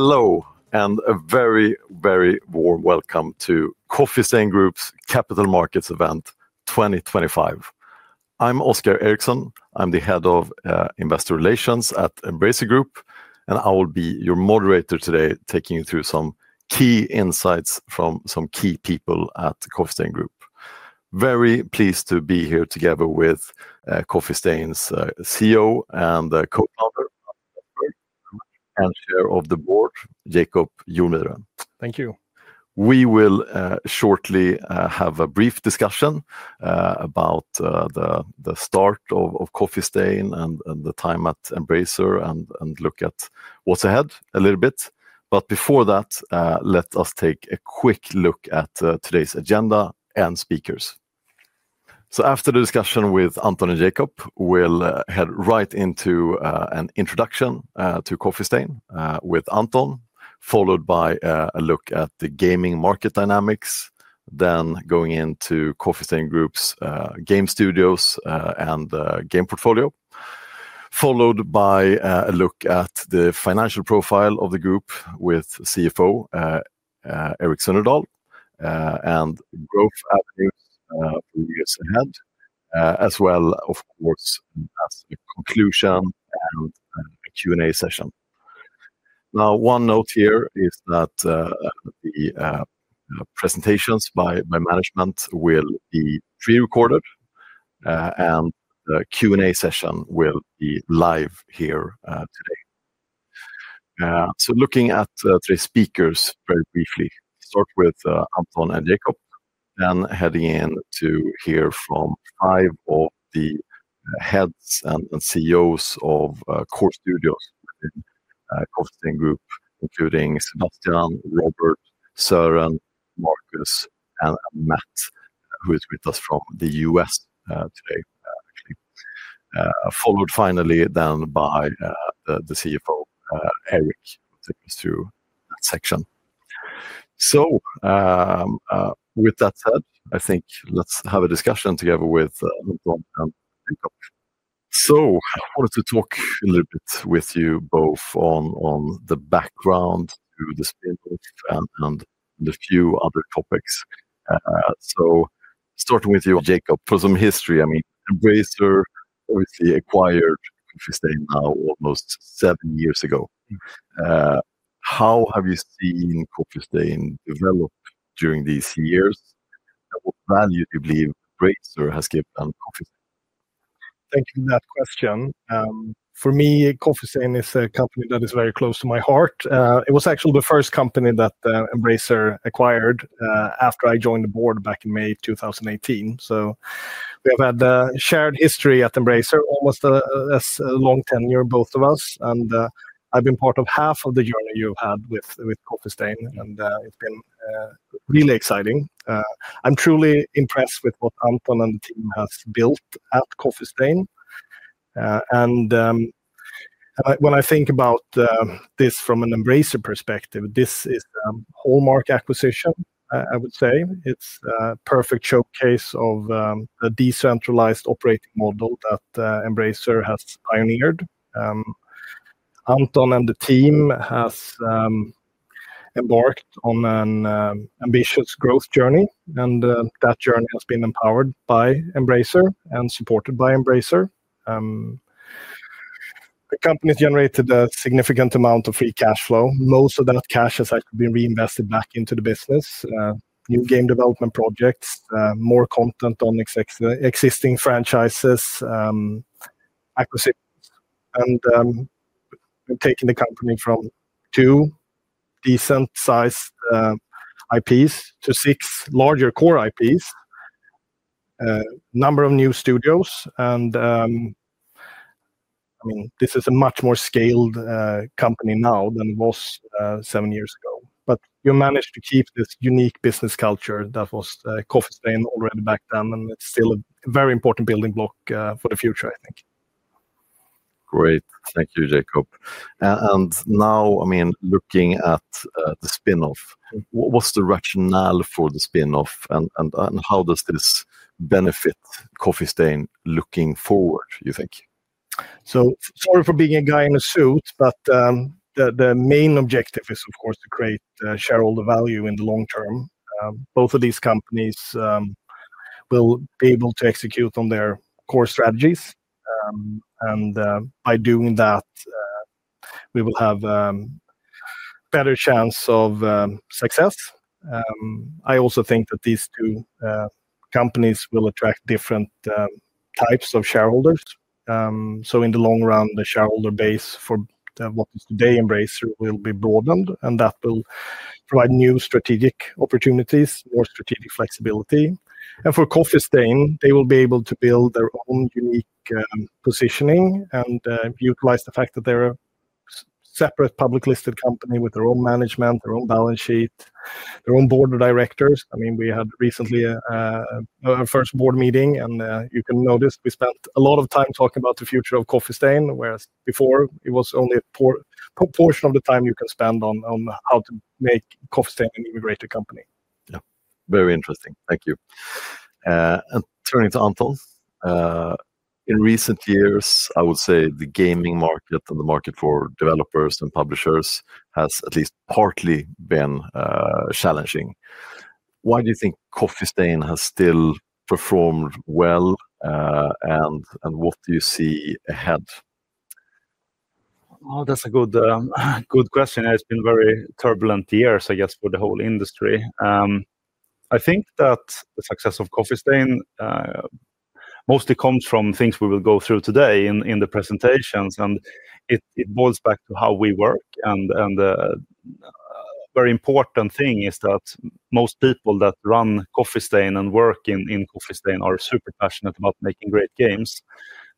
Hello, and a very, very warm welcome to Coffee Stain Group's Capital Markets Event 2025. I'm Oscar Erixon. I'm the Head of Investor Relations at Embracer Group, and I will be your moderator today, taking you through some key insights from some key people at Coffee Stain Group. Very pleased to be here together with Coffee Stain's CEO and co-founder, and Chair of the Board, Jacob Jonmyren. Thank you. We will shortly have a brief discussion about the start of Coffee Stain and the time at Embracer, and look at what's ahead a little bit. Before that, let us take a quick look at today's agenda and speakers. After the discussion with Anton and Jacob, we'll head right into an introduction to Coffee Stain with Anton, followed by a look at the gaming market dynamics, then going into Coffee Stain Group's game studios and game portfolio, followed by a look at the financial profile of the group with CFO Erik Sunnerdahl and growth avenues for years ahead, as well, of course, as a conclusion and a Q&A session. One note here is that the presentations by management will be pre-recorded, and the Q&A session will be live here today. Looking at today's speakers very briefly, start with Anton and Jacob, then heading in to hear from five of the heads and CEOs of core studios within Coffee Stain Group, including Sebastian, Robert, Søren, Marcus, and Matt, who is with us from the U.S. today, actually. Followed finally then by the CFO, Erik, who takes us through that section. With that said, I think let's have a discussion together with Anton and Jacob. I wanted to talk a little bit with you both on the background to the spinoff and a few other topics. Starting with you, Jacob, for some history. I mean, Embracer obviously acquired Coffee Stain now almost seven years ago. How have you seen Coffee Stain develop during these years? What value, do you believe, Embracer has given Coffee Stain? Thank you for that question. For me, Coffee Stain is a company that is very close to my heart. It was actually the first company that Embracer acquired after I joined the board back in May 2018. We have had a shared history at Embracer, almost a long tenure, both of us. I have been part of half of the journey you have had with Coffee Stain, and it has been really exciting. I am truly impressed with what Anton and the team have built at Coffee Stain. When I think about this from an Embracer perspective, this is a hallmark acquisition, I would say. It is a perfect showcase of the decentralized operating model that Embracer has pioneered. Anton and the team have embarked on an ambitious growth journey, and that journey has been empowered by Embracer and supported by Embracer. The company has generated a significant amount of free cash flow. Most of that cash has actually been reinvested back into the business: new game development projects, more content on existing franchises, acquisitions. We have taken the company from two decent-sized IPs to six larger core IPs, a number of new studios. I mean, this is a much more scaled company now than it was seven years ago. We managed to keep this unique business culture that was Coffee Stain already back then, and it is still a very important building block for the future, I think. Great. Thank you, Jacob. Now, I mean, looking at the spinoff, what is the rationale for the spinoff, and how does this benefit Coffee Stain looking forward, do you think? Sorry for being a guy in a suit, but the main objective is, of course, to create shareholder value in the long term. Both of these companies will be able to execute on their core strategies. By doing that, we will have a better chance of success. I also think that these two companies will attract different types of shareholders. In the long run, the shareholder base for what is today Embracer will be broadened, and that will provide new strategic opportunities, more strategic flexibility. For Coffee Stain, they will be able to build their own unique positioning and utilize the fact that they're a separate public-listed company with their own management, their own balance sheet, their own board of directors. I mean, we had recently our first board meeting, and you can notice we spent a lot of time talking about the future of Coffee Stain, whereas before it was only a portion of the time you can spend on how to make Coffee Stain an integrated company. Yeah, very interesting. Thank you. Turning to Anton, in recent years, I would say the gaming market and the market for developers and publishers has at least partly been challenging. Why do you think Coffee Stain has still performed well, and what do you see ahead? Oh, that's a good question. It's been very turbulent years, I guess, for the whole industry. I think that the success of Coffee Stain mostly comes from things we will go through today in the presentations, and it boils back to how we work. A very important thing is that most people that run Coffee Stain and work in Coffee Stain are super passionate about making great games.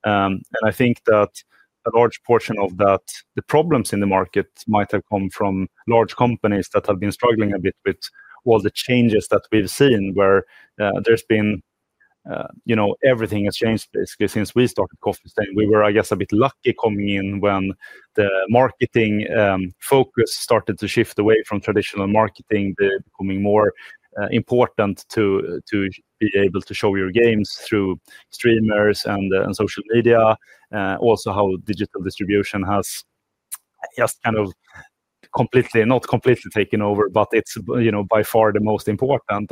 I think that a large portion of the problems in the market might have come from large companies that have been struggling a bit with all the changes that we've seen, where everything has changed basically since we started Coffee Stain. We were, I guess, a bit lucky coming in when the marketing focus started to shift away from traditional marketing, becoming more important to be able to show your games through streamers and social media. Also, how digital distribution has just kind of completely, not completely taken over, but it is by far the most important.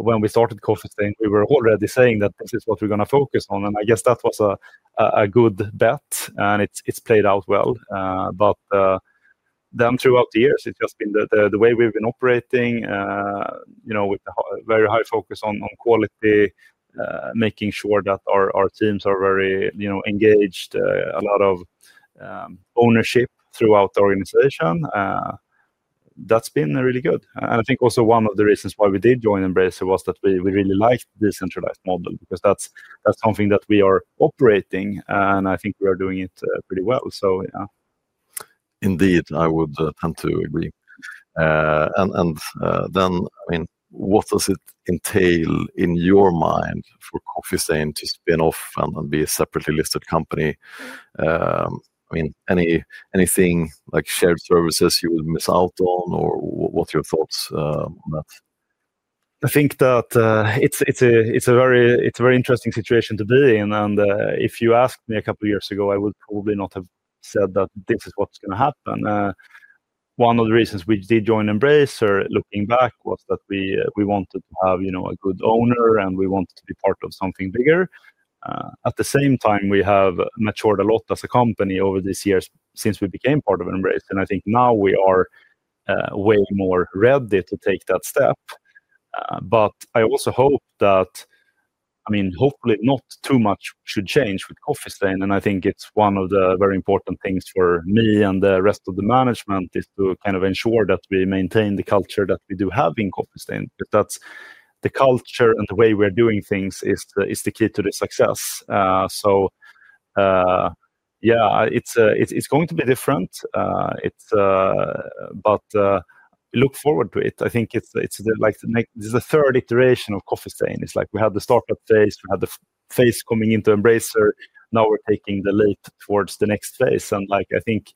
When we started Coffee Stain, we were already saying that this is what we are going to focus on. I guess that was a good bet, and it has played out well. Throughout the years, it has just been the way we have been operating, with a very high focus on quality, making sure that our teams are very engaged, a lot of ownership throughout the organization. That has been really good. I think also one of the reasons why we did join Embracer was that we really liked the decentralized model because that is something that we are operating, and I think we are doing it pretty well. Yeah. Indeed, I would tend to agree. I mean, what does it entail in your mind for Coffee Stain to spin off and be a separately listed company? I mean, anything like shared services you would miss out on, or what are your thoughts on that? I think that it's a very interesting situation to be in. If you asked me a couple of years ago, I would probably not have said that this is what's going to happen. One of the reasons we did join Embracer, looking back, was that we wanted to have a good owner, and we wanted to be part of something bigger. At the same time, we have matured a lot as a company over these years since we became part of Embracer. I think now we are way more ready to take that step. I also hope that, I mean, hopefully not too much should change with Coffee Stain. I think it's one of the very important things for me and the rest of the management is to kind of ensure that we maintain the culture that we do have in Coffee Stain. Because that's the culture and the way we're doing things is the key to the success. Yeah, it's going to be different. We look forward to it. I think it's like the third iteration of Coffee Stain. It's like we had the startup phase, we had the phase coming into Embracer, now we're taking the leap towards the next phase. I think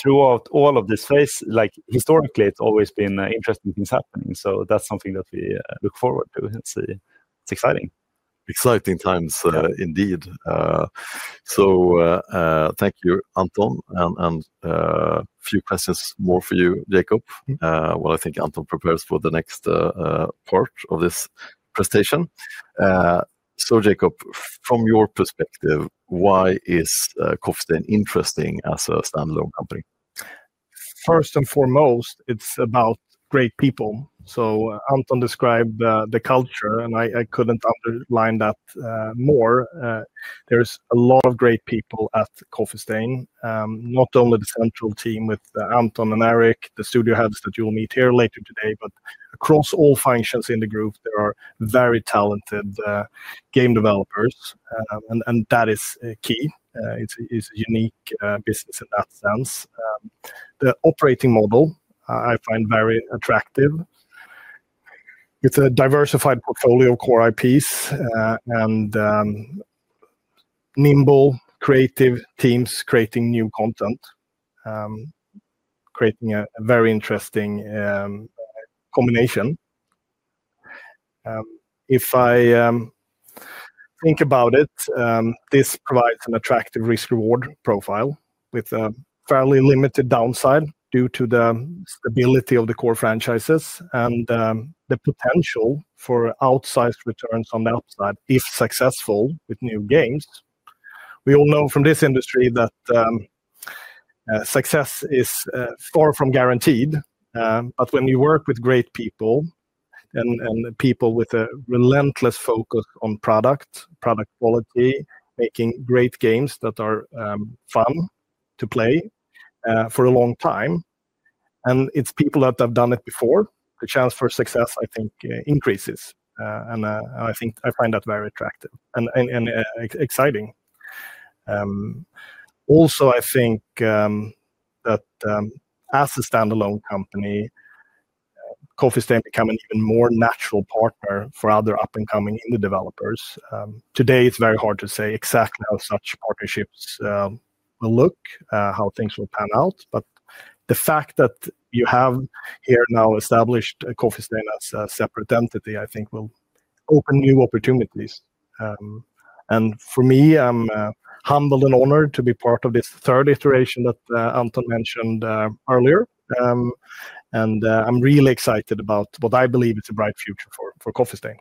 throughout all of this phase, historically, it's always been interesting things happening. That's something that we look forward to and see. It's exciting. Exciting times, indeed. Thank you, Anton. A few questions more for you, Jacob, while I think Anton prepares for the next part of this presentation. Jacob, from your perspective, why is Coffee Stain interesting as a standalone company? First and foremost, it's about great people. Anton described the culture, and I couldn't underline that more. There are a lot of great people at Coffee Stain, not only the central team with Anton and Erik, the studio heads that you'll meet here later today, but across all functions in the group, there are very talented game developers. That is key. It's a unique business in that sense. The operating model, I find very attractive. It's a diversified portfolio of core IPs and nimble, creative teams creating new content, creating a very interesting combination. If I think about it, this provides an attractive risk-reward profile with a fairly limited downside due to the stability of the core franchises and the potential for outsized returns on the upside if successful with new games. We all know from this industry that success is far from guaranteed. When you work with great people and people with a relentless focus on product, product quality, making great games that are fun to play for a long time, and it is people that have done it before, the chance for success, I think, increases. I find that very attractive and exciting. I think that as a standalone company, Coffee Stain has become an even more natural partner for other up-and-coming indie developers. Today, it is very hard to say exactly how such partnerships will look, how things will pan out. The fact that you have here now established Coffee Stain as a separate entity, I think, will open new opportunities. For me, I am humbled and honored to be part of this third iteration that Anton mentioned earlier. I am really excited about what I believe is a bright future for Coffee Stain.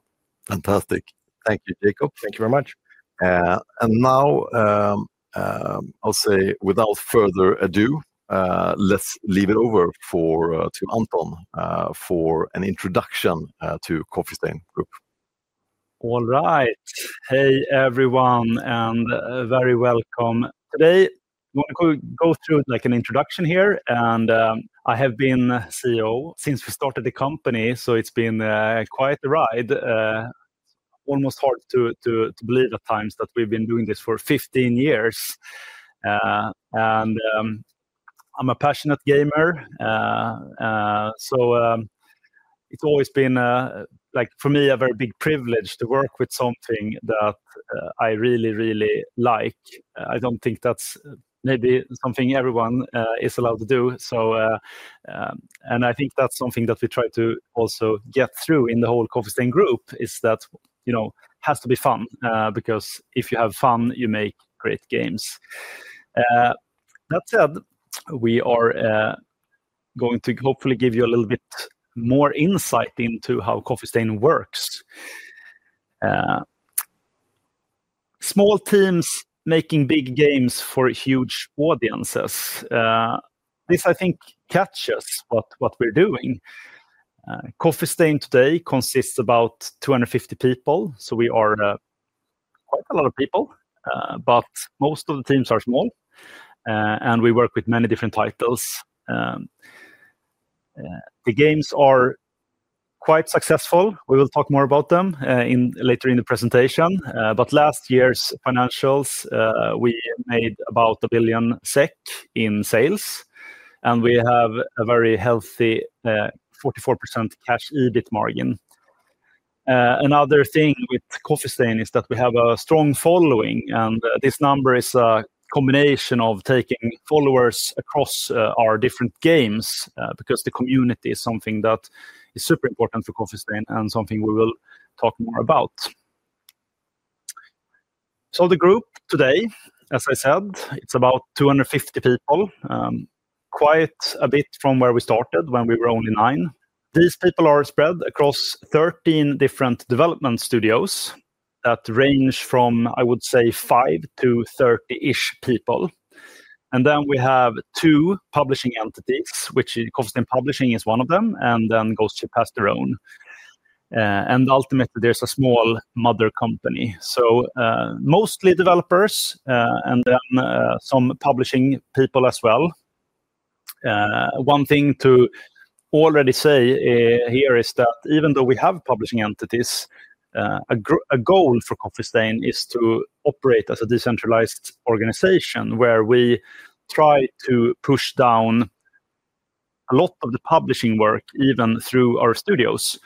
Fantastic. Thank you, Jacob. Thank you very much. Now, I'll say, without further ado, let's leave it over to Anton for an introduction to Coffee Stain Group. All right. Hey, everyone, and very welcome. Today, I'm going to go through an introduction here. I have been CEO since we started the company, so it's been quite a ride. Almost hard to believe at times that we've been doing this for 15 years. I'm a passionate gamer. It's always been, for me, a very big privilege to work with something that I really, really like. I don't think that's maybe something everyone is allowed to do. I think that's something that we try to also get through in the whole Coffee Stain Group is that it has to be fun because if you have fun, you make great games. That said, we are going to hopefully give you a little bit more insight into how Coffee Stain works. Small teams making big games for huge audiences. This, I think, catches what we're doing. Coffee Stain today consists of about 250 people. We are quite a lot of people, but most of the teams are small, and we work with many different titles. The games are quite successful. We will talk more about them later in the presentation. Last year's financials, we made about 1 billion SEK in sales, and we have a very healthy 44% cash EBIT margin. Another thing with Coffee Stain is that we have a strong following. This number is a combination of taking followers across our different games because the community is something that is super important for Coffee Stain and something we will talk more about. The group today, as I said, is about 250 people, quite a bit from where we started when we were only nine. These people are spread across 13 different development studios that range from, I would say, five to 30-ish people. Then we have two publishing entities, which Coffee Stain Publishing is one of them, and then Ghost Ship has their own. Ultimately, there is a small mother company. Mostly developers and then some publishing people as well. One thing to already say here is that even though we have publishing entities, a goal for Coffee Stain is to operate as a decentralized organization where we try to push down a lot of the publishing work even through our studios.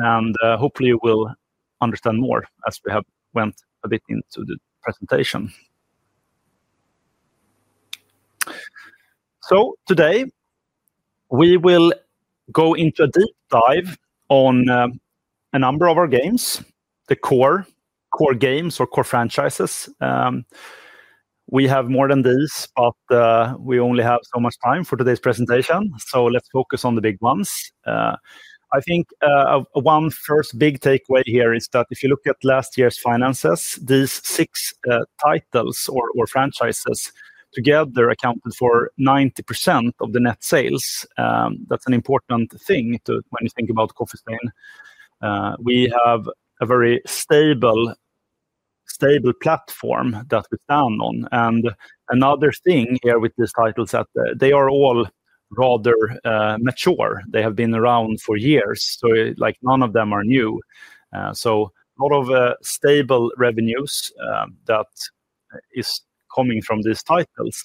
Hopefully, you will understand more as we have went a bit into the presentation. Today, we will go into a deep dive on a number of our games, the core games or core franchises. We have more than these, but we only have so much time for today's presentation. Let's focus on the big ones. I think one first big takeaway here is that if you look at last year's finances, these six titles or franchises together accounted for 90% of the net sales. That's an important thing when you think about Coffee Stain. We have a very stable platform that we stand on. Another thing here with these titles is that they are all rather mature. They have been around for years. None of them are new. A lot of stable revenues are coming from these titles.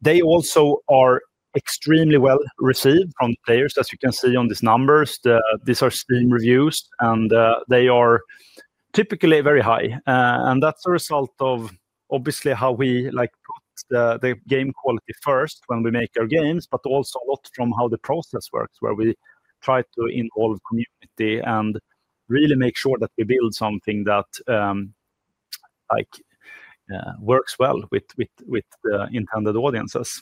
They also are extremely well received from the players. As you can see on these numbers, these are Steam reviews, and they are typically very high. That is a result of, obviously, how we put the game quality first when we make our games, but also a lot from how the process works, where we try to involve community and really make sure that we build something that works well with the intended audiences.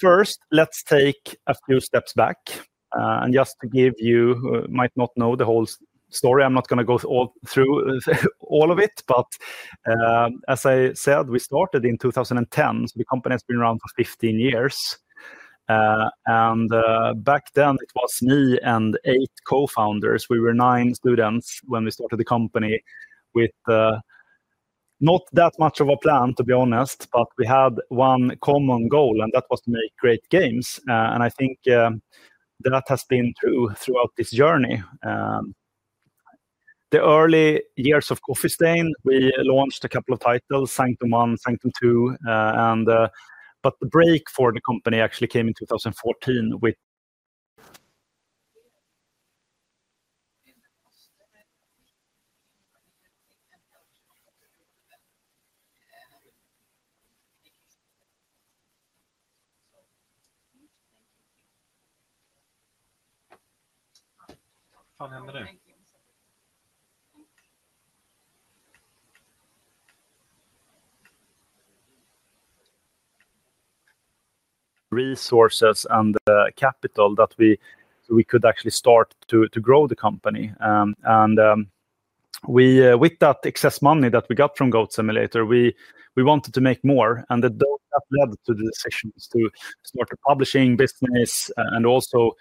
First, let's take a few steps back. Just to give you, you might not know the whole story. I'm not going to go through all of it. As I said, we started in 2010. The company has been around for 15 years. Back then, it was me and eight co-founders. We were nine students when we started the company with not that much of a plan, to be honest. We had one common goal, and that was to make great games. I think that has been true throughout this journey. The early years of Coffee Stain, we launched a couple of titles, Sanctum 1, Sanctum 2. The break for the company actually came in 2014 with. Resources and capital that we could actually start to grow the company. With that excess money that we got from Goat Simulator, we wanted to make more. That led to the decision to start a publishing business and also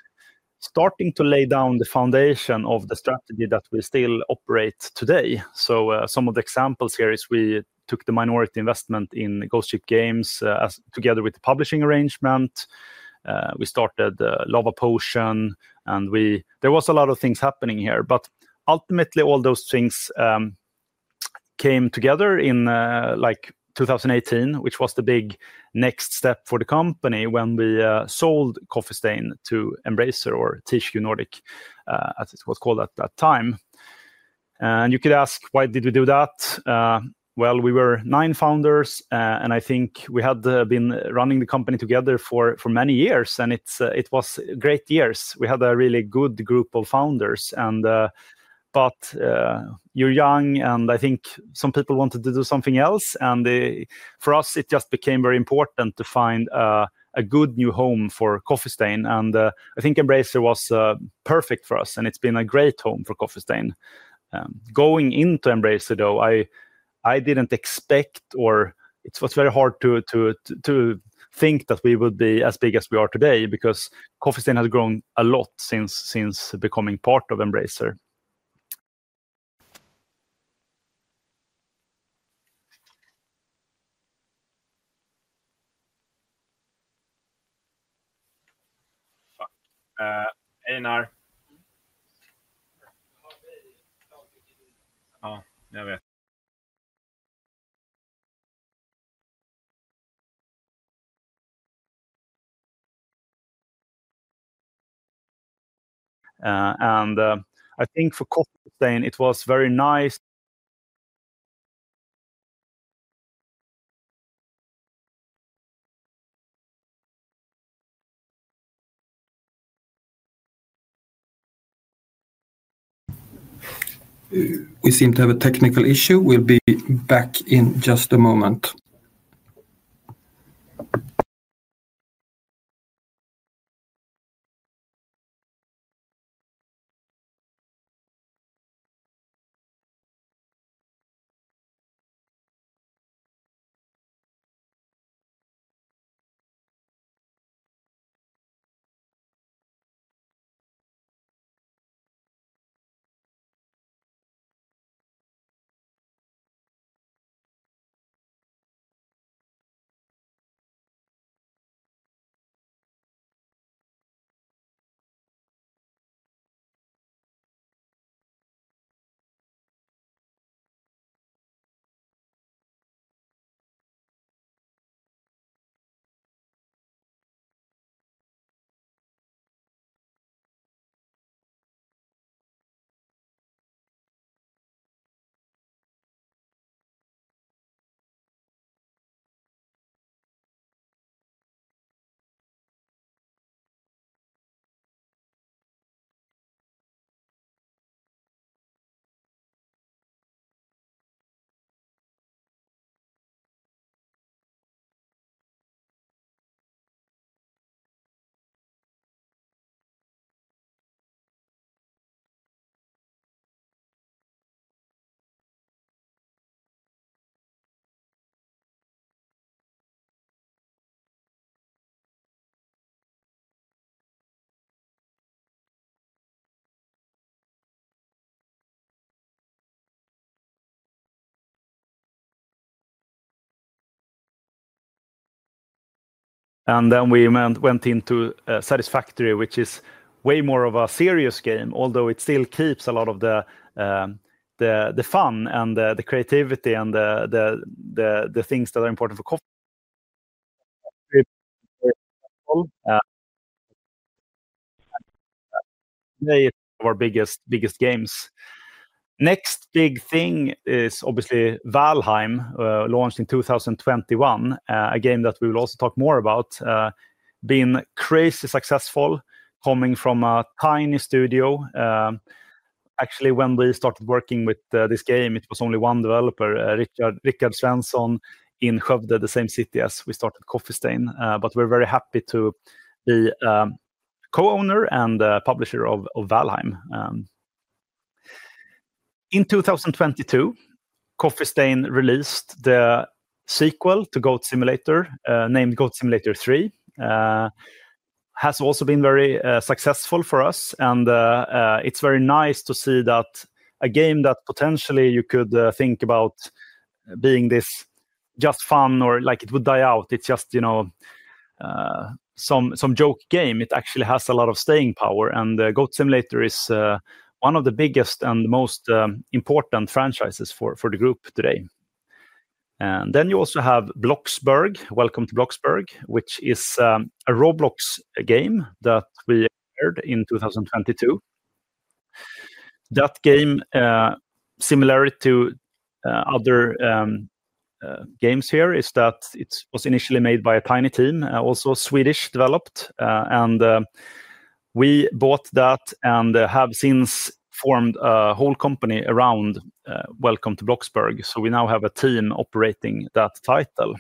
starting to lay down the foundation of the strategy that we still operate today. Some of the examples here is we took the minority investment in Ghost Ship Games together with the publishing arrangement. We started Lavapotion. There were a lot of things happening here. Ultimately, all those things came together in 2018, which was the big next step for the company when we sold Coffee Stain to Embracer Group or THQ Nordic, as it was called at that time. You could ask, why did we do that? We were nine founders. I think we had been running the company together for many years. It was great years. We had a really good group of founders. You are young. I think some people wanted to do something else. For us, it just became very important to find a good new home for Coffee Stain. I think Embracer was perfect for us. It has been a great home for Coffee Stain. Going into Embracer, though, I did not expect or it was very hard to think that we would be as big as we are today because Coffee Stain has grown a lot since becoming part of Embracer. I think for Coffee Stain, it was very nice. We seem to have a technical issue. We'll be back in just a moment. Then we went into Satisfactory, which is way more of a serious game, although it still keeps a lot of the fun and the creativity and the things that are important for Coffee Stain. They are our biggest games. Next big thing is obviously Valheim, launched in 2021, a game that we will also talk more about. Been crazy successful, coming from a tiny studio. Actually, when we started working with this game, it was only one developer, Richard Svensson, in Skövde, the same city as we started Coffee Stain. We're very happy to be co-owner and publisher of Valheim. In 2022, Coffee Stain released the sequel to Goat Simulator, named Goat Simulator 3. Has also been very successful for us. It is very nice to see that a game that potentially you could think about being just fun or like it would die out, it's just some joke game, actually has a lot of staying power. Goat Simulator is one of the biggest and most important franchises for the group today. You also have Bloxburg. Welcome to Bloxburg, which is a Roblox game that we acquired in 2022. That game, similar to other games here, was initially made by a tiny team, also Swedish developed. We bought that and have since formed a whole company around Welcome to Bloxburg. We now have a team operating that title.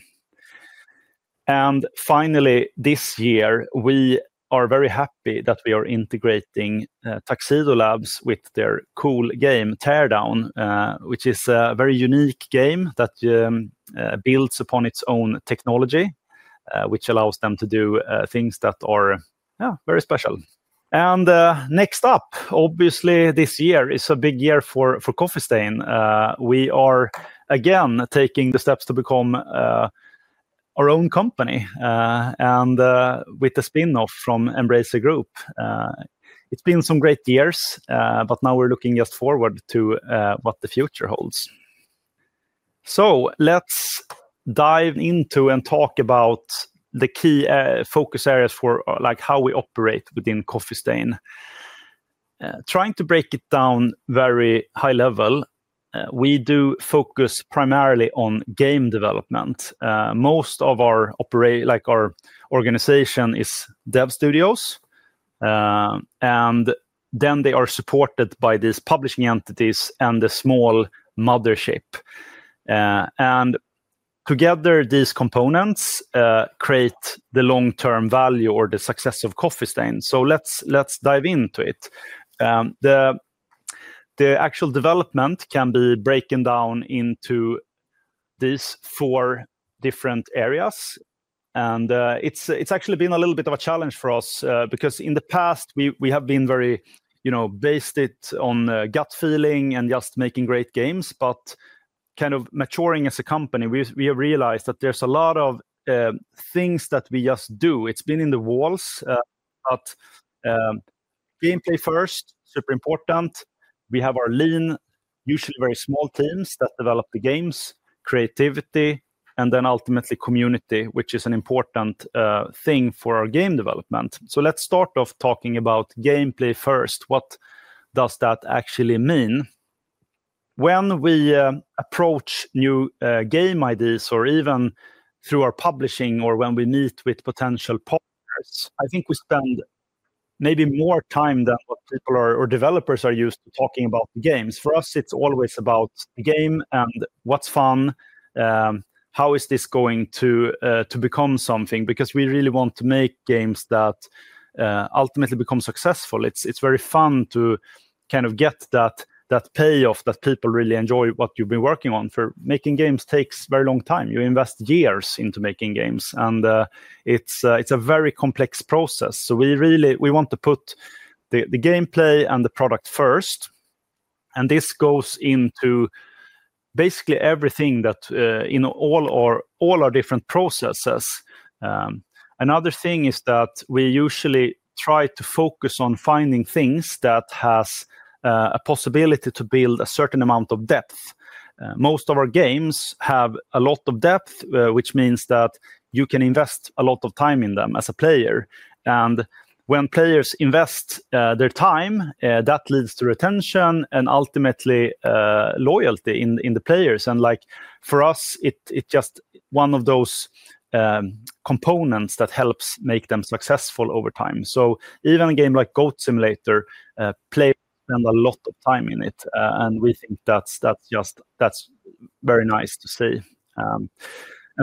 Finally, this year, we are very happy that we are integrating Tuxedo Labs with their cool game, Teardown, which is a very unique game that builds upon its own technology, which allows them to do things that are very special. Next up, obviously, this year is a big year for Coffee Stain. We are again taking the steps to become our own company and with the spin off from Embracer Group. It's been some great years. Now we're looking just forward to what the future holds. Let's dive into and talk about the key focus areas for how we operate within Coffee Stain. Trying to break it down very high level, we do focus primarily on game development. Most of our organization is dev studios. Then they are supported by these publishing entities and the small mothership. Together, these components create the long-term value or the success of Coffee Stain. Let's dive into it. The actual development can be broken down into these four different areas. It has actually been a little bit of a challenge for us because in the past, we have been very based on gut feeling and just making great games. Kind of maturing as a company, we have realized that there are a lot of things that we just do. It has been in the walls. Gameplay first, super important. We have our lean, usually very small teams that develop the games, creativity, and then ultimately community, which is an important thing for our game development. Let's start off talking about gameplay first. What does that actually mean? When we approach new game ideas or even through our publishing or when we meet with potential partners, I think we spend maybe more time than what people or developers are used to talking about the games. For us, it's always about the game and what's fun, how is this going to become something? Because we really want to make games that ultimately become successful. It's very fun to kind of get that payoff that people really enjoy what you've been working on. For making games takes a very long time. You invest years into making games. It's a very complex process. We want to put the gameplay and the product first. This goes into basically everything in all our different processes. Another thing is that we usually try to focus on finding things that have a possibility to build a certain amount of depth. Most of our games have a lot of depth, which means that you can invest a lot of time in them as a player. When players invest their time, that leads to retention and ultimately loyalty in the players. For us, it's just one of those components that helps make them successful over time. Even a game like Goat Simulator, players spend a lot of time in it. We think that's just very nice to see.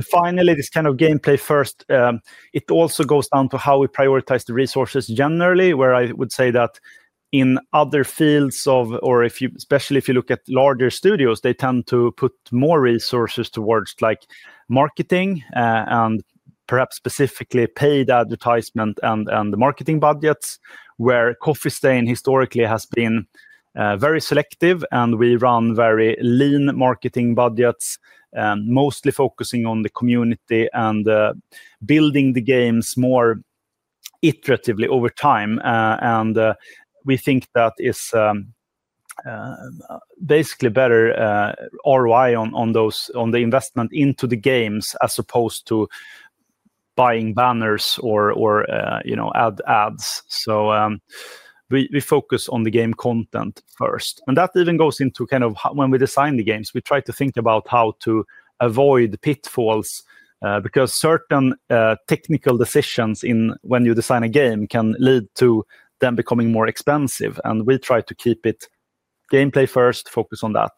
Finally, this kind of gameplay first, it also goes down to how we prioritize the resources generally, where I would say that in other fields of, or especially if you look at larger studios, they tend to put more resources towards marketing and perhaps specifically paid advertisement and marketing budgets, where Coffee Stain historically has been very selective. We run very lean marketing budgets, mostly focusing on the community and building the games more iteratively over time. We think that is basically better ROI on the investment into the games as opposed to buying banners or ads. We focus on the game content first. That even goes into kind of when we design the games, we try to think about how to avoid pitfalls because certain technical decisions when you design a game can lead to them becoming more expensive. We try to keep it gameplay first, focus on that.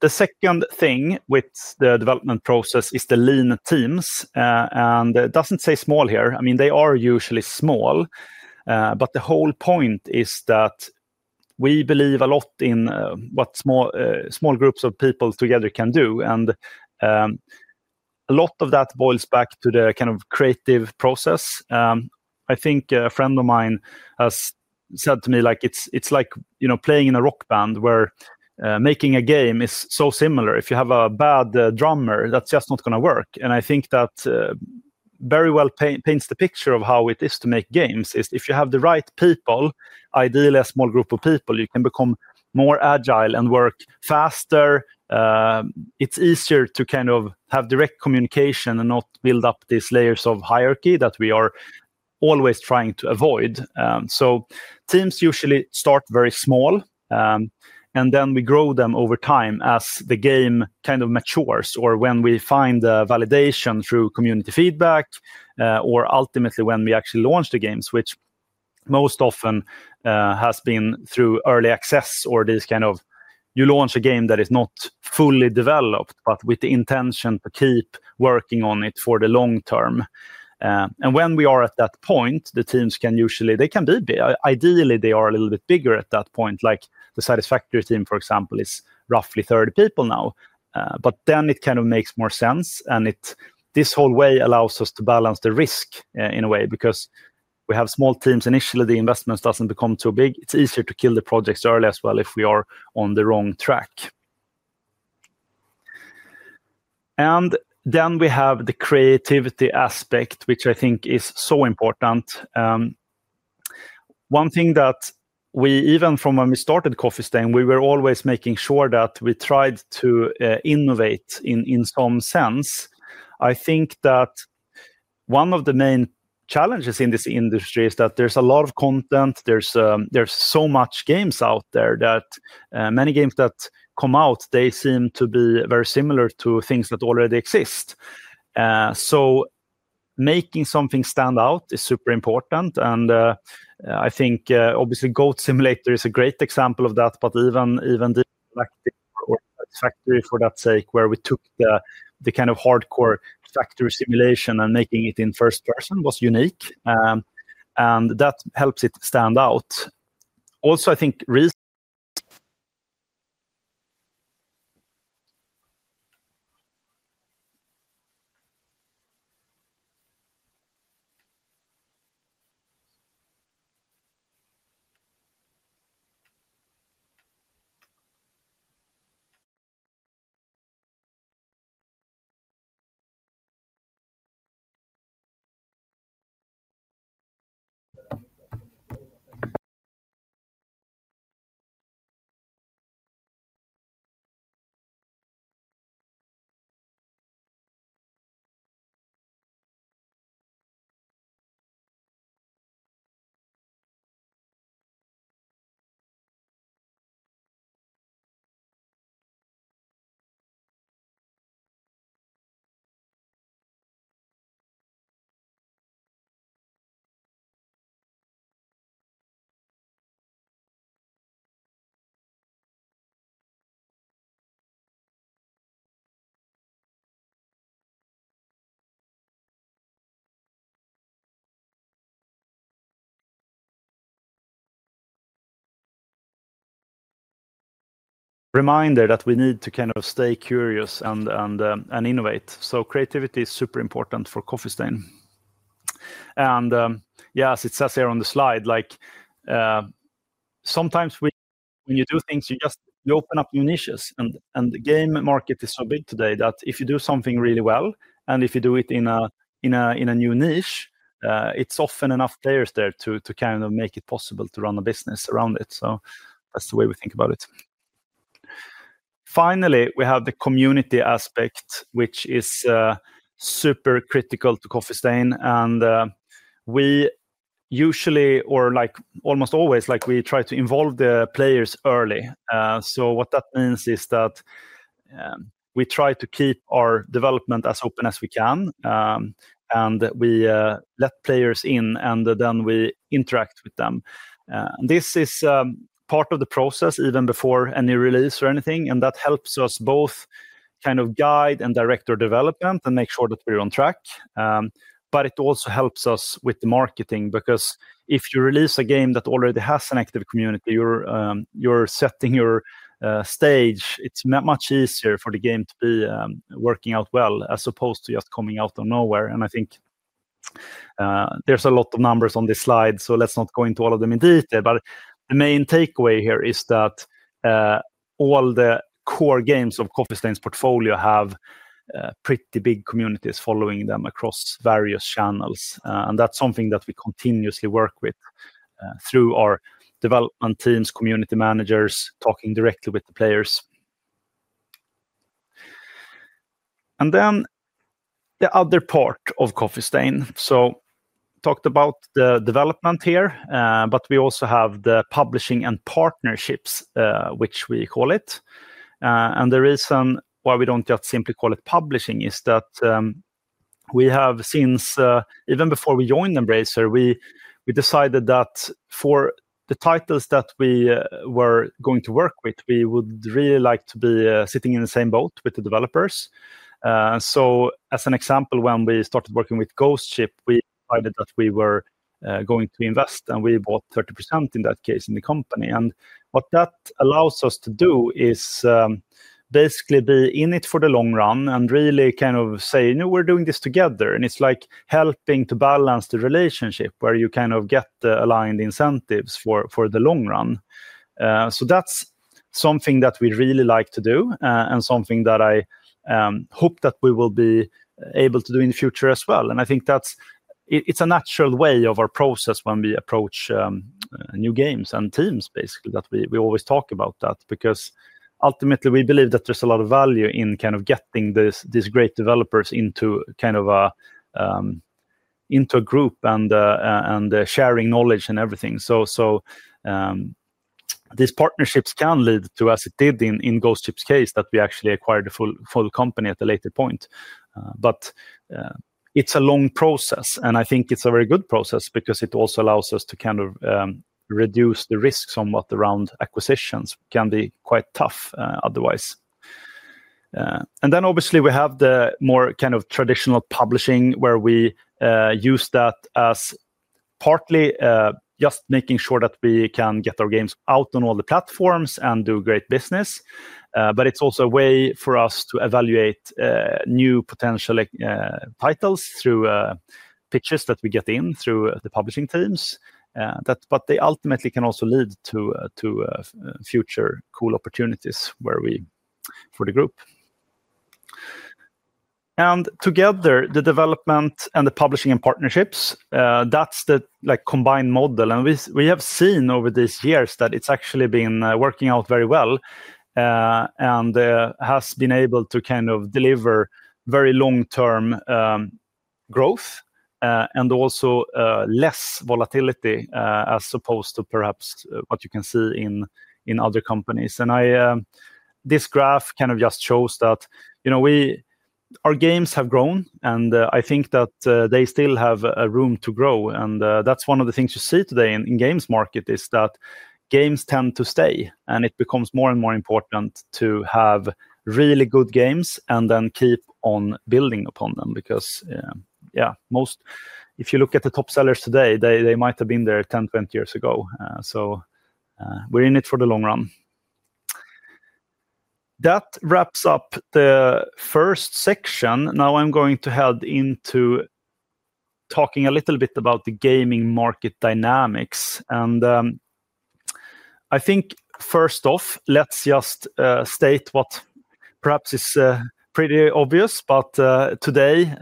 The second thing with the development process is the lean teams. It does not say small here. I mean, they are usually small. The whole point is that we believe a lot in what small groups of people together can do. A lot of that boils back to the kind of creative process. I think a friend of mine has said to me, it's like playing in a rock band where making a game is so similar. If you have a bad drummer, that's just not going to work. I think that very well paints the picture of how it is to make games. If you have the right people, ideally a small group of people, you can become more agile and work faster. It's easier to kind of have direct communication and not build up these layers of hierarchy that we are always trying to avoid. Teams usually start very small. We grow them over time as the game kind of matures or when we find validation through community feedback or ultimately when we actually launch the games, which most often has been through early access or these kind of you launch a game that is not fully developed but with the intention to keep working on it for the long term. When we are at that point, the teams can usually, they can be, ideally, they are a little bit bigger at that point. Like the Satisfactory team, for example, is roughly 30 people now. It kind of makes more sense. This whole way allows us to balance the risk in a way because we have small teams. Initially, the investment does not become too big. It is easier to kill the projects early as well if we are on the wrong track. Then we have the creativity aspect, which I think is so important. One thing that we, even from when we started Coffee Stain, we were always making sure that we tried to innovate in some sense. I think that one of the main challenges in this industry is that there is a lot of content. There are so many games out there that many games that come out seem to be very similar to things that already exist. Making something stand out is super important. I think obviously Goat Simulator is a great example of that. Even Satisfactory, for that sake, where we took the kind of hardcore factory simulation and making it in first person was unique. That helps it stand out. Also, I think it is a reminder that we need to kind of stay curious and innovate. Creativity is super important for Coffee Stain. Yes, it says here on the slide, sometimes when you do things, you open up new niches. The game market is so big today that if you do something really well and if you do it in a new niche, it's often enough players there to kind of make it possible to run a business around it. That's the way we think about it. Finally, we have the community aspect, which is super critical to Coffee Stain. We usually, or almost always, try to involve the players early. What that means is that we try to keep our development as open as we can. We let players in, and then we interact with them. This is part of the process even before a new release or anything. That helps us both kind of guide and direct our development and make sure that we're on track. It also helps us with the marketing because if you release a game that already has an active community, you're setting your stage. It's much easier for the game to be working out well as opposed to just coming out of nowhere. I think there's a lot of numbers on this slide, so let's not go into all of them in detail. The main takeaway here is that all the core games of Coffee Stain's portfolio have pretty big communities following them across various channels. That's something that we continuously work with through our development teams, community managers, talking directly with the players. The other part of Coffee Stain. Talked about the development here, but we also have the publishing and partnerships, which we call it. The reason why we do not just simply call it publishing is that we have, since even before we joined Embracer, decided that for the titles that we were going to work with, we would really like to be sitting in the same boat with the developers. As an example, when we started working with Ghost Ship, we decided that we were going to invest. We bought 30% in that case in the company. What that allows us to do is basically be in it for the long run and really kind of say, no, we are doing this together. It is like helping to balance the relationship where you kind of get aligned incentives for the long run. That's something that we really like to do and something that I hope that we will be able to do in the future as well. I think that it's a natural way of our process when we approach new games and teams, basically, that we always talk about that because ultimately, we believe that there's a lot of value in kind of getting these great developers into a group and sharing knowledge and everything. These partnerships can lead to, as it did in Ghost Ship's case, that we actually acquired a full company at a later point. It is a long process. I think it's a very good process because it also allows us to kind of reduce the risks on what around acquisitions can be quite tough otherwise. Obviously, we have the more kind of traditional publishing where we use that as partly just making sure that we can get our games out on all the platforms and do great business. It is also a way for us to evaluate new potential titles through pitches that we get in through the publishing teams. They ultimately can also lead to future cool opportunities for the group. Together, the development and the publishing and partnerships, that is the combined model. We have seen over these years that it has actually been working out very well and has been able to deliver very long-term growth and also less volatility as opposed to perhaps what you can see in other companies. This graph just shows that our games have grown. I think that they still have room to grow. That's one of the things you see today in the games market is that games tend to stay. It becomes more and more important to have really good games and then keep on building upon them because, yeah, if you look at the top sellers today, they might have been there 10, 20 years ago. We're in it for the long run. That wraps up the first section. Now I'm going to head into talking a little bit about the gaming market dynamics. I think first off, let's just state what perhaps is pretty obvious, but today,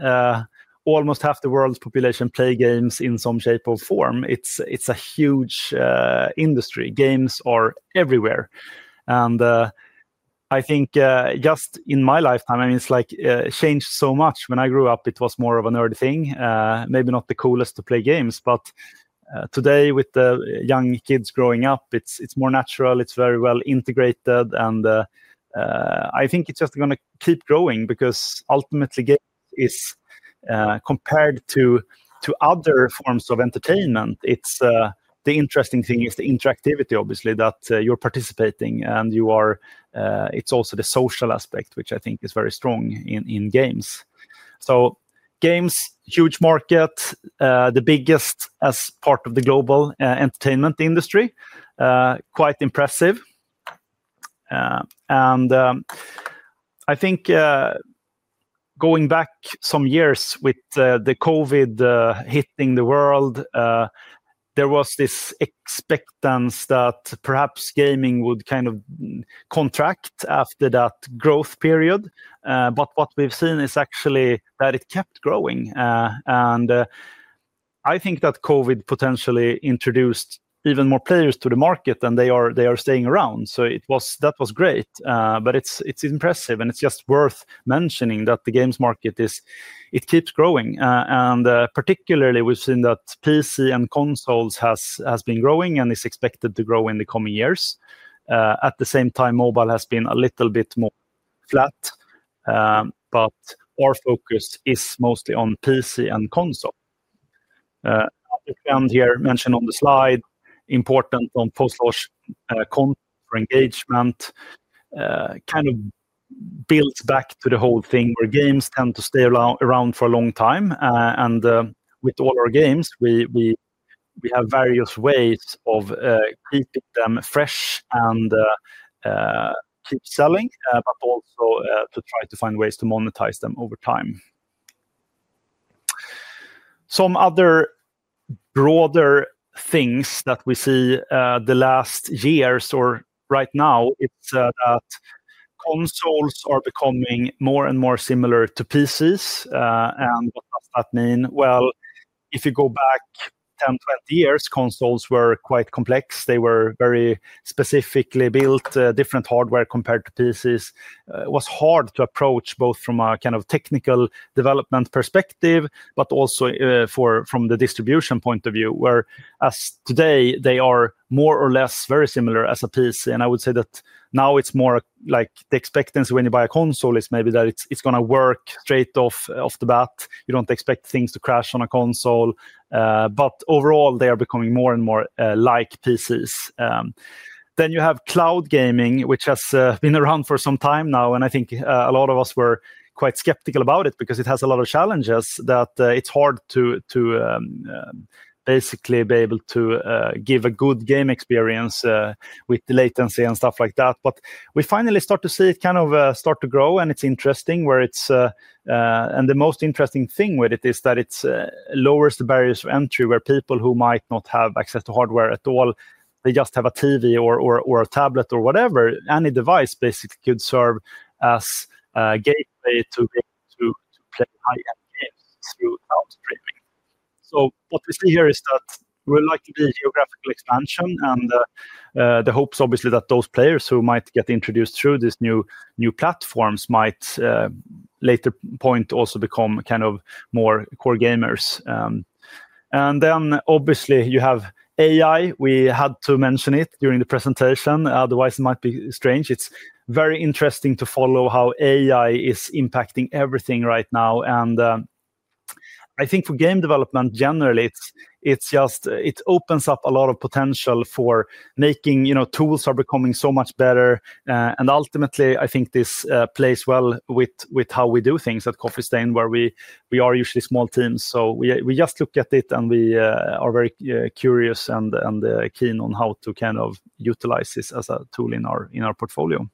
almost half the world's population plays games in some shape or form. It's a huge industry. Games are everywhere. I think just in my lifetime, I mean, it's changed so much. When I grew up, it was more of an early thing, maybe not the coolest to play games. Today, with the young kids growing up, it's more natural. It's very well integrated. I think it's just going to keep growing because ultimately, compared to other forms of entertainment, the interesting thing is the interactivity, obviously, that you're participating. It's also the social aspect, which I think is very strong in games. Games, huge market, the biggest as part of the global entertainment industry, quite impressive. I think going back some years with the COVID hitting the world, there was this expectance that perhaps gaming would kind of contract after that growth period. What we've seen is actually that it kept growing. I think that COVID potentially introduced even more players to the market, and they are staying around. That was great. It's impressive. It's just worth mentioning that the games market keeps growing. Particularly, we've seen that PC and consoles have been growing and are expected to grow in the coming years. At the same time, mobile has been a little bit more flat. Our focus is mostly on PC and console. As I mentioned on the slide, important on post-launch content for engagement kind of builds back to the whole thing where games tend to stay around for a long time. With all our games, we have various ways of keeping them fresh and keep selling, but also to try to find ways to monetize them over time. Some other broader things that we see the last years or right now, it's that consoles are becoming more and more similar to PCs. What does that mean? If you go back 10, 20 years, consoles were quite complex. They were very specifically built, different hardware compared to PCs. It was hard to approach both from a kind of technical development perspective, but also from the distribution point of view, whereas today, they are more or less very similar as a PC. I would say that now it's more like the expectancy when you buy a console is maybe that it's going to work straight off the bat. You don't expect things to crash on a console. Overall, they are becoming more and more like PCs. You have cloud gaming, which has been around for some time now. I think a lot of us were quite skeptical about it because it has a lot of challenges that it's hard to basically be able to give a good game experience with the latency and stuff like that. We finally start to see it kind of start to grow. It's interesting where it's, and the most interesting thing with it is that it lowers the barriers of entry where people who might not have access to hardware at all, they just have a TV or a tablet or whatever, any device basically could serve as a gateway to play high-end games through cloud streaming. What we see here is that we would like to be geographical expansion. The hope is obviously that those players who might get introduced through these new platforms might later point also become kind of more core gamers. Obviously, you have AI. We had to mention it during the presentation. Otherwise, it might be strange. It is very interesting to follow how AI is impacting everything right now. I think for game development generally, it opens up a lot of potential for making tools are becoming so much better. Ultimately, I think this plays well with how we do things at Coffee Stain, where we are usually small teams. We just look at it, and we are very curious and keen on how to kind of utilize this as a tool in our portfolio.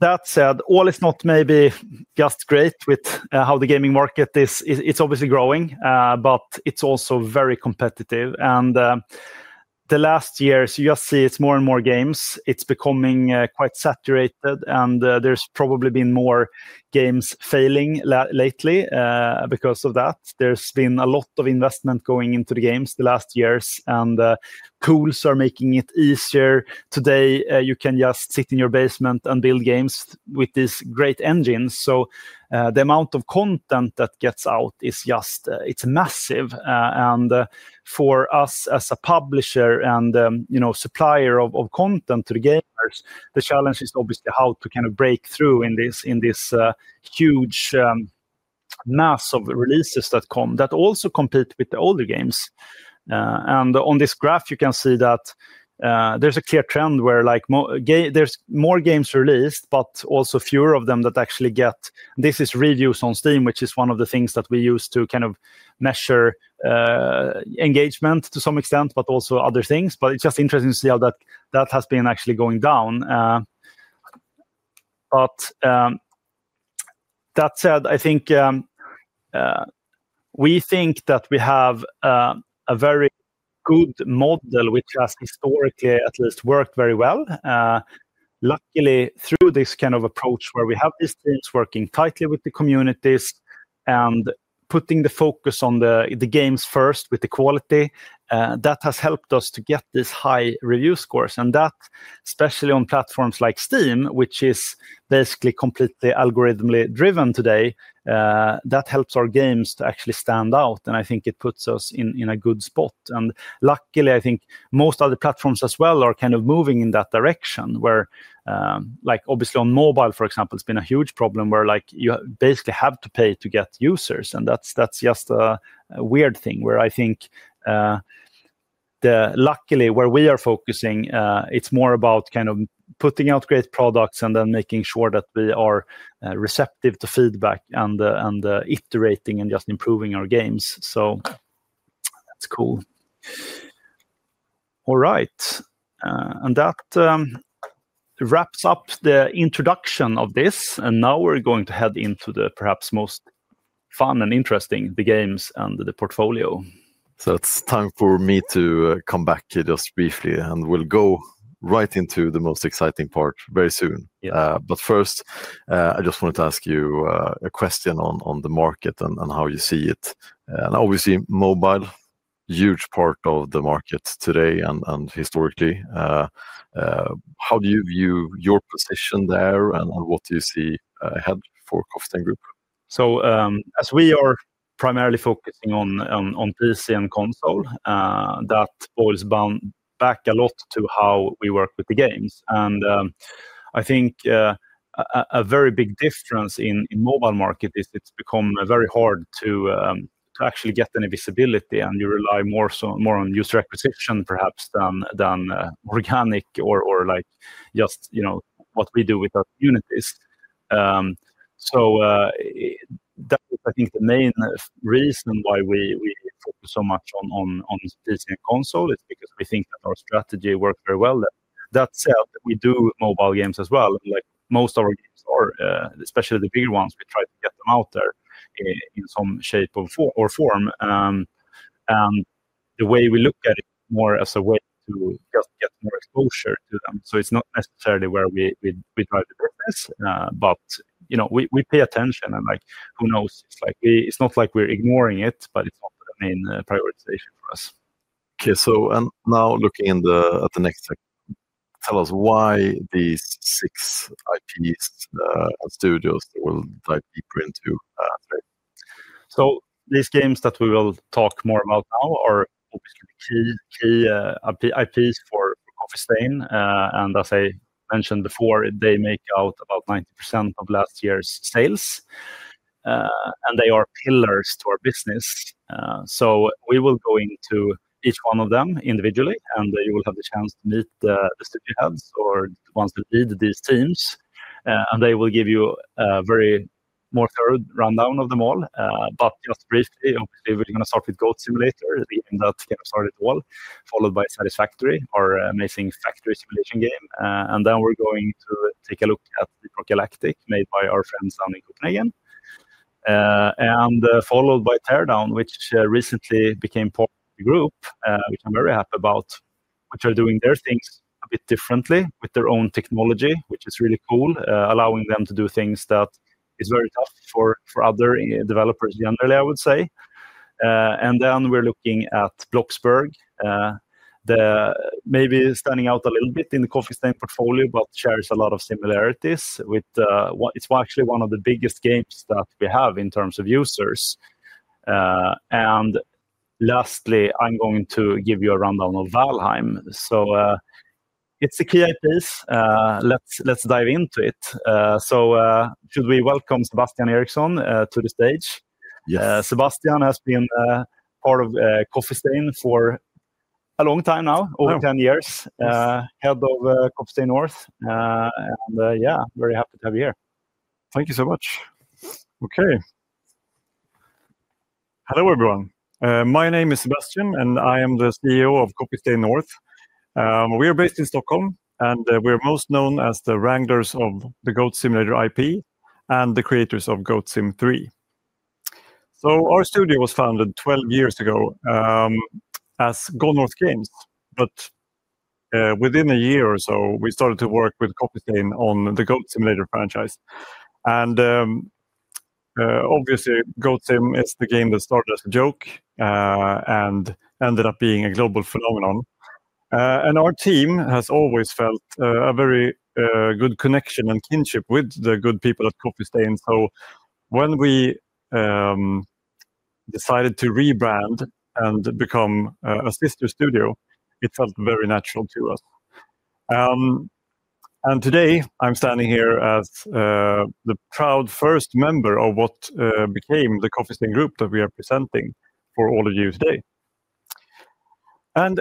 That said, all is not maybe just great with how the gaming market is. It is obviously growing, but it is also very competitive. The last years, you just see it is more and more games. It is becoming quite saturated. There has probably been more games failing lately because of that. There's been a lot of investment going into the games the last years. Tools are making it easier. Today, you can just sit in your basement and build games with these great engines. The amount of content that gets out is just massive. For us as a publisher and supplier of content to the gamers, the challenge is obviously how to kind of break through in this huge mass of releases that also compete with the older games. On this graph, you can see that there's a clear trend where there's more games released, but also fewer of them that actually get. This is reviews on Steam, which is one of the things that we use to kind of measure engagement to some extent, but also other things. It's just interesting to see how that has been actually going down. That said, I think we think that we have a very good model which has historically at least worked very well. Luckily, through this kind of approach where we have these teams working tightly with the communities and putting the focus on the games first with the quality, that has helped us to get these high review scores. That, especially on platforms like Steam, which is basically completely algorithmically driven today, helps our games to actually stand out. I think it puts us in a good spot. Luckily, I think most other platforms as well are kind of moving in that direction where, obviously, on mobile, for example, it's been a huge problem where you basically have to pay to get users. That's just a weird thing where I think luckily where we are focusing, it's more about kind of putting out great products and then making sure that we are receptive to feedback and iterating and just improving our games. That's cool. All right. That wraps up the introduction of this. Now we're going to head into the perhaps most fun and interesting, the games and the portfolio. It's time for me to come back here just briefly. We'll go right into the most exciting part very soon. First, I just wanted to ask you a question on the market and how you see it. Obviously, mobile, huge part of the market today and historically. How do you view your position there and what do you see ahead for Embracer Group? As we are primarily focusing on PC and console, that boils back a lot to how we work with the games. I think a very big difference in the mobile market is it's become very hard to actually get any visibility. You rely more on user acquisition, perhaps, than organic or just what we do with our communities. That is, I think, the main reason why we focus so much on PC and console. It's because we think that our strategy works very well. That said, we do mobile games as well. Most of our games are, especially the bigger ones, we try to get them out there in some shape or form. The way we look at it is more as a way to just get more exposure to them. It's not necessarily where we drive the business. We pay attention. Who knows? It's not like we're ignoring it, but it's not the main prioritization for us. Okay. Now looking at the next section, tell us why these six IPs and studios that we'll dive deeper into today. These games that we will talk more about now are obviously key IPs for Coffee Stain. As I mentioned before, they make out about 90% of last year's sales, and they are pillars to our business. We will go into each one of them individually, and you will have the chance to meet the studio heads or the ones that lead these teams. They will give you a very more thorough rundown of them all. Just briefly, obviously, we're going to start with Goat Simulator, the game that kind of started it all, followed by Satisfactory, our amazing factory simulation game. We're going to take a look at Deep Rock Galactic made by our friends down in Copenhagen, followed by Teardown, which recently became part of the group, which I'm very happy about, which are doing their things a bit differently with their own technology, which is really cool, allowing them to do things that is very tough for other developers generally, I would say. We're looking at Welcome to Bloxburg, maybe standing out a little bit in the Coffee Stain portfolio, but shares a lot of similarities. It's actually one of the biggest games that we have in terms of users. Lastly, I'm going to give you a rundown of Valheim. It's key IPs. Let's dive into it. Should we welcome Sebastian Eriksson to the stage? Yes. Sebastian has been part of Coffee Stain for a long time now, over 10 years, head of Coffee Stain North. Yeah, very happy to have you here. Thank you so much. Okay. Hello, everyone. My name is Sebastian, and I am the CEO of Coffee Stain North. We are based in Stockholm, and we are most known as the wranglers of the Goat Simulator IP and the creators of Goat Simulator 3. Our studio was founded 12 years ago as Goat North Games. Within a year or so, we started to work with Coffee Stain on the Goat Simulator franchise. Obviously, Goat Simulator is the game that started as a joke and ended up being a global phenomenon. Our team has always felt a very good connection and kinship with the good people at Coffee Stain. When we decided to rebrand and become a sister studio, it felt very natural to us. Today, I'm standing here as the proud first member of what became the Coffee Stain Group that we are presenting for all of you today.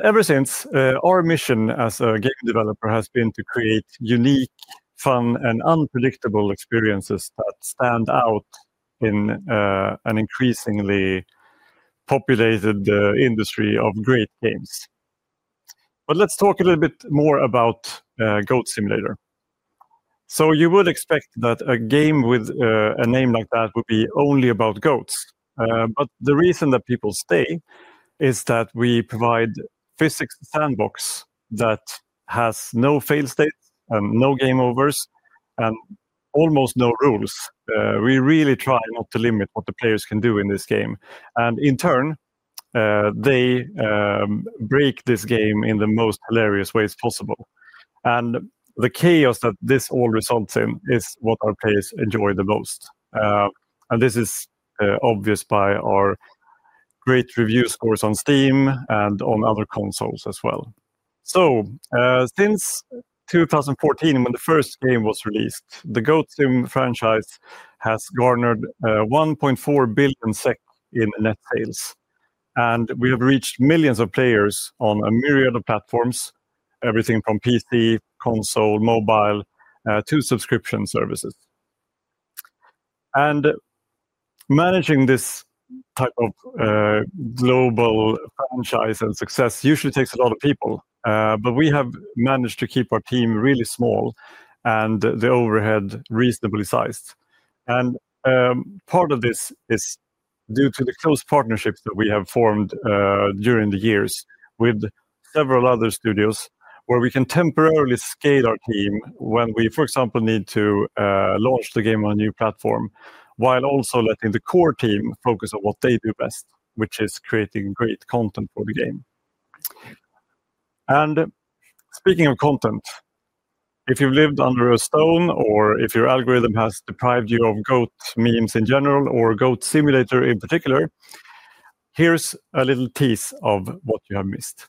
Ever since, our mission as a game developer has been to create unique, fun, and unpredictable experiences that stand out in an increasingly populated industry of great games. Let's talk a little bit more about Goat Simulator. You would expect that a game with a name like that would be only about goats. The reason that people stay is that we provide a physics sandbox that has no fail states, no game overs, and almost no rules. We really try not to limit what the players can do in this game. In turn, they break this game in the most hilarious ways possible. The chaos that this all results in is what our players enjoy the most. This is obvious by our great review scores on Steam and on other consoles as well. Since 2014, when the first game was released, the Goat Sim franchise has garnered 1.4 billion SEK in net sales. We have reached millions of players on a myriad of platforms, everything from PC, console, mobile, to subscription services. Managing this type of global franchise and success usually takes a lot of people. We have managed to keep our team really small and the overhead reasonably sized. Part of this is due to the close partnerships that we have formed during the years with several other studios where we can temporarily scale our team when we, for example, need to launch the game on a new platform while also letting the core team focus on what they do best, which is creating great content for the game. Speaking of content, if you've lived under a stone or if your algorithm has deprived you of goat memes in general or Goat Simulator in particular, here's a little tease of what you have missed.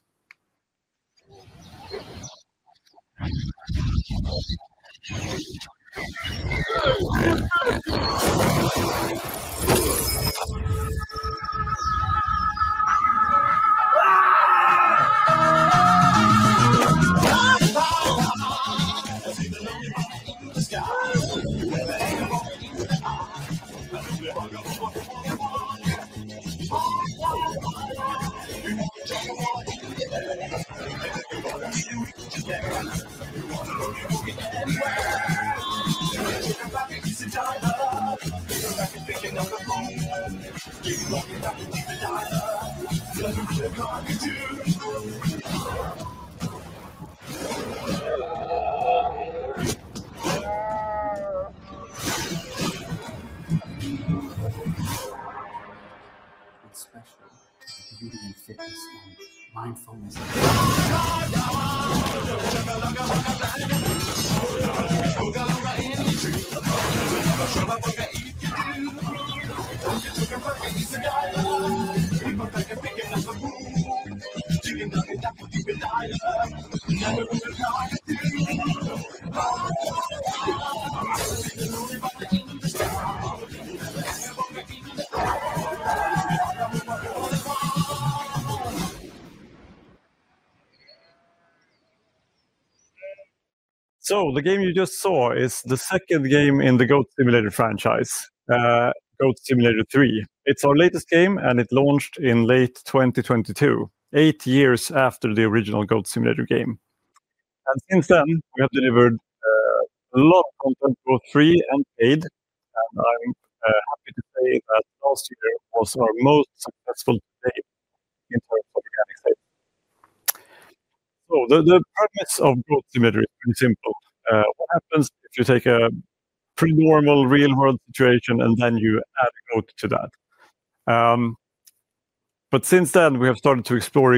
The game you just saw is the second game in the Goat Simulator franchise, Goat Simulator 3. It's our latest game, and it launched in late 2022, eight years after the original Goat Simulator game. Since then, we have delivered a lot of content, both free and paid. I'm happy to say that last year was our most successful to date in terms of organic sales. The premise of Goat Simulator is pretty simple. What happens if you take a pretty normal real-world situation and then you add a goat to that? Since then, we have started to explore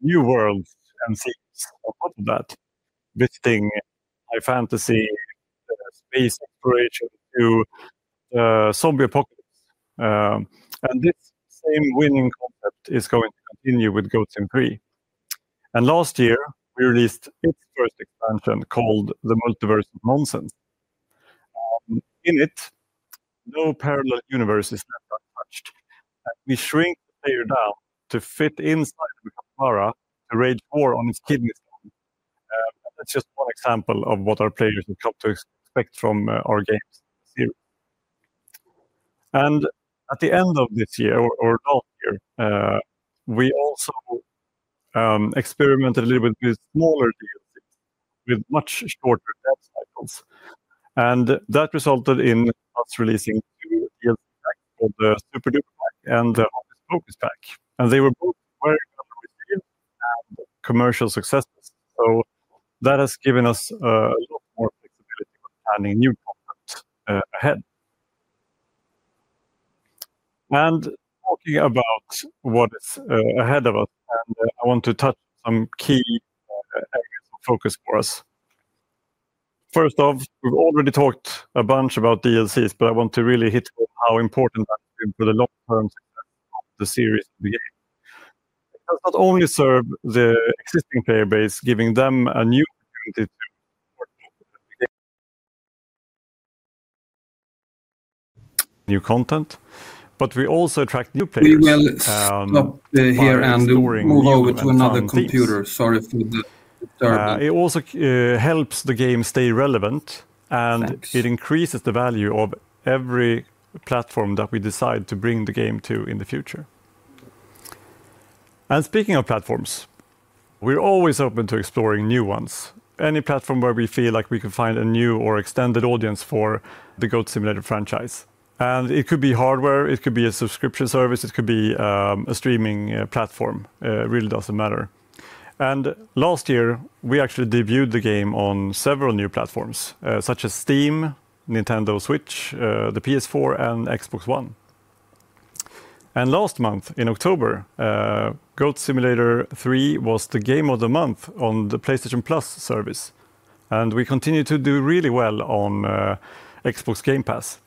new worlds and things on top of that, visiting high fantasy, space exploration, to zombie apocalypse. This same winning concept is going to continue with Goat Simulator 3. Last year, we released its first expansion called The Multiverse of Nonsense. In it, no parallel universe is left untouched. We shrink the player down to fit inside of a cat mara to rage war on his kidneys. That's just one example of what our players have come to expect from our games this year. At the end of this year or last year, we also experimented a little bit with smaller DLCs with much shorter dev cycles. That resulted in us releasing two DLC packs called the Super Duper Pack and the Office Focus Pack. They were both very well received and commercial successes. That has given us a lot more flexibility when planning new content ahead. Talking about what is ahead of us, I want to touch on some key areas of focus for us. First off, we've already talked a bunch about DLCs, but I want to really hit on how important that has been for the long-term success of the series of the game. It has not only served the existing player base, giving them a new opportunity to support the new content, but we also attract new players. We will stop here and move over to another computer. Sorry for the disturbance. It also helps the game stay relevant, and it increases the value of every platform that we decide to bring the game to in the future. Speaking of platforms, we're always open to exploring new ones. Any platform where we feel like we could find a new or extended audience for the Goat Simulator franchise. It could be hardware. It could be a subscription service. It could be a streaming platform. It really does not matter. Last year, we actually debuted the game on several new platforms, such as Steam, Nintendo Switch, the PS4, and Xbox One. Last month, in October, Goat Simulator 3 was the game of the month on the PlayStation Plus service. We continue to do really well on Xbox Game Pass.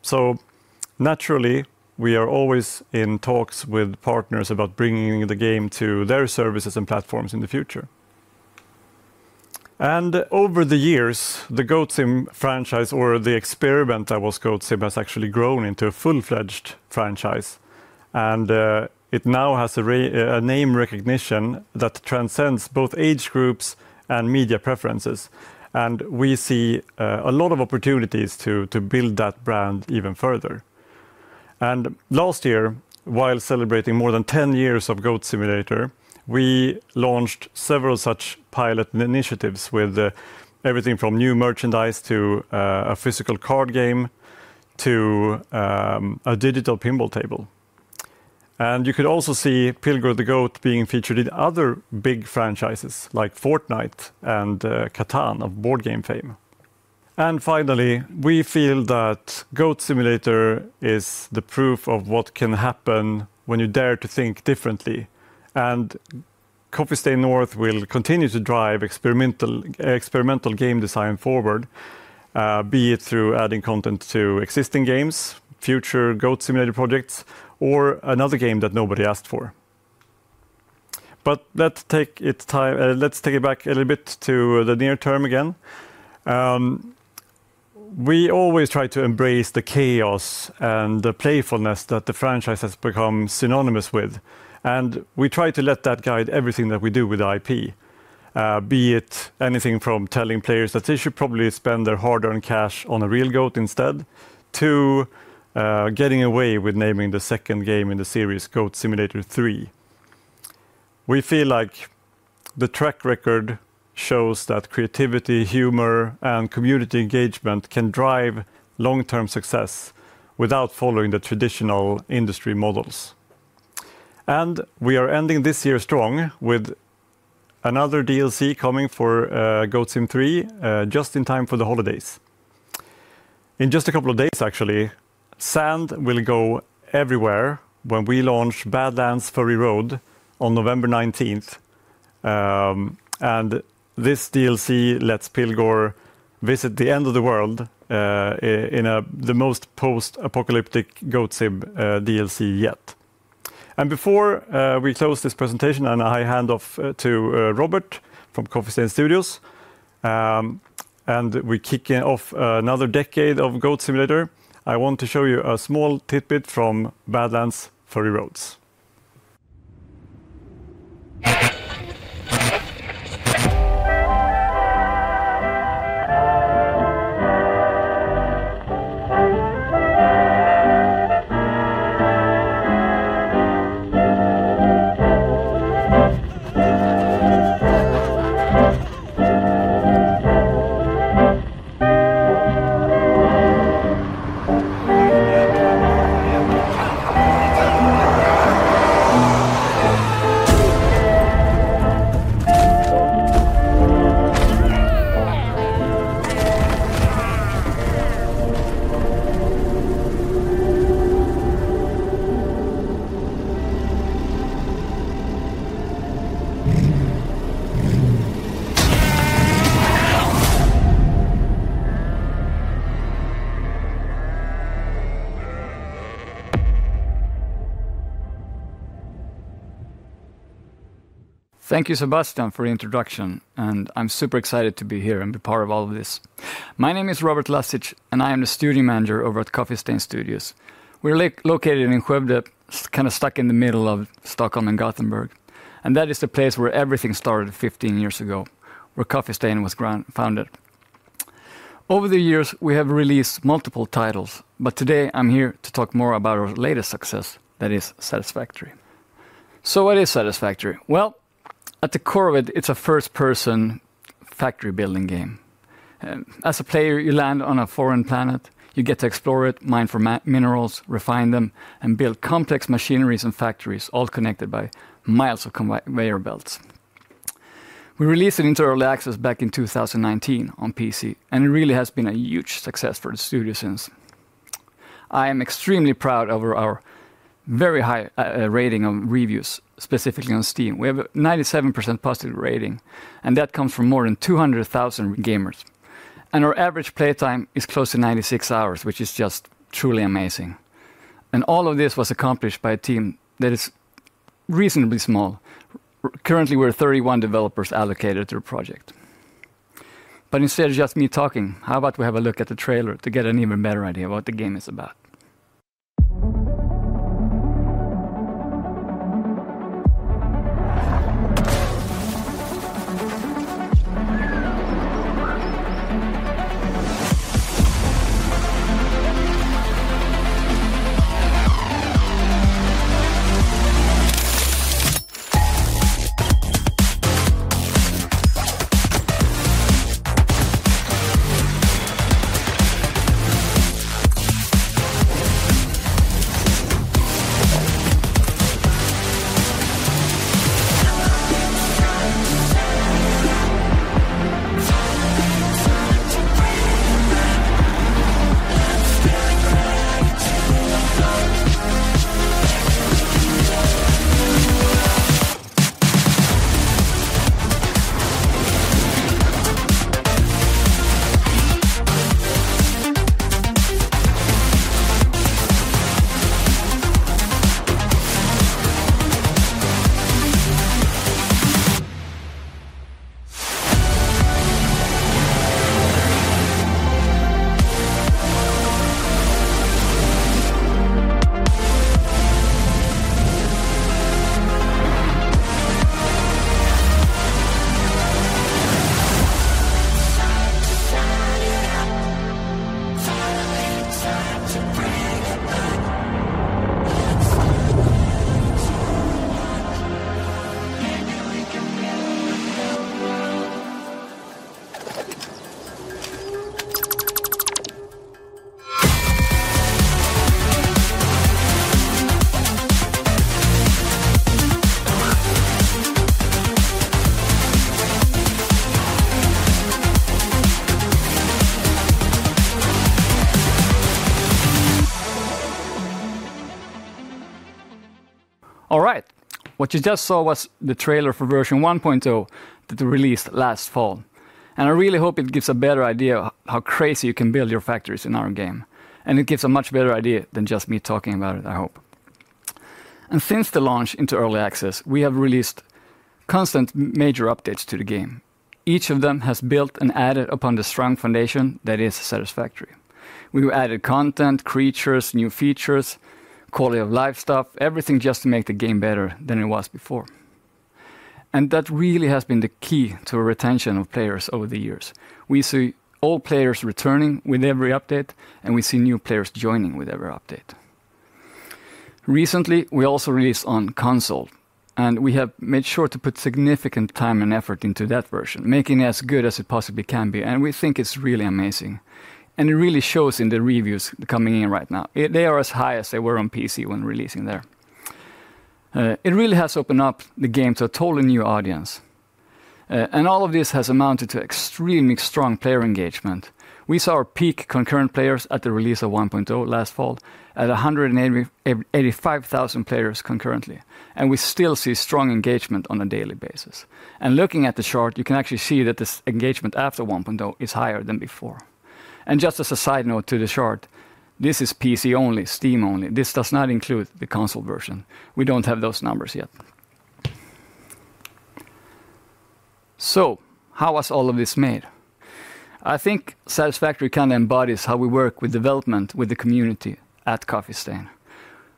Naturally, we are always in talks with partners about bringing the game to their services and platforms in the future. Over the years, the Goat Sim franchise, or the experiment that was Goat Sim, has actually grown into a full-fledged franchise. It now has a name recognition that transcends both age groups and media preferences. We see a lot of opportunities to build that brand even further. Last year, while celebrating more than 10 years of Goat Simulator, we launched several such pilot initiatives with everything from new merchandise to a physical card game to a digital pinball table. You could also see Pilgor the Goat being featured in other big franchises like Fortnite and Catan of board game fame. Finally, we feel that Goat Simulator is the proof of what can happen when you dare to think differently. Coffee Stain North will continue to drive experimental game design forward, be it through adding content to existing games, future Goat Simulator projects, or another game that nobody asked for. Let's take it back a little bit to the near term again. We always try to embrace the chaos and the playfulness that the franchise has become synonymous with. We try to let that guide everything that we do with the IP, be it anything from telling players that they should probably spend their hard-earned cash on a real goat instead to getting away with naming the second game in the series, Goat Simulator 3. We feel like the track record shows that creativity, humor, and community engagement can drive long-term success without following the traditional industry models. We are ending this year strong with another DLC coming for Goat Simulator 3, just in time for the holidays. In just a couple of days, actually, sand will go everywhere when we launch Badlands: Furry Road on November 19th. This DLC lets Pilgrim visit the end of the world in the most post-apocalyptic Goat Simulator DLC yet. Before we close this presentation, and I hand off to Robert from Coffee Stain Studios, and we kick off another decade of Goat Simulator, I want to show you a small tidbit from Badlands: Furry Road. Thank you, Sebastian, for the introduction. I'm super excited to be here and be part of all of this. My name is Robert Lazić, and I am the Studio Manager over at Coffee Stain Studios. We're located in Skövde, kind of stuck in the middle of Stockholm and Gothenburg. That is the place where everything started 15 years ago, where Coffee Stain was founded. Over the years, we have released multiple titles, but today, I'm here to talk more about our latest success that is Satisfactory. What is Satisfactory? At the core of it, it's a first-person factory-building game. As a player, you land on a foreign planet. You get to explore it, mine for minerals, refine them, and build complex machineries and factories, all connected by miles of conveyor belts. We released it into early access back in 2019 on PC, and it really has been a huge success for the studio since. I am extremely proud of our very high rating of reviews, specifically on Steam. We have a 97% positive rating, and that comes from more than 200,000 gamers. Our average playtime is close to 96 hours, which is just truly amazing. All of this was accomplished by a team that is reasonably small. Currently, we're 31 developers allocated to the project. Instead of just me talking, how about we have a look at the trailer to get an even better idea of what the game is about? All right. What you just saw was the trailer for version 1.0 that we released last fall. I really hope it gives a better idea of how crazy you can build your factories in our game. It gives a much better idea than just me talking about it, I hope. Since the launch into early access, we have released constant major updates to the game. Each of them has built and added upon the strong foundation that is Satisfactory. We have added content, creatures, new features, quality of life stuff, everything just to make the game better than it was before. That really has been the key to retention of players over the years. We see old players returning with every update, and we see new players joining with every update. Recently, we also released on console, and we have made sure to put significant time and effort into that version, making it as good as it possibly can be. We think it's really amazing. It really shows in the reviews coming in right now. They are as high as they were on PC when releasing there. It really has opened up the game to a totally new audience. All of this has amounted to extremely strong player engagement. We saw our peak concurrent players at the release of 1.0 last fall at 185,000 players concurrently. We still see strong engagement on a daily basis. Looking at the chart, you can actually see that this engagement after 1.0 is higher than before. Just as a side note to the chart, this is PC only, Steam only. This does not include the console version. We do not have those numbers yet. How was all of this made? I think Satisfactory kind of embodies how we work with development, with the community at Coffee Stain.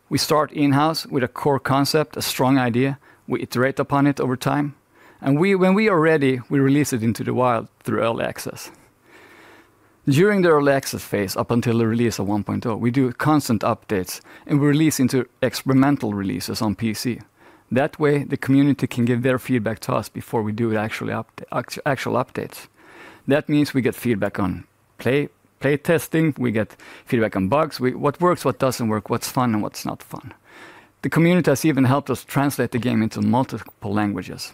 We start in-house with a core concept, a strong idea. We iterate upon it over time. When we are ready, we release it into the wild through early access. During the early access phase, up until the release of 1.0, we do constant updates, and we release into experimental releases on PC. That way, the community can give their feedback to us before we do actual updates. That means we get feedback on play testing. We get feedback on bugs, what works, what does not work, what is fun, and what is not fun. The community has even helped us translate the game into multiple languages.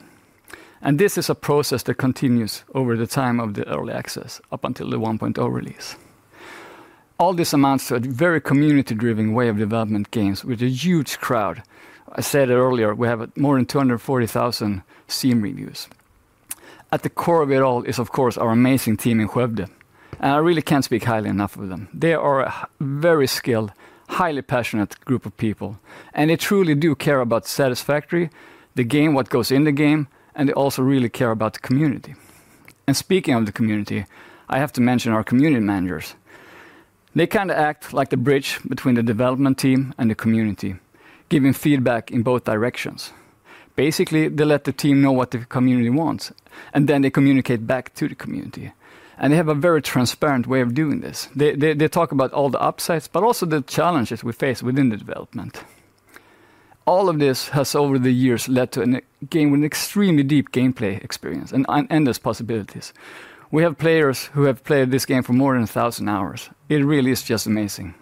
This is a process that continues over the time of the early access up until the 1.0 release. All this amounts to a very community-driven way of developing games with a huge crowd. I said it earlier, we have more than 240,000 Steam reviews. At the core of it all is, of course, our amazing team in Skövde. I really can't speak highly enough of them. They are a very skilled, highly passionate group of people. They truly do care about Satisfactory, the game, what goes in the game, and they also really care about the community. Speaking of the community, I have to mention our community managers. They kind of act like the bridge between the development team and the community, giving feedback in both directions. Basically, they let the team know what the community wants, and then they communicate back to the community. They have a very transparent way of doing this. They talk about all the upsides, but also the challenges we face within the development. All of this has, over the years, led to a game with an extremely deep gameplay experience and endless possibilities. We have players who have played this game for more than 1,000 hours. It really is just amazing.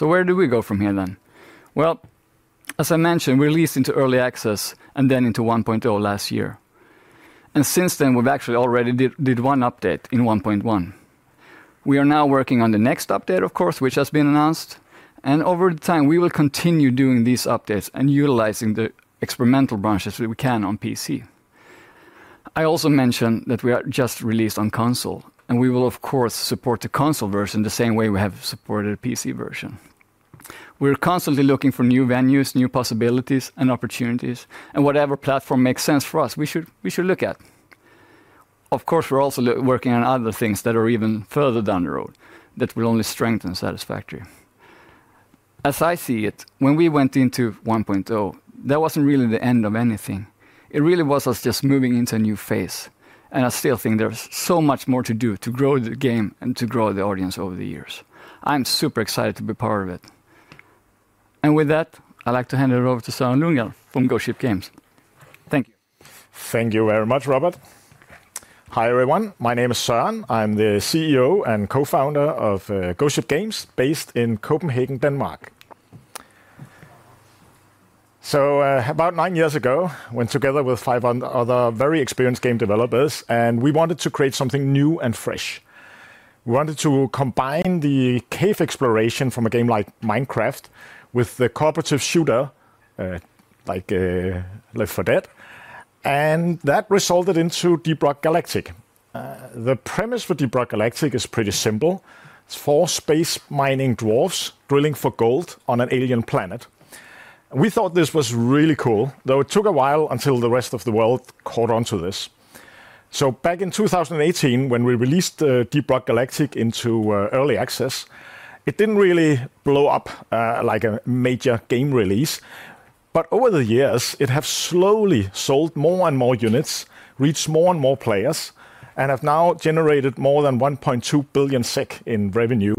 Where do we go from here then? As I mentioned, we released into early access and then into 1.0 last year. Since then, we've actually already did one update in 1.1. We are now working on the next update, of course, which has been announced. Over time, we will continue doing these updates and utilizing the experimental branches that we can on PC. I also mentioned that we just released on console, and we will, of course, support the console version the same way we have supported the PC version. We're constantly looking for new venues, new possibilities, and opportunities, and whatever platform makes sense for us, we should look at. Of course, we're also working on other things that are even further down the road that will only strengthen Satisfactory. As I see it, when we went into 1.0, that was not really the end of anything. It really was us just moving into a new phase. I still think there is so much more to do to grow the game and to grow the audience over the years. I'm super excited to be part of it. With that, I'd like to hand it over to Søren Lundgaard from Ghost Ship Games. Thank you. Thank you very much, Robert. Hi, everyone. My name is Søren. I'm the CEO and co-founder of Ghost Ship Games, based in Copenhagen, Denmark. About nine years ago, I went together with five other very experienced game developers, and we wanted to create something new and fresh. We wanted to combine the cave exploration from a game like Minecraft with the cooperative shooter, like Left 4 Dead. That resulted in Deep Rock Galactic. The premise for Deep Rock Galactic is pretty simple. It's four space-mining dwarves drilling for gold on an alien planet. We thought this was really cool, though it took a while until the rest of the world caught on to this. Back in 2018, when we released Deep Rock Galactic into early access, it didn't really blow up like a major game release. Over the years, it has slowly sold more and more units, reached more and more players, and has now generated more than 1.2 billion SEK in revenue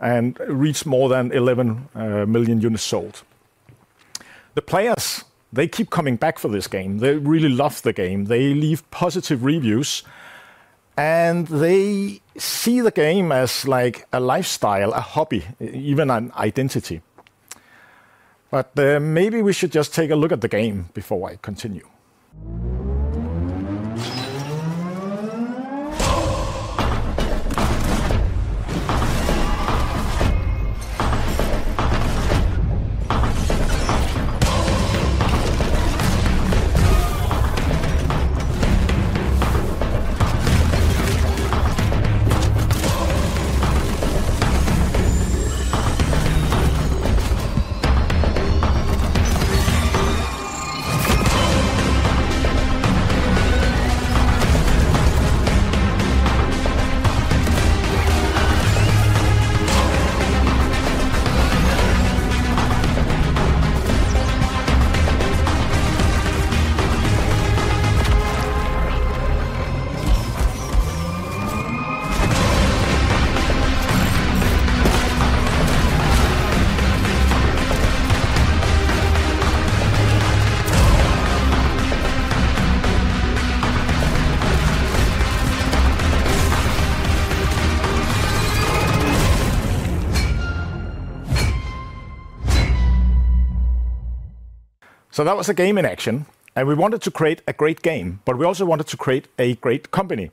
and reached more than 11 million units sold. The players, they keep coming back for this game. They really love the game. They leave positive reviews. They see the game as like a lifestyle, a hobby, even an identity. Maybe we should just take a look at the game before I continue. That was a game in action. We wanted to create a great game, but we also wanted to create a great company.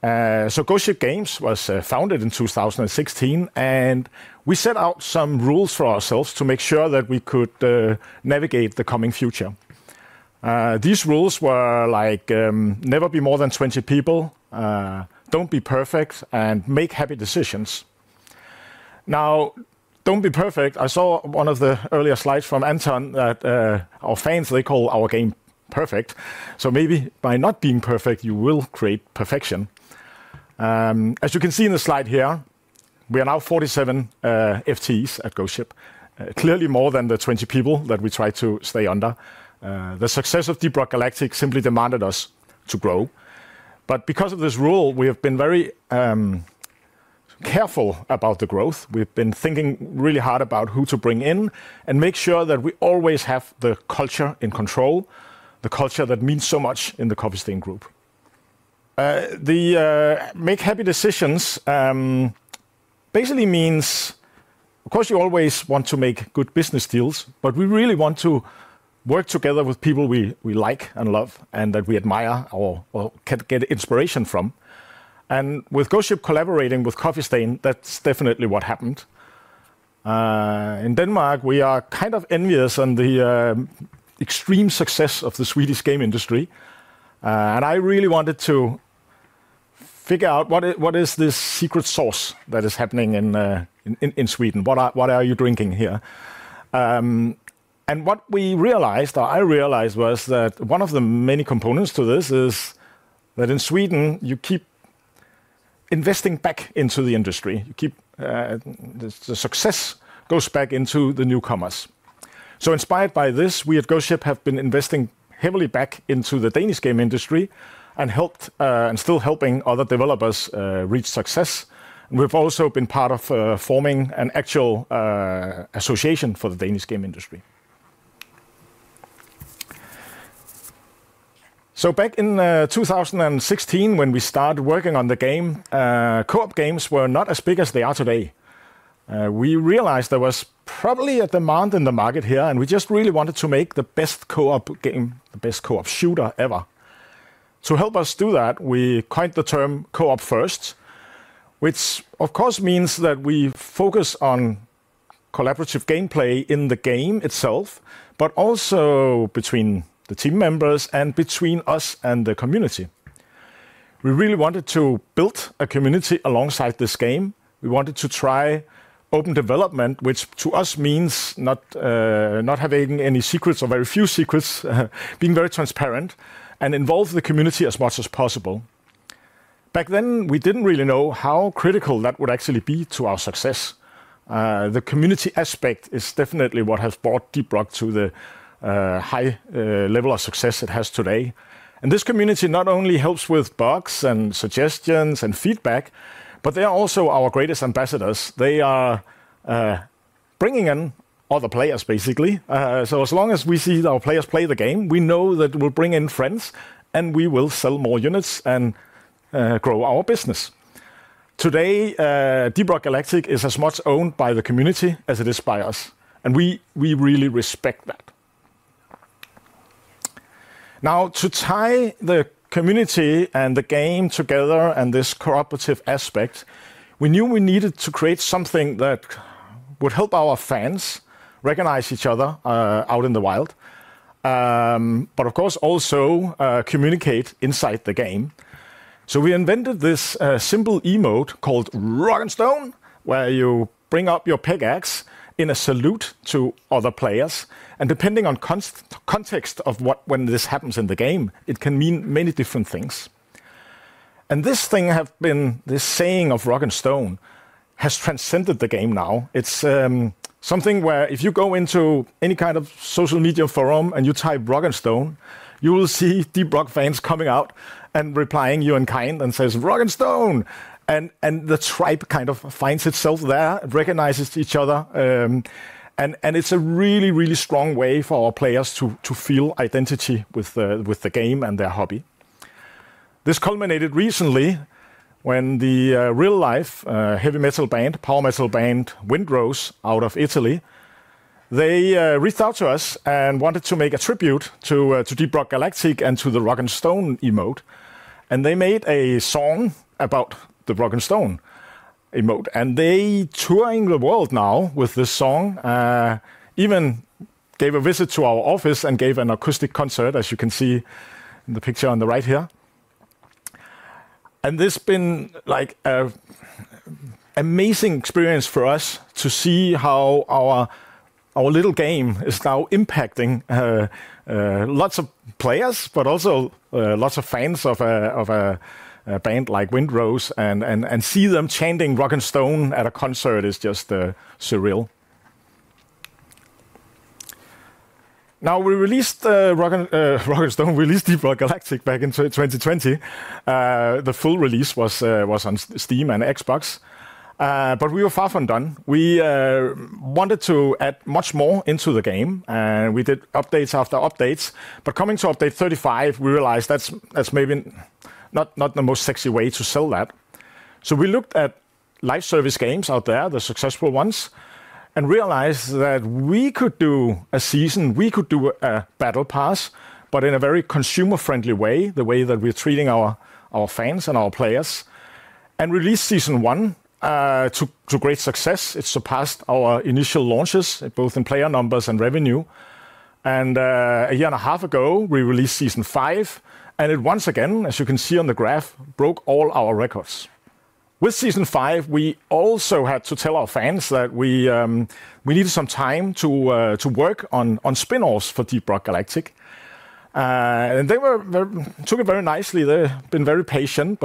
Ghost Ship Games was founded in 2016, and we set out some rules for ourselves to make sure that we could navigate the coming future. These rules were like, never be more than 20 people, do not be perfect, and make happy decisions. Now, don't be perfect. I saw one of the earlier slides from Anton that our fans, they call our game perfect. So maybe by not being perfect, you will create perfection. As you can see in the slide here, we are now 47 FTEs at Ghost Ship, clearly more than the 20 people that we tried to stay under. The success of Deep Rock Galactic simply demanded us to grow. Because of this rule, we have been very careful about the growth. We've been thinking really hard about who to bring in and make sure that we always have the culture in control, the culture that means so much in the Coffee Stain Group. The make happy decisions basically means, of course, you always want to make good business deals, but we really want to work together with people we like and love and that we admire or get inspiration from. With Ghost Ship collaborating with Coffee Stain, that's definitely what happened. In Denmark, we are kind of envious on the extreme success of the Swedish game industry. I really wanted to figure out what is this secret sauce that is happening in Sweden? What are you drinking here? What we realized, or I realized, was that one of the many components to this is that in Sweden, you keep investing back into the industry. The success goes back into the newcomers. Inspired by this, we at Ghost Ship have been investing heavily back into the Danish game industry and still helping other developers reach success. We have also been part of forming an actual association for the Danish game industry. Back in 2016, when we started working on the game, co-op games were not as big as they are today. We realized there was probably a demand in the market here, and we just really wanted to make the best co-op game, the best co-op shooter ever. To help us do that, we coined the term co-op first, which, of course, means that we focus on collaborative gameplay in the game itself, but also between the team members and between us and the community. We really wanted to build a community alongside this game. We wanted to try open development, which to us means not having any secrets or very few secrets, being very transparent, and involve the community as much as possible. Back then, we did not really know how critical that would actually be to our success. The community aspect is definitely what has brought Deep Rock to the high level of success it has today. This community not only helps with bugs and suggestions and feedback, but they are also our greatest ambassadors. They are bringing in other players, basically. As long as we see our players play the game, we know that we will bring in friends, and we will sell more units and grow our business. Today, Deep Rock Galactic is as much owned by the community as it is by us. We really respect that. Now, to tie the community and the game together and this cooperative aspect, we knew we needed to create something that would help our fans recognize each other out in the wild, but of course, also communicate inside the game. We invented this simple emote called Rock and Stone, where you bring up your pickaxe in a salute to other players. Depending on the context of when this happens in the game, it can mean many different things. This saying of Rock and Stone has transcended the game now. If you go into any kind of social media forum and you type Rock and Stone, you will see Deep Rock fans coming out and replying to you in kind and saying, "Rock and Stone." The tribe kind of finds itself there, recognizes each other. It is a really, really strong way for our players to feel identity with the game and their hobby. This culminated recently when the real-life heavy metal band, power metal band Windrose out of Italy, they reached out to us and wanted to make a tribute to Deep Rock Galactic and to the Rock and Stone emote. They made a song about the Rock and Stone emote. They are touring the world now with this song, even gave a visit to our office and gave an acoustic concert, as you can see in the picture on the right here. This has been like an amazing experience for us to see how our little game is now impacting lots of players, but also lots of fans of a band like Windrose. Seeing them chanting "Rock and Stone" at a concert is just surreal. Now, we released Rock and Stone, we released Deep Rock Galactic back in 2020. The full release was on Steam and Xbox. We were far from done. We wanted to add much more into the game. We did updates after updates. Coming to update 35, we realized that's maybe not the most sexy way to sell that. We looked at live service games out there, the successful ones, and realized that we could do a season, we could do a battle pass, but in a very consumer-friendly way, the way that we're treating our fans and our players. We released season one to great success. It surpassed our initial launches, both in player numbers and revenue. A year and a half ago, we released season five. It once again, as you can see on the graph, broke all our records. With season five, we also had to tell our fans that we needed some time to work on spin offs for Deep Rock Galactic. They took it very nicely. They've been very patient.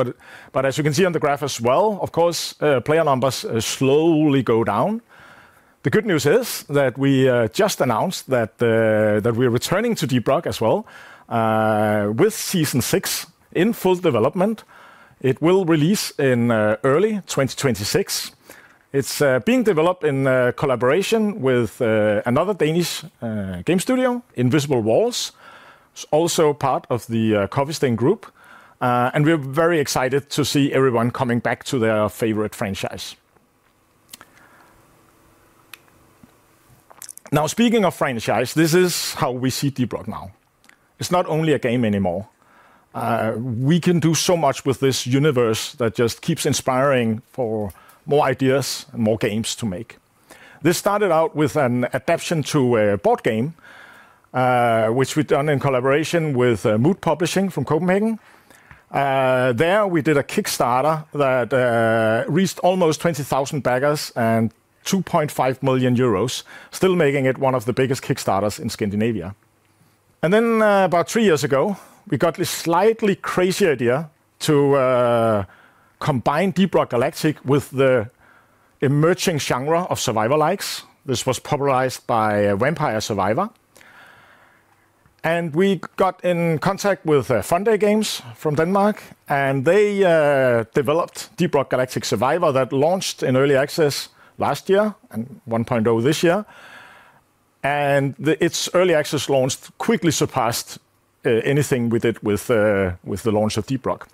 As you can see on the graph as well, of course, player numbers slowly go down. The good news is that we just announced that we're returning to Deep Rock as well with season six in full development. It will release in early 2026. It's being developed in collaboration with another Danish game studio, Invisible Walls. It's also part of the Coffee Stain Group. We're very excited to see everyone coming back to their favorite franchise. Now, speaking of franchise, this is how we see Deep Rock now. It's not only a game anymore. We can do so much with this universe that just keeps inspiring for more ideas and more games to make. This started out with an adaptation to a board game, which we've done in collaboration with Mood Publishing from Copenhagen. There, we did a Kickstarter that reached almost 20,000 backers and 2.5 million euros, still making it one of the biggest Kickstarters in Scandinavia. About three years ago, we got this slightly crazy idea to combine Deep Rock Galactic with the emerging genre of survival-likes. This was popularized by Vampire Survivor. We got in contact with Fun Forge Games from Denmark, and they developed Deep Rock Galactic Survivor that launched in early access last year and 1.0 this year. Its early access launch quickly surpassed anything we did with the launch of Deep Rock,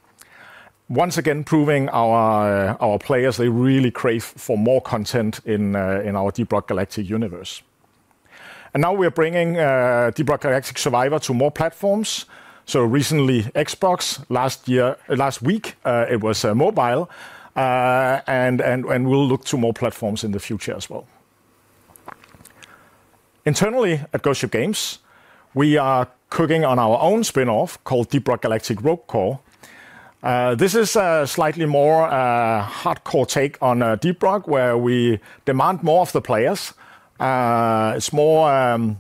once again proving our players really crave more content in our Deep Rock Galactic universe. Now we are bringing Deep Rock Galactic Survivor to more platforms. Recently, Xbox, last week, it was mobile. We will look to more platforms in the future as well. Internally at Ghost Ship Games, we are cooking on our own spin-off called Deep Rock Galactic Rogue Core. This is a slightly more hardcore take on Deep Rock, where we demand more of the players. It's more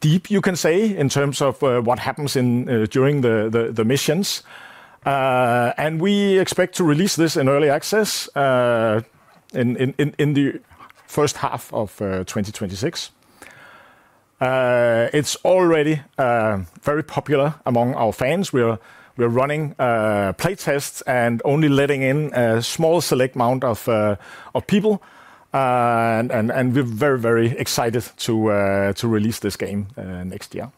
deep, you can say, in terms of what happens during the missions. We expect to release this in early access in the first half of 2026. It's already very popular among our fans. We're running playtests and only letting in a small select amount of people. We're very, very excited to release this game next year.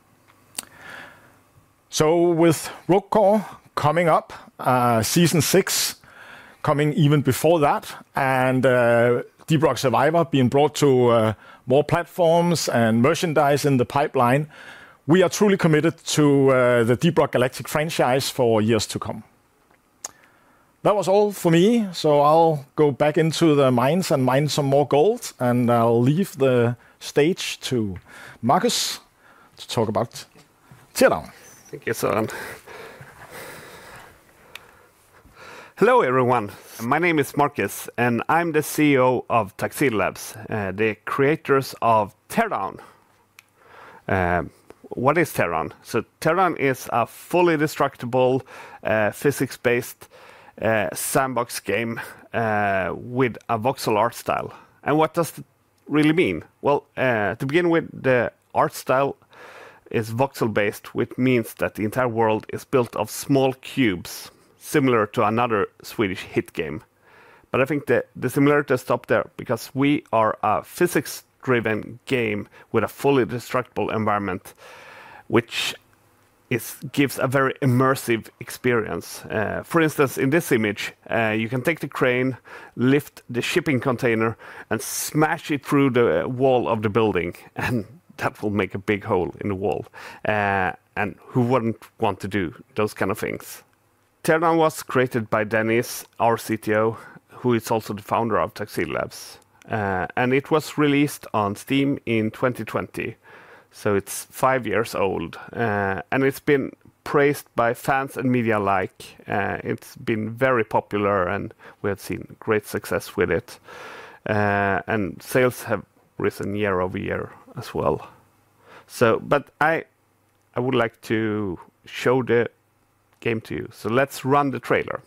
With Rogue Core coming up, season six coming even before that, and Deep Rock Galactic Survivor being brought to more platforms and merchandise in the pipeline, we are truly committed to the Deep Rock Galactic franchise for years to come. That was all for me. I'll go back into the mines and mine some more gold, and I'll leave the stage to Marcus to talk about Teardown. Thank you, Søren. Hello, everyone. My name is Marcus, and I'm the CEO of Tuxedo Labs, the creators of Teardown. What is Teardown? Teardown is a fully destructible, physics-based sandbox game with a voxel art style. What does it really mean? To begin with, the art style is voxel-based, which means that the entire world is built of small cubes similar to another Swedish hit game. I think the similarity stops there because we are a physics-driven game with a fully destructible environment, which gives a very immersive experience. For instance, in this image, you can take the crane, lift the shipping container, and smash it through the wall of the building. That will make a big hole in the wall. Who would not want to do those kinds of things? Teardown was created by Dennis, our CTO, who is also the founder of Tuxedo Labs. It was released on Steam in 2020, so it is five years old. It has been praised by fans and media alike. It has been very popular, and we have seen great success with it. Sales have risen year-over-year as well. I would like to show the game to you. Let us run the trailer.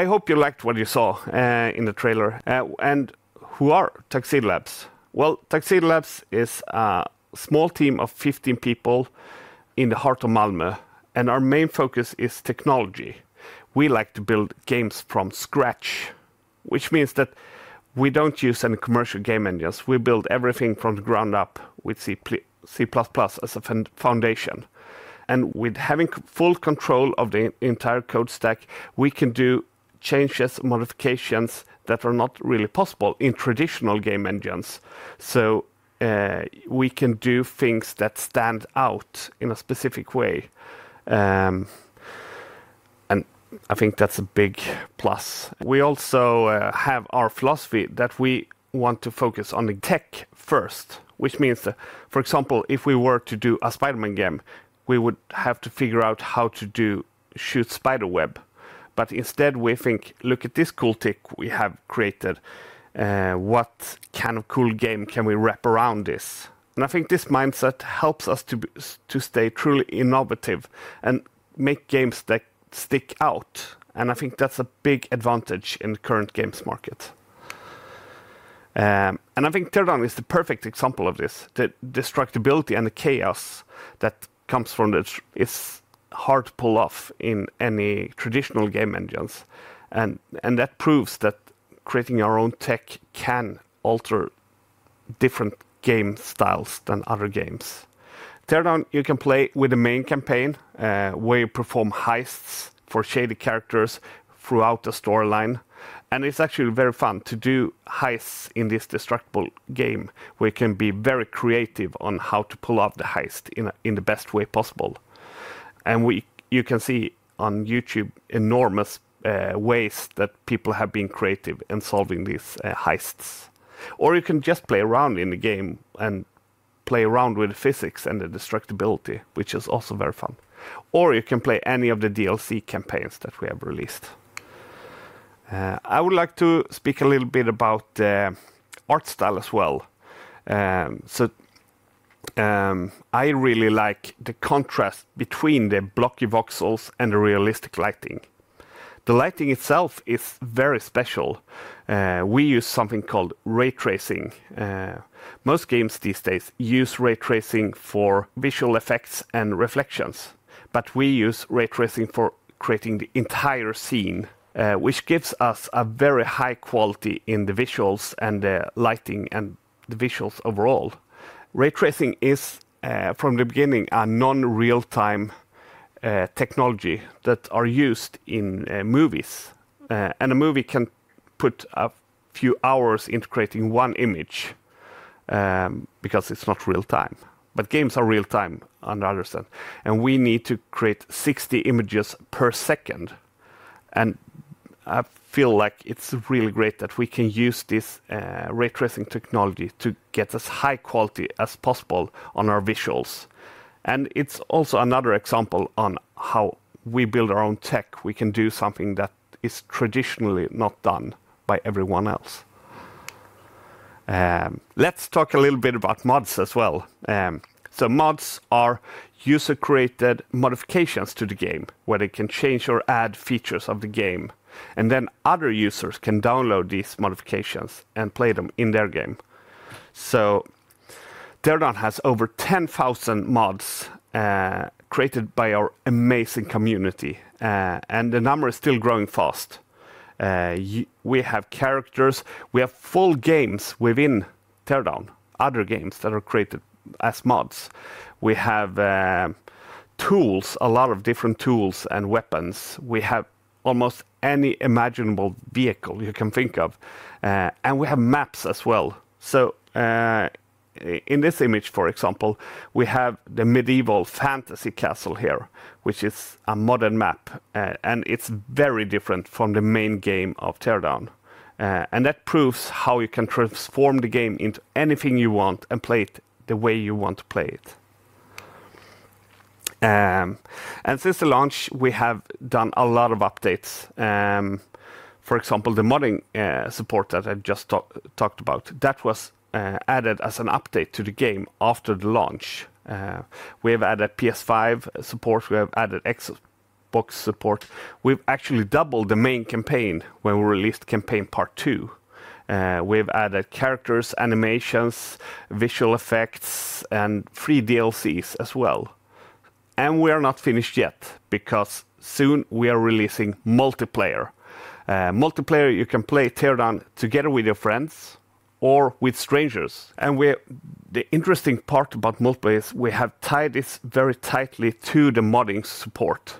I hope you liked what you saw in the trailer. Who are Tuxedo Labs? Tuxedo Labs is a small team of 15 people in the heart of Malmö. Our main focus is technology. We like to build games from scratch, which means that we do not use any commercial game engines. We build everything from the ground up with C++ as a foundation. With having full control of the entire code stack, we can do changes and modifications that are not really possible in traditional game engines. We can do things that stand out in a specific way. I think that is a big plus. We also have our philosophy that we want to focus on tech first, which means, for example, if we were to do a Spider-Man game, we would have to figure out how to shoot Spider-Web. Instead, we think, look at this cool tech we have created. What kind of cool game can we wrap around this? I think this mindset helps us to stay truly innovative and make games that stick out. I think that is a big advantage in the current games market. I think Teardown is the perfect example of this. The destructibility and the chaos that comes from it is hard to pull off in any traditional game engines. That proves that creating our own tech can alter different game styles than other games. Teardown, you can play with the main campaign, where you perform heists for shady characters throughout the storyline. It is actually very fun to do heists in this destructible game, where you can be very creative on how to pull off the heist in the best way possible. You can see on YouTube enormous ways that people have been creative in solving these heists. You can just play around in the game and play around with the physics and the destructibility, which is also very fun. You can play any of the DLC campaigns that we have released. I would like to speak a little bit about the art style as well. I really like the contrast between the blocky voxels and the realistic lighting. The lighting itself is very special. We use something called ray tracing. Most games these days use ray tracing for visual effects and reflections. We use ray tracing for creating the entire scene, which gives us a very high quality in the visuals and the lighting and the visuals overall. Ray tracing is, from the beginning, a non-real-time technology that is used in movies. A movie can put a few hours into creating one image because it is not real-time. Games are real-time on the other side. We need to create 60 images per second. I feel like it is really great that we can use this ray tracing technology to get as high quality as possible on our visuals. It is also another example on how we build our own tech. We can do something that is traditionally not done by everyone else. Let's talk a little bit about mods as well. Mods are user-created modifications to the game, where they can change or add features of the game. Other users can download these modifications and play them in their game. Teardown has over 10,000 mods created by our amazing community, and the number is still growing fast. We have characters. We have full games within Teardown, other games that are created as mods. We have tools, a lot of different tools and weapons. We have almost any imaginable vehicle you can think of. We have maps as well. In this image, for example, we have the medieval fantasy castle here, which is a modded map. It is very different from the main game of Teardown. That proves how you can transform the game into anything you want and play it the way you want to play it. Since the launch, we have done a lot of updates. For example, the modding support that I've just talked about, that was added as an update to the game after the launch. We have added PS5 support. We have added Xbox support. We've actually doubled the main campaign when we released campaign part two. We've added characters, animations, visual effects, and free DLCs as well. We are not finished yet because soon we are releasing multiplayer. Multiplayer, you can play Teardown together with your friends or with strangers. The interesting part about multiplayer is we have tied this very tightly to the modding support,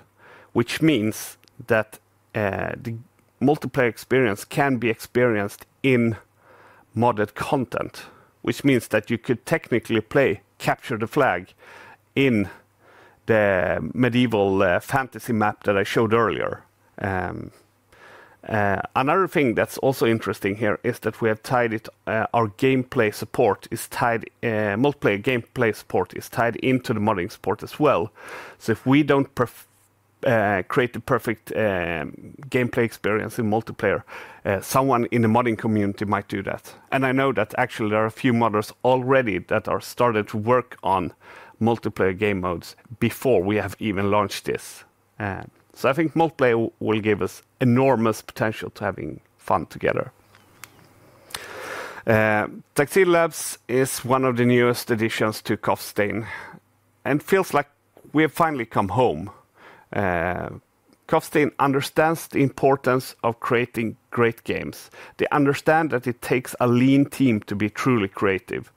which means that the multiplayer experience can be experienced in modded content, which means that you could technically play Capture the Flag in the medieval fantasy map that I showed earlier. Another thing that's also interesting here is that our gameplay support is tied, multiplayer gameplay support is tied into the modding support as well. If we do not create the perfect gameplay experience in multiplayer, someone in the modding community might do that. I know that actually there are a few modders already that have started to work on multiplayer game modes before we have even launched this. I think multiplayer will give us enormous potential to having fun together. Tuxedo Labs is one of the newest additions to Coffee Stain and feels like we have finally come home. Coffee Stain understands the importance of creating great games. They understand that it takes a lean team to be truly creative.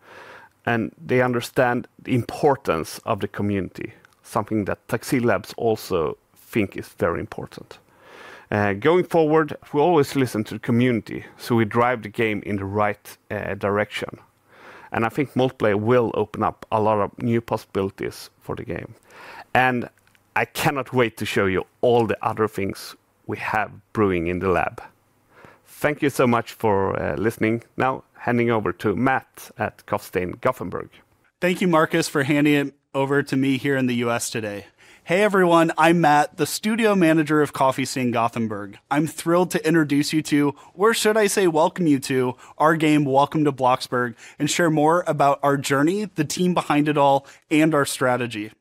They understand the importance of the community, something that Tuxedo Labs also think is very important. Going forward, we always listen to the community, so we drive the game in the right direction. I think multiplayer will open up a lot of new possibilities for the game. I cannot wait to show you all the other things we have brewing in the lab. Thank you so much for listening. Now, handing over to Matt at Coffee Stain Gothenburg. Thank you, Marcus, for handing it over to me here in the United States today. Hey, everyone. I'm Matt, the studio manager of Coffee Stain Gothenburg. I'm thrilled to introduce you to, or should I say welcome you to, our game, Welcome to Bloxburg, and share more about our journey, the team behind it all, and our strategy.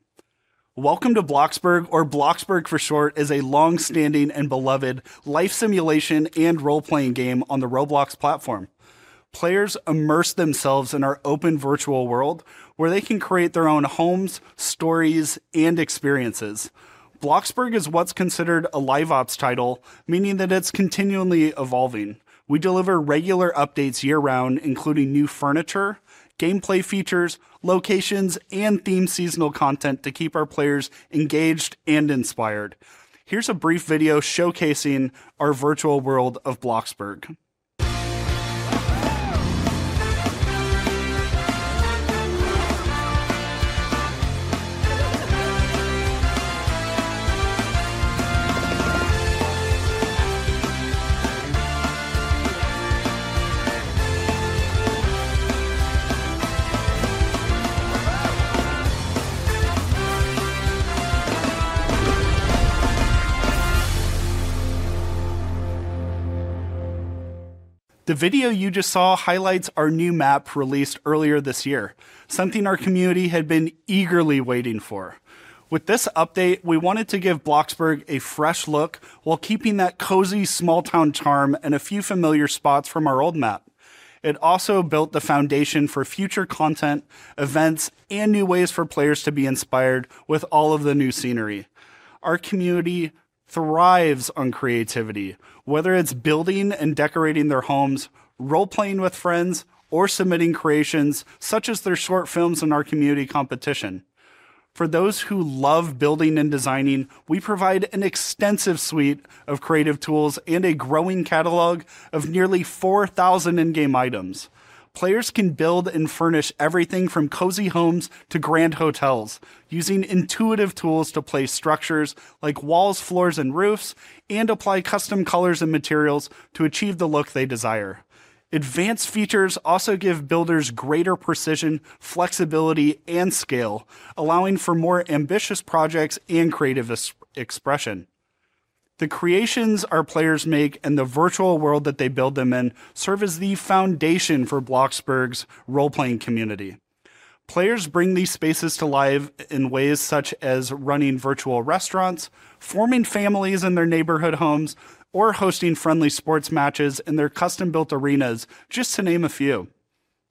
Welcome to Bloxburg, or Bloxburg for short, is a long-standing and beloved life simulation and role-playing game on the Roblox platform. Players immerse themselves in our open virtual world, where they can create their own homes, stories, and experiences. Bloxburg is what's considered a LiveOps title, meaning that it's continually evolving. We deliver regular updates year-round, including new furniture, gameplay features, locations, and themed seasonal content to keep our players engaged and inspired. Here's a brief video showcasing our virtual world of Bloxburg. The video you just saw highlights our new map released earlier this year, something our community had been eagerly waiting for. With this update, we wanted to give Bloxburg a fresh look while keeping that cozy small-town charm and a few familiar spots from our old map. It also built the foundation for future content, events, and new ways for players to be inspired with all of the new scenery. Our community thrives on creativity, whether it's building and decorating their homes, role-playing with friends, or submitting creations such as their short films in our community competition. For those who love building and designing, we provide an extensive suite of creative tools and a growing catalog of nearly 4,000 in-game items. Players can build and furnish everything from cozy homes to grand hotels, using intuitive tools to place structures like walls, floors, and roofs, and apply custom colors and materials to achieve the look they desire. Advanced features also give builders greater precision, flexibility, and scale, allowing for more ambitious projects and creative expression. The creations our players make and the virtual world that they build them in serve as the foundation for Bloxburg's role-playing community. Players bring these spaces to life in ways such as running virtual restaurants, forming families in their neighborhood homes, or hosting friendly sports matches in their custom-built arenas, just to name a few.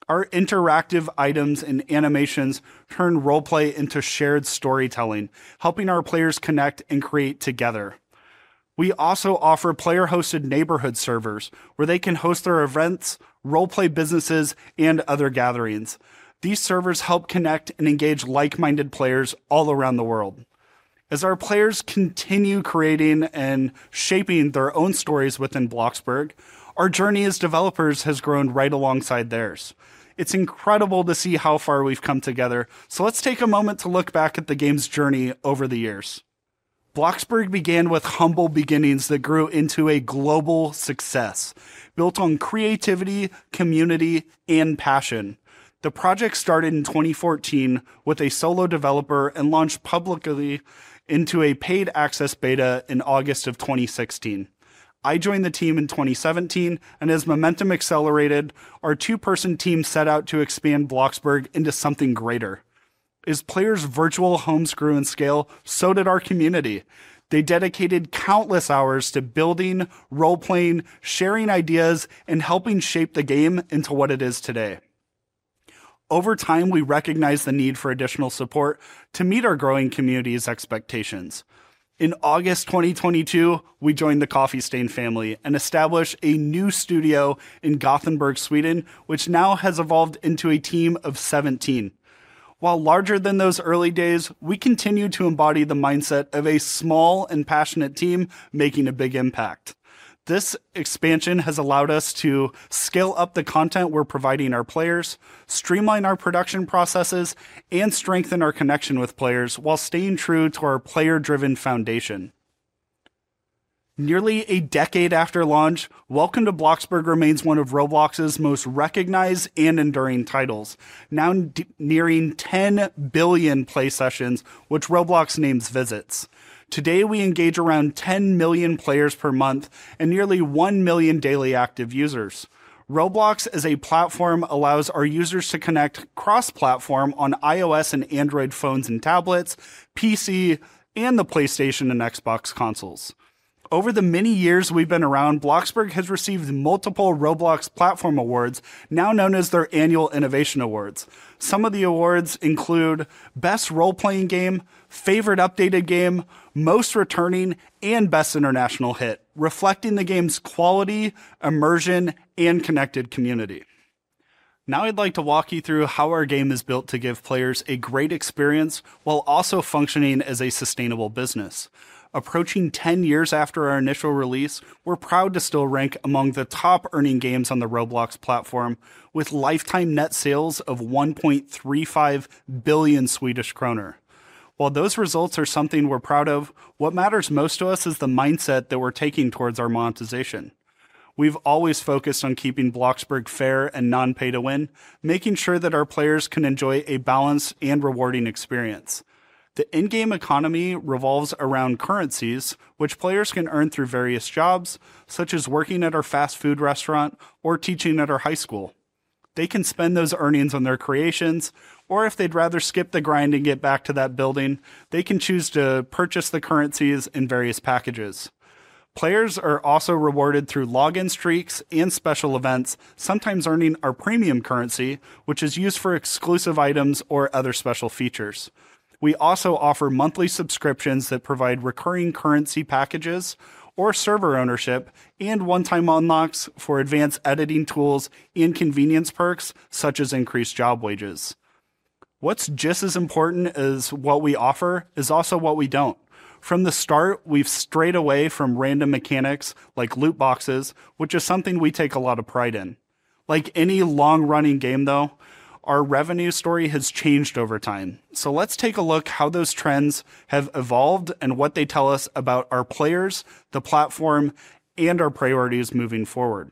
Our interactive items and animations turn role-play into shared storytelling, helping our players connect and create together. We also offer player-hosted neighborhood servers, where they can host their events, role-play businesses, and other gatherings. These servers help connect and engage like-minded players all around the world. As our players continue creating and shaping their own stories within Bloxburg, our journey as developers has grown right alongside theirs. It's incredible to see how far we've come together. Let's take a moment to look back at the game's journey over the years. Bloxburg began with humble beginnings that grew into a global success, built on creativity, community, and passion. The project started in 2014 with a solo developer and launched publicly into a paid access beta in August of 2016. I joined the team in 2017, and as momentum accelerated, our two-person team set out to expand Bloxburg into something greater. As players' virtual homes grew in scale, so did our community. They dedicated countless hours to building, role-playing, sharing ideas, and helping shape the game into what it is today. Over time, we recognized the need for additional support to meet our growing community's expectations. In August 2022, we joined the Coffee Stain family and established a new studio in Gothenburg, Sweden, which now has evolved into a team of 17. While larger than those early days, we continue to embody the mindset of a small and passionate team making a big impact. This expansion has allowed us to scale up the content we're providing our players, streamline our production processes, and strengthen our connection with players while staying true to our player-driven foundation. Nearly a decade after launch, Welcome to Bloxburg remains one of Roblox's most recognized and enduring titles, now nearing 10 billion play sessions, which Roblox names visits. Today, we engage around 10 million players per month and nearly 1 million daily active users. Roblox as a platform allows our users to connect cross-platform on iOS and Android phones and tablets, PC, and the PlayStation and Xbox consoles. Over the many years we've been around, Bloxburg has received multiple Roblox platform awards, now known as their annual innovation awards. Some of the awards include Best Role-Playing Game, Favorite Updated Game, Most Returning, and Best International Hit, reflecting the game's quality, immersion, and connected community. Now I'd like to walk you through how our game is built to give players a great experience while also functioning as a sustainable business. Approaching 10 years after our initial release, we're proud to still rank among the top-earning games on the Roblox platform, with lifetime net sales of 1.35 billion Swedish kronor. While those results are something we're proud of, what matters most to us is the mindset that we're taking towards our monetization. We've always focused on keeping Bloxburg fair and non-pay-to-win, making sure that our players can enjoy a balanced and rewarding experience. The in-game economy revolves around currencies, which players can earn through various jobs, such as working at our fast food restaurant or teaching at our high school. They can spend those earnings on their creations, or if they'd rather skip the grind and get back to that building, they can choose to purchase the currencies in various packages. Players are also rewarded through login streaks and special events, sometimes earning our premium currency, which is used for exclusive items or other special features. We also offer monthly subscriptions that provide recurring currency packages or server ownership and one-time unlocks for advanced editing tools and convenience perks, such as increased job wages. What is just as important as what we offer is also what we do not. From the start, we have strayed away from random mechanics like loot boxes, which is something we take a lot of pride in. Like any long-running game, though, our revenue story has changed over time. Let's take a look at how those trends have evolved and what they tell us about our players, the platform, and our priorities moving forward.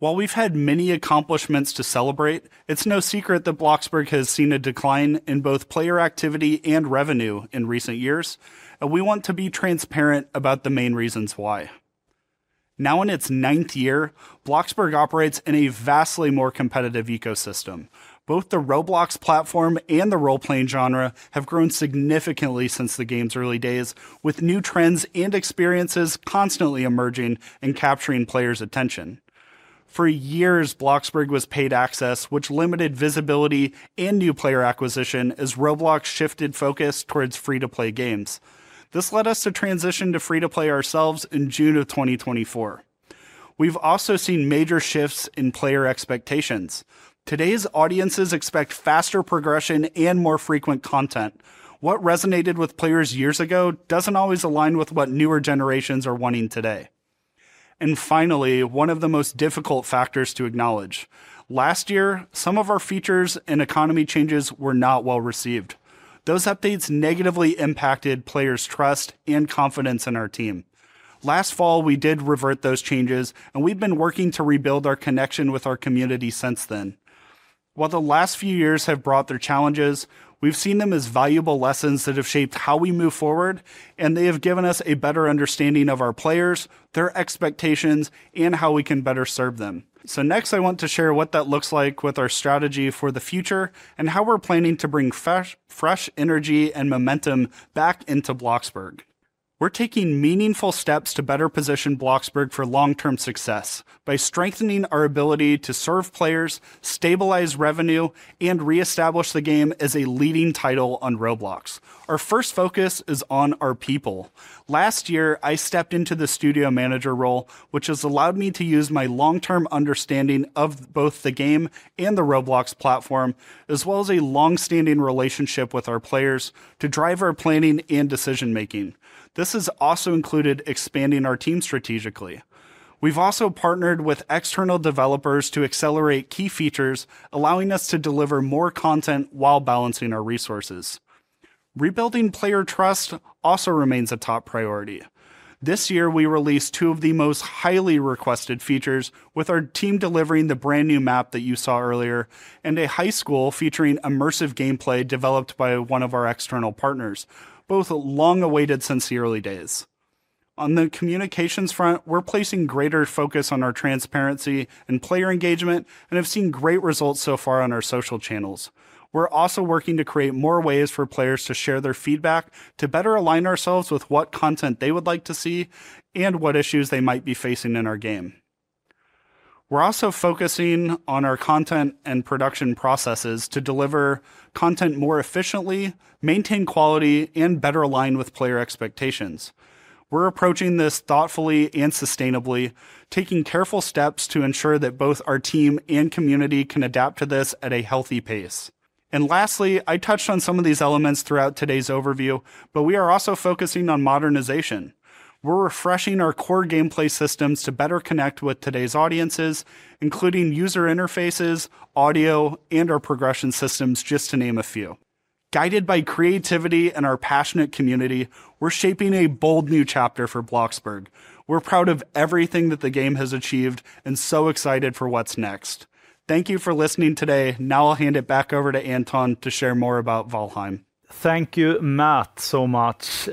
While we've had many accomplishments to celebrate, it's no secret that Bloxburg has seen a decline in both player activity and revenue in recent years, and we want to be transparent about the main reasons why. Now in its ninth year, Bloxburg operates in a vastly more competitive ecosystem. Both the Roblox platform and the role-playing genre have grown significantly since the game's early days, with new trends and experiences constantly emerging and capturing players' attention. For years, Bloxburg was paid access, which limited visibility and new player acquisition as Roblox shifted focus towards free-to-play games. This led us to transition to free-to-play ourselves in June of 2024. We've also seen major shifts in player expectations. Today's audiences expect faster progression and more frequent content. What resonated with players years ago does not always align with what newer generations are wanting today. Finally, one of the most difficult factors to acknowledge. Last year, some of our features and economy changes were not well received. Those updates negatively impacted players' trust and confidence in our team. Last fall, we did revert those changes, and we have been working to rebuild our connection with our community since then. While the last few years have brought their challenges, we have seen them as valuable lessons that have shaped how we move forward, and they have given us a better understanding of our players, their expectations, and how we can better serve them. Next, I want to share what that looks like with our strategy for the future and how we are planning to bring fresh energy and momentum back into Bloxburg. We're taking meaningful steps to better position Bloxburg for long-term success by strengthening our ability to serve players, stabilize revenue, and reestablish the game as a leading title on Roblox. Our first focus is on our people. Last year, I stepped into the Studio Manager role, which has allowed me to use my long-term understanding of both the game and the Roblox platform, as well as a long-standing relationship with our players to drive our planning and decision-making. This has also included expanding our team strategically. We've also partnered with external developers to accelerate key features, allowing us to deliver more content while balancing our resources. Rebuilding player trust also remains a top priority. This year, we released two of the most highly requested features, with our team delivering the brand new map that you saw earlier and a high school featuring immersive gameplay developed by one of our external partners, both long-awaited since the early days. On the communications front, we are placing greater focus on our transparency and player engagement and have seen great results so far on our social channels. We are also working to create more ways for players to share their feedback to better align ourselves with what content they would like to see and what issues they might be facing in our game. We are also focusing on our content and production processes to deliver content more efficiently, maintain quality, and better align with player expectations. We are approaching this thoughtfully and sustainably, taking careful steps to ensure that both our team and community can adapt to this at a healthy pace. Lastly, I touched on some of these elements throughout today's overview, but we are also focusing on modernization. We are refreshing our core gameplay systems to better connect with today's audiences, including user interfaces, audio, and our progression systems, just to name a few. Guided by creativity and our passionate community, we are shaping a bold new chapter for Bloxburg. We are proud of everything that the game has achieved and so excited for what is next. Thank you for listening today. Now I will hand it back over to Anton to share more about Valheim. Thank you, Matt, so much.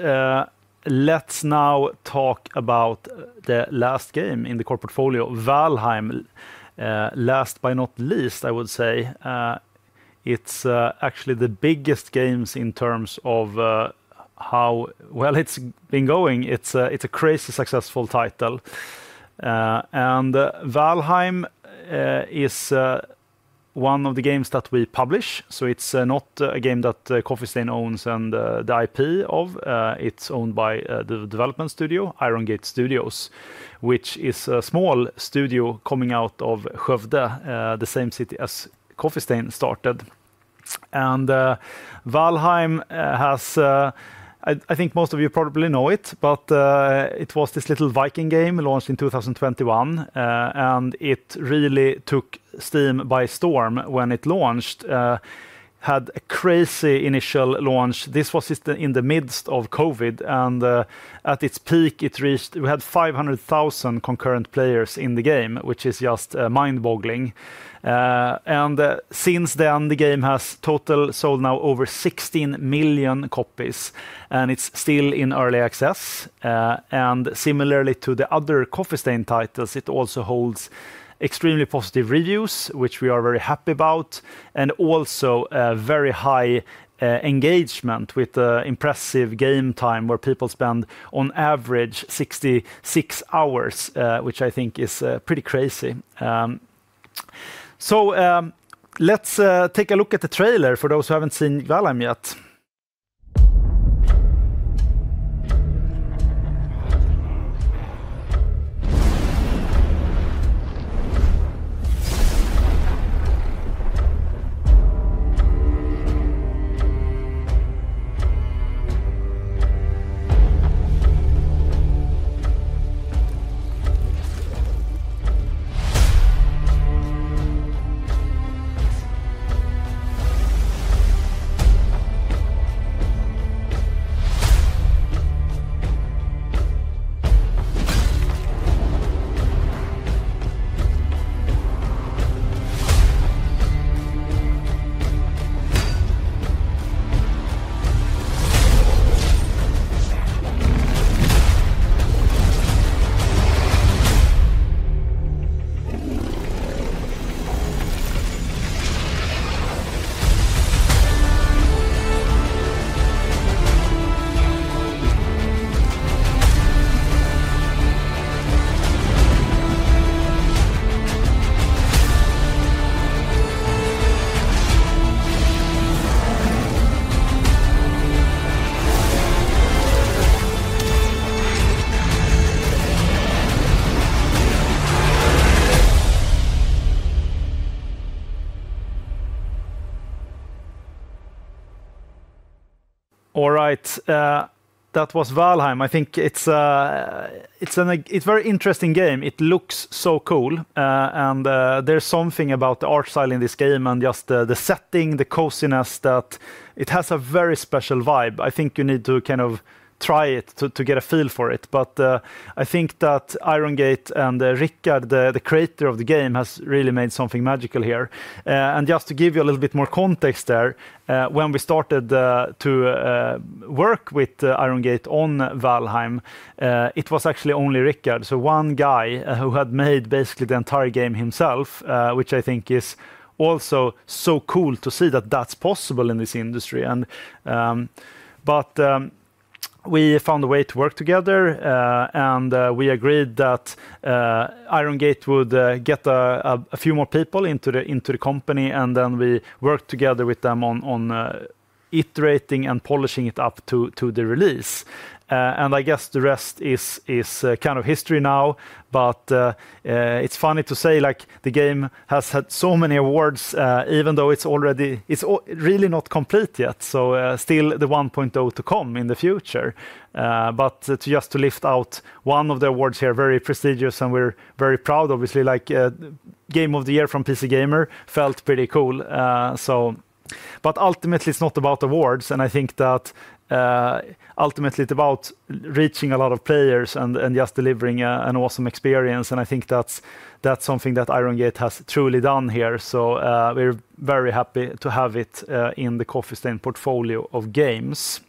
Let's now talk about the last game in the core portfolio, Valheim. Last but not least, I would say, it is actually the biggest game in terms of how well it has been going. It is a crazy successful title. Valheim is one of the games that we publish. It's not a game that Coffee Stain owns the IP of. It's owned by the development studio, Iron Gate Studios, which is a small studio coming out of Skövde, the same city as Coffee Stain started. Valheim has, I think most of you probably know it, but it was this little Viking game launched in 2021, and it really took Steam by storm when it launched. It had a crazy initial launch. This was in the midst of COVID, and at its peak, we had 500,000 concurrent players in the game, which is just mind-boggling. Since then, the game has total sold now over 16 million copies, and it's still in early access. Similarly to the other Coffee Stain titles, it also holds extremely positive reviews, which we are very happy about, and also a very high engagement with impressive game time where people spend on average 66 hours, which I think is pretty crazy. Let's take a look at the trailer for those who have not seen Valheim yet. All right, that was Valheim. I think it is a very interesting game. It looks so cool, and there is something about the art style in this game and just the setting, the coziness that it has a very special vibe. I think you need to kind of try it to get a feel for it. I think that Iron Gate and Richard, the creator of the game, have really made something magical here. To give you a little bit more context there, when we started to work with Iron Gate on Valheim, it was actually only Richard. One guy who had made basically the entire game himself, which I think is also so cool to see that that is possible in this industry. We found a way to work together, and we agreed that Iron Gate would get a few more people into the company, and then we worked together with them on iterating and polishing it up to the release. I guess the rest is kind of history now, but it is funny to say the game has had so many awards even though it is really not complete yet. Still the 1.0 to come in the future. Just to lift out one of the awards here, very prestigious and we're very proud, obviously, like Game of the Year from PC Gamer felt pretty cool. Ultimately, it's not about awards, and I think that ultimately it's about reaching a lot of players and just delivering an awesome experience. I think that's something that Iron Gate has truly done here. We're very happy to have it in the Coffee Stain portfolio of games.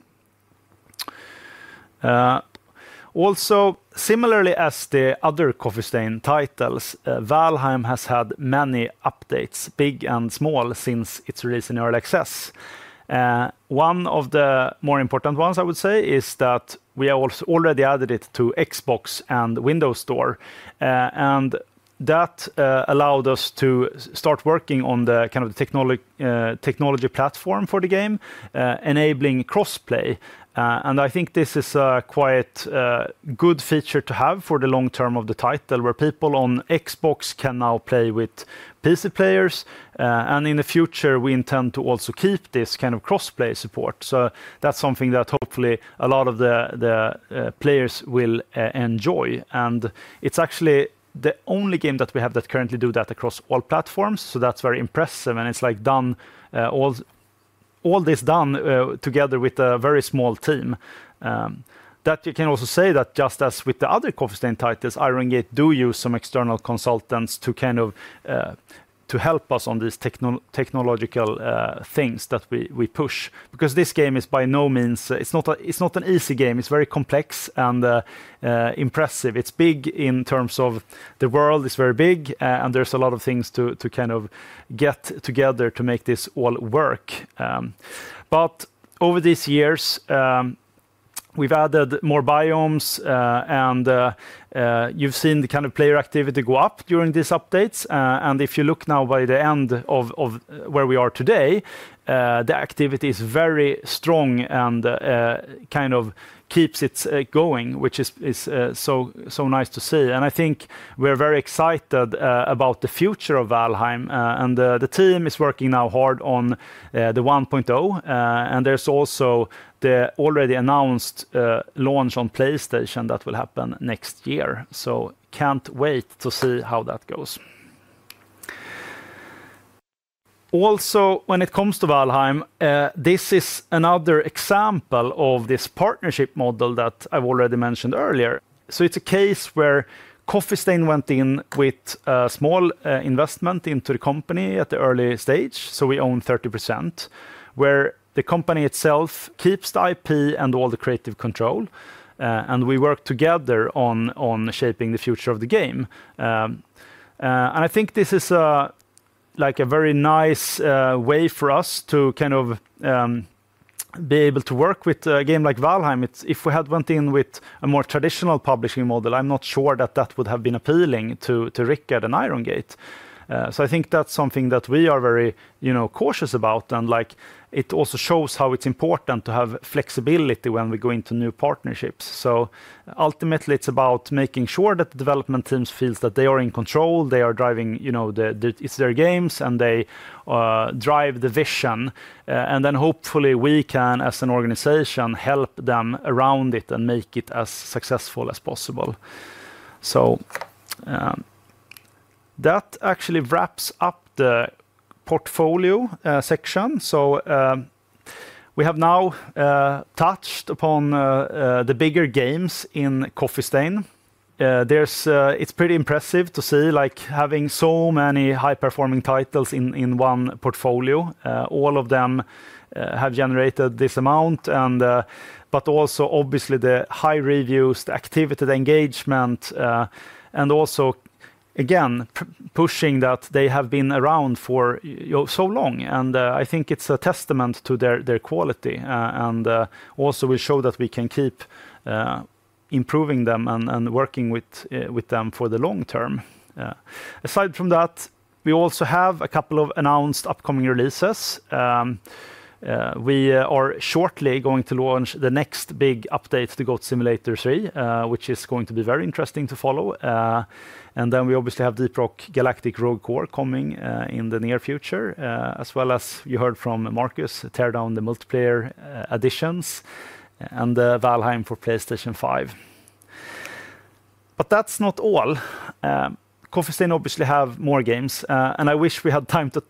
Also, similarly as the other Coffee Stain titles, Valheim has had many updates, big and small, since its release in early access. One of the more important ones, I would say, is that we have already added it to Xbox and Windows Store. That allowed us to start working on the technology platform for the game, enabling cross-play. I think this is a quite good feature to have for the long term of the title, where people on Xbox can now play with PC players. In the future, we intend to also keep this kind of cross-play support. That is something that hopefully a lot of the players will enjoy. It is actually the only game that we have that currently does that across all platforms. That is very impressive. It is like all this is done together with a very small team. You can also say that just as with the other Coffee Stain titles, Iron Gate do use some external consultants to help us on these technological things that we push. This game is by no means, it is not an easy game. It is very complex and impressive. It's big in terms of the world, it's very big, and there's a lot of things to kind of get together to make this all work. Over these years, we've added more biomes, and you've seen the kind of player activity go up during these updates. If you look now by the end of where we are today, the activity is very strong and kind of keeps it going, which is so nice to see. I think we're very excited about the future of Valheim. The team is working now hard on the 1.0, and there's also the already announced launch on PlayStation that will happen next year. I can't wait to see how that goes. Also, when it comes to Valheim, this is another example of this partnership model that I've already mentioned earlier. It's a case where Coffee Stain went in with a small investment into the company at the early stage. We own 30%, where the company itself keeps the IP and all the creative control. We work together on shaping the future of the game. I think this is like a very nice way for us to kind of be able to work with a game like Valheim. If we had went in with a more traditional publishing model, I'm not sure that that would have been appealing to Richard and Iron Gate. I think that's something that we are very cautious about. It also shows how it's important to have flexibility when we go into new partnerships. Ultimately, it's about making sure that the development teams feel that they are in control, they are driving their games, and they drive the vision. Hopefully we can, as an organization, help them around it and make it as successful as possible. That actually wraps up the portfolio section. We have now touched upon the bigger games in Coffee Stain. It's pretty impressive to see having so many high-performing titles in one portfolio. All of them have generated this amount, but also obviously the high reviews, the activity, the engagement, and also again, pushing that they have been around for so long. I think it's a testament to their quality. Also, we show that we can keep improving them and working with them for the long term. Aside from that, we also have a couple of announced upcoming releases. We are shortly going to launch the next big update to Goat Simulator 3, which is going to be very interesting to follow. Then we obviously have Deep Rock Galactic Rogue Core coming in the near future, as well as you heard from Marcus, Teardown, the multiplayer additions, and Valheim for PlayStation 5. That is not all. Coffee Stain obviously has more games, and I wish we had time to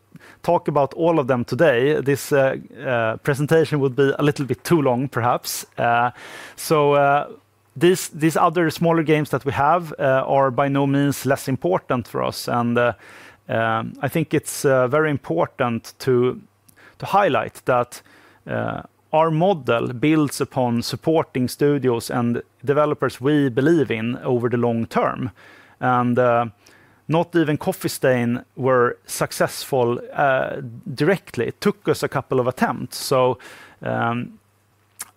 talk about all of them today. This presentation would be a little bit too long, perhaps. These other smaller games that we have are by no means less important for us. I think it is very important to highlight that our model builds upon supporting studios and developers we believe in over the long term. Not even Coffee Stain were successful directly. It took us a couple of attempts.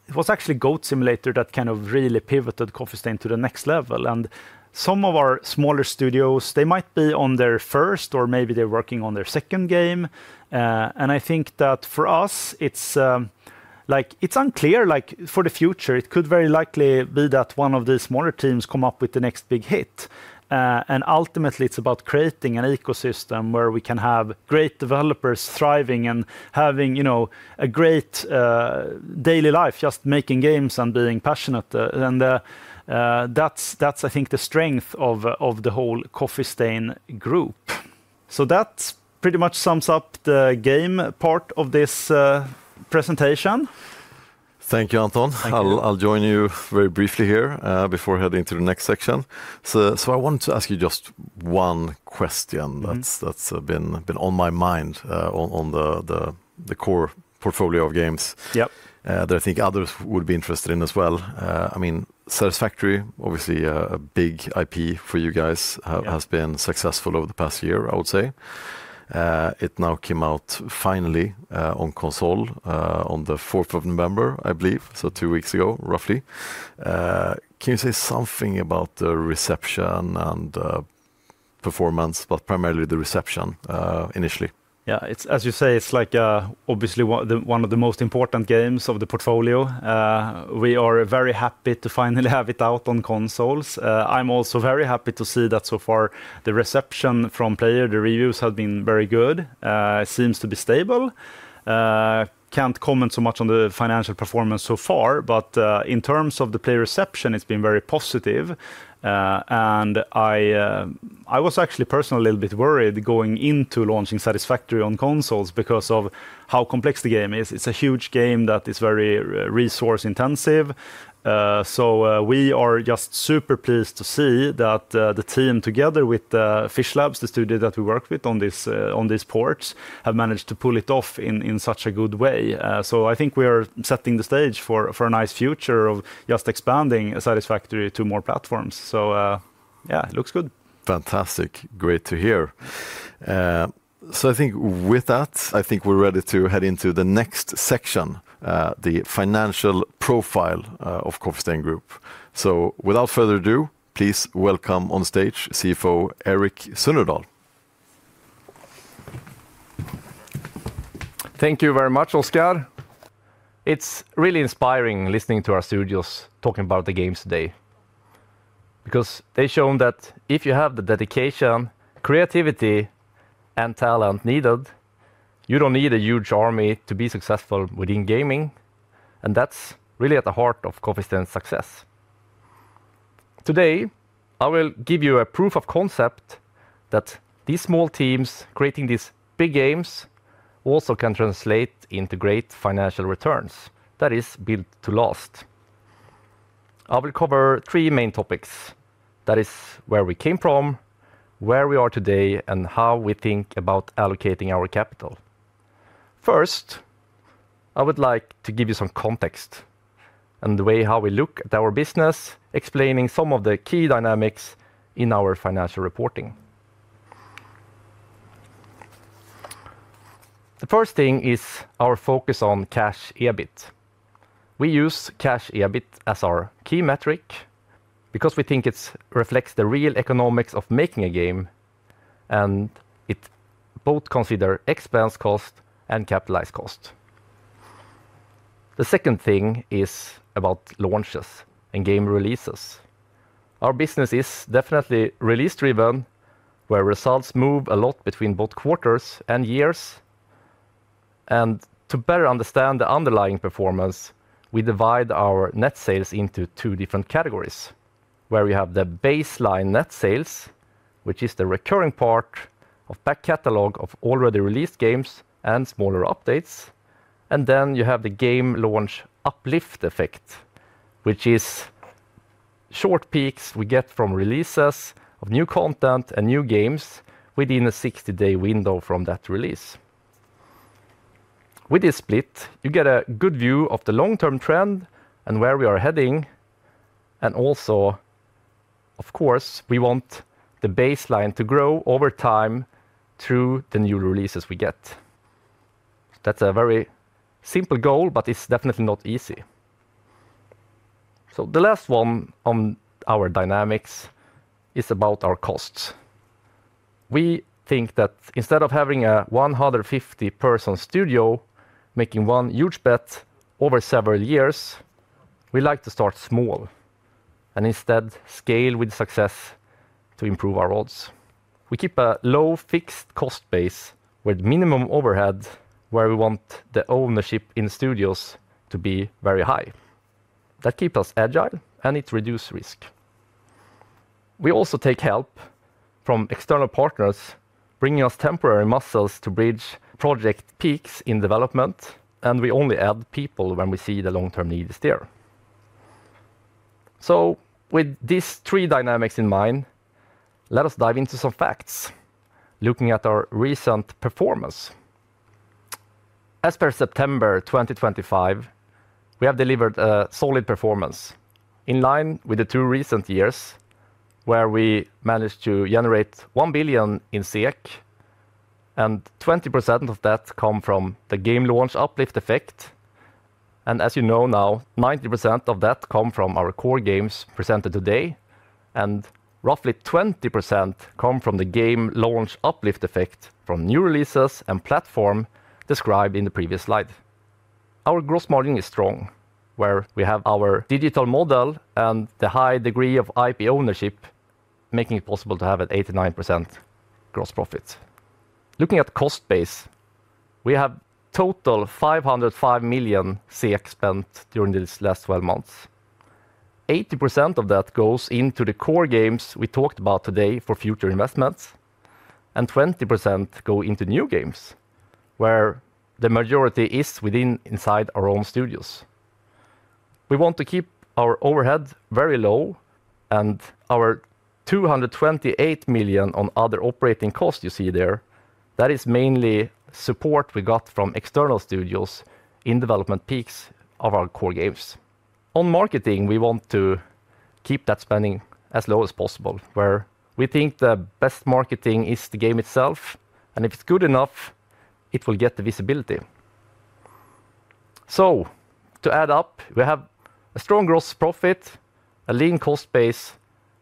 It was actually Goat Simulator that kind of really pivoted Coffee Stain to the next level. Some of our smaller studios might be on their first or maybe they're working on their second game. I think that for us, it's unclear for the future. It could very likely be that one of these smaller teams comes up with the next big hit. Ultimately, it's about creating an ecosystem where we can have great developers thriving and having a great daily life, just making games and being passionate. That's, I think, the strength of the whole Coffee Stain Group. That pretty much sums up the game part of this presentation. Thank you, Anton. I'll join you very briefly here before heading to the next section. I wanted to ask you just one question that's been on my mind on the core portfolio of games that I think others would be interested in as well. I mean, Satisfactory, obviously a big IP for you guys, has been successful over the past year, I would say. It now came out finally on console on the 4th of November, I believe. Two weeks ago, roughly. Can you say something about the reception and performance, but primarily the reception initially? Yeah, as you say, it's like obviously one of the most important games of the portfolio. We are very happy to finally have it out on consoles. I'm also very happy to see that so far the reception from players, the reviews have been very good. It seems to be stable. Can't comment so much on the financial performance so far, but in terms of the player reception, it's been very positive. I was actually personally a little bit worried going into launching Satisfactory on consoles because of how complex the game is. It's a huge game that is very resource intensive. We are just super pleased to see that the team together with Fishlabs, the studio that we work with on these ports, have managed to pull it off in such a good way. I think we are setting the stage for a nice future of just expanding Satisfactory to more platforms. Yeah, it looks good. Fantastic. Great to hear. I think with that, I think we're ready to head into the next section, the financial profile of Coffee Stain Group. Without further ado, please welcome on stage CFO Erik Sunnerdahl. Thank you very much, Oscar. It's really inspiring listening to our studios talking about the games today. Because they've shown that if you have the dedication, creativity, and talent needed, you don't need a huge army to be successful within gaming. That is really at the heart of Coffee Stain's success. Today, I will give you a proof of concept that these small teams creating these big games also can translate into great financial returns that is built to last. I will cover three main topics. That is where we came from, where we are today, and how we think about allocating our capital. First, I would like to give you some context and the way how we look at our business, explaining some of the key dynamics in our financial reporting. The first thing is our focus on cash EBIT. We use cash EBIT as our key metric because we think it reflects the real economics of making a game, and it both considers expense cost and capitalized cost. The second thing is about launches and game releases. Our business is definitely release-driven, where results move a lot between both quarters and years. To better understand the underlying performance, we divide our net sales into two different categories, where we have the baseline net sales, which is the recurring part of the back catalog of already released games and smaller updates. Then you have the game launch uplift effect, which is short peaks we get from releases of new content and new games within a 60-day window from that release. With this split, you get a good view of the long-term trend and where we are heading. Of course, we want the baseline to grow over time through the new releases we get. That is a very simple goal, but it is definitely not easy. The last one on our dynamics is about our costs. We think that instead of having a 150-person studio making one huge bet over several years, we like to start small and instead scale with success to improve our odds. We keep a low fixed cost base with minimum overhead, where we want the ownership in studios to be very high. That keeps us agile and it reduces risk. We also take help from external partners, bringing us temporary muscles to bridge project peaks in development, and we only add people when we see the long-term need is there. With these three dynamics in mind, let us dive into some facts, looking at our recent performance. As per September 2025, we have delivered a solid performance in line with the two recent years, where we managed to generate 1 billion, and 20% of that comes from the game launch uplift effect. As you know now, 90% of that comes from our core games presented today, and roughly 20% comes from the game launch uplift effect from new releases and platform described in the previous slide. Our gross margin is strong, where we have our digital model and the high degree of IP ownership, making it possible to have an 89% gross profit. Looking at cost base, we have a total of 505 million spent during these last 12 months. 80% of that goes into the core games we talked about today for future investments, and 20% go into new games, where the majority is inside our own studios. We want to keep our overhead very low, and our 228 million on other operating costs you see there, that is mainly support we got from external studios in development peaks of our core games. On marketing, we want to keep that spending as low as possible, where we think the best marketing is the game itself, and if it's good enough, it will get the visibility. To add up, we have a strong gross profit, a lean cost base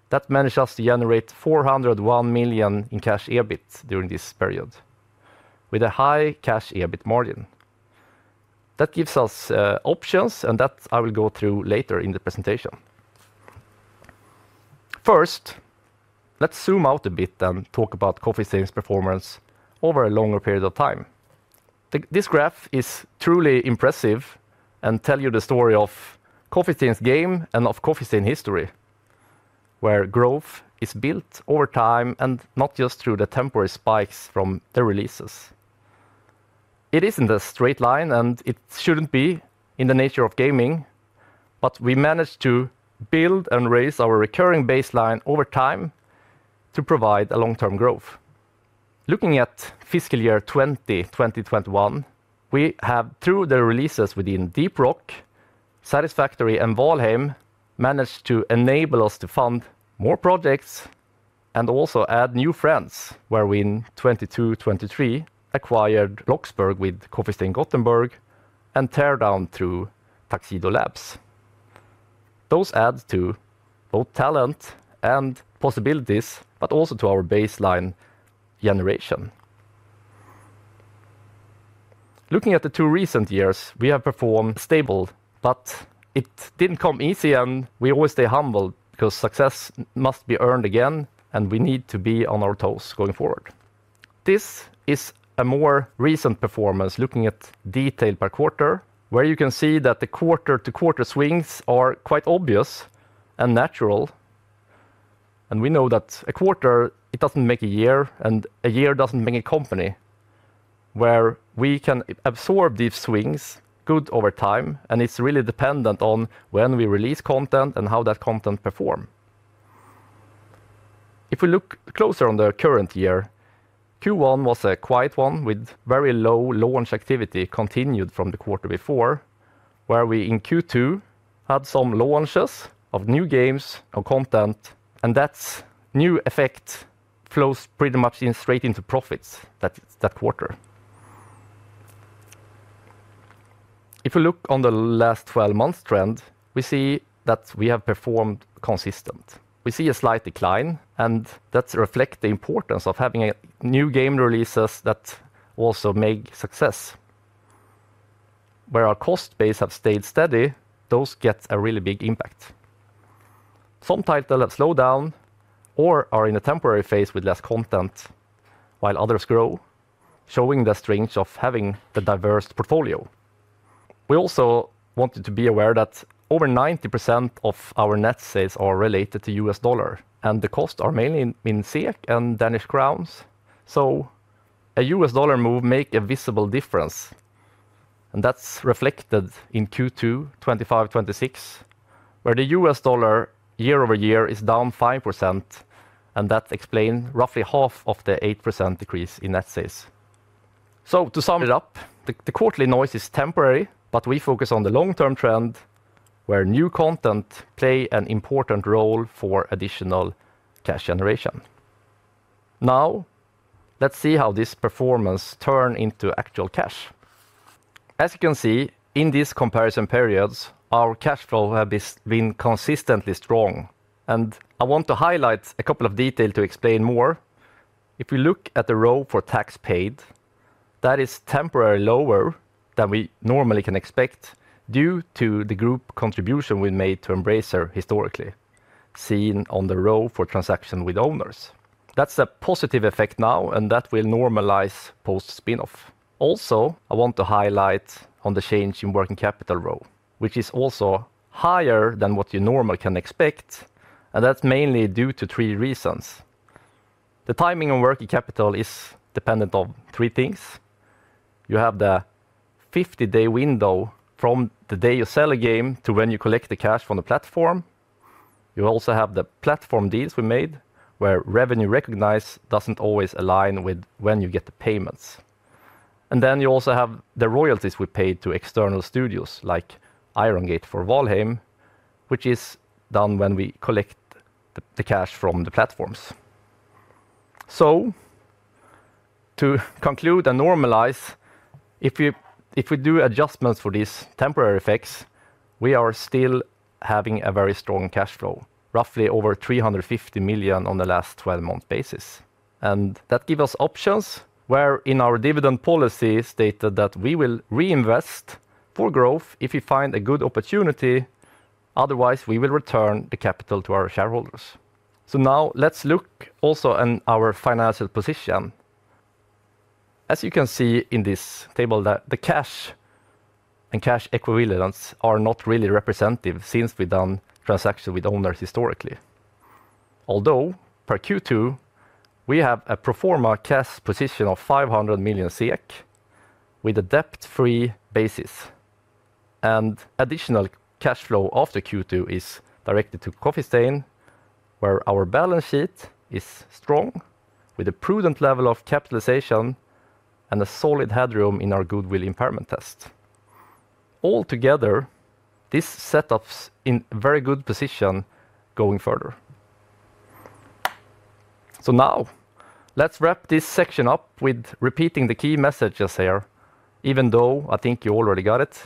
that manages us to generate 401 million in cash EBIT during this period, with a high cash EBIT margin. That gives us options, and that I will go through later in the presentation. First, let's zoom out a bit and talk about Coffee Stain's performance over a longer period of time. This graph is truly impressive and tells you the story of Coffee Stain's game and of Coffee Stain history, where growth is built over time and not just through the temporary spikes from the releases. It isn't a straight line, and it shouldn't be in the nature of gaming, but we managed to build and raise our recurring baseline over time to provide long-term growth. Looking at fiscal year 2020-2021, we have, through the releases within Deep Rock Galactic, Satisfactory, and Valheim, managed to enable us to fund more projects and also add new friends, where we in 2022-2023 acquired Loxberg with Coffee Stain Gothenburg and Teardown through Tuxedo Labs. Those add to both talent and possibilities, but also to our baseline generation. Looking at the two recent years, we have performed stable, but it didn't come easy, and we always stay humble because success must be earned again, and we need to be on our toes going forward. This is a more recent performance, looking at detail per quarter, where you can see that the quarter-to-quarter swings are quite obvious and natural. We know that a quarter does not make a year, and a year does not make a company, where we can absorb these swings good over time, and it is really dependent on when we release content and how that content performs. If we look closer on the current year, Q1 was a quiet one with very low launch activity continued from the quarter before, where we in Q2 had some launches of new games and content, and that new effect flows pretty much straight into profits that quarter. If we look on the last 12 months trend, we see that we have performed consistently. We see a slight decline, and that reflects the importance of having new game releases that also make success. Where our cost base has stayed steady, those get a really big impact. Some titles have slowed down or are in a temporary phase with less content, while others grow, showing the strength of having a diverse portfolio. We also want you to be aware that over 90% of our net sales are related to U.S. dollar, and the costs are mainly in SEK and Danish krone. A U.S. dollar move makes a visible difference, and that's reflected in Q2 2025-2026, where the U.S. dollar year-over-year is down 5%, and that explains roughly half of the 8% decrease in net sales. To sum it up, the quarterly noise is temporary, but we focus on the long-term trend, where new content plays an important role for additional cash generation. Now, let's see how this performance turns into actual cash. As you can see, in these comparison periods, our cash flow has been consistently strong, and I want to highlight a couple of details to explain more. If we look at the row for tax paid, that is temporarily lower than we normally can expect due to the group contribution we made to Embracer historically, seen on the row for transactions with owners. That is a positive effect now, and that will normalize post-spinoff. Also, I want to highlight the change in working capital row, which is also higher than what you normally can expect, and that is mainly due to three reasons. The timing on working capital is dependent on three things. You have the 50-day window from the day you sell a game to when you collect the cash from the platform. You also have the platform deals we made, where revenue recognized does not always align with when you get the payments. You also have the royalties we paid to external studios, like Iron Gate for Valheim, which is done when we collect the cash from the platforms. To conclude and normalize, if we do adjustments for these temporary effects, we are still having a very strong cash flow, roughly over 350 million on the last 12-month basis. That gives us options, where in our dividend policy stated that we will reinvest for growth if we find a good opportunity. Otherwise, we will return the capital to our shareholders. Now let's look also at our financial position. As you can see in this table, the cash and cash equivalents are not really representative since we have done transactions with owners historically. Although per Q2, we have a proforma cash position of 500 million SEK with a debt-free basis, and additional cash flow after Q2 is directed to Coffee Stain, where our balance sheet is strong with a prudent level of capitalization and a solid headroom in our goodwill impairment test. Altogether, this setup is in a very good position going further. Now let's wrap this section up with repeating the key messages here, even though I think you already got it.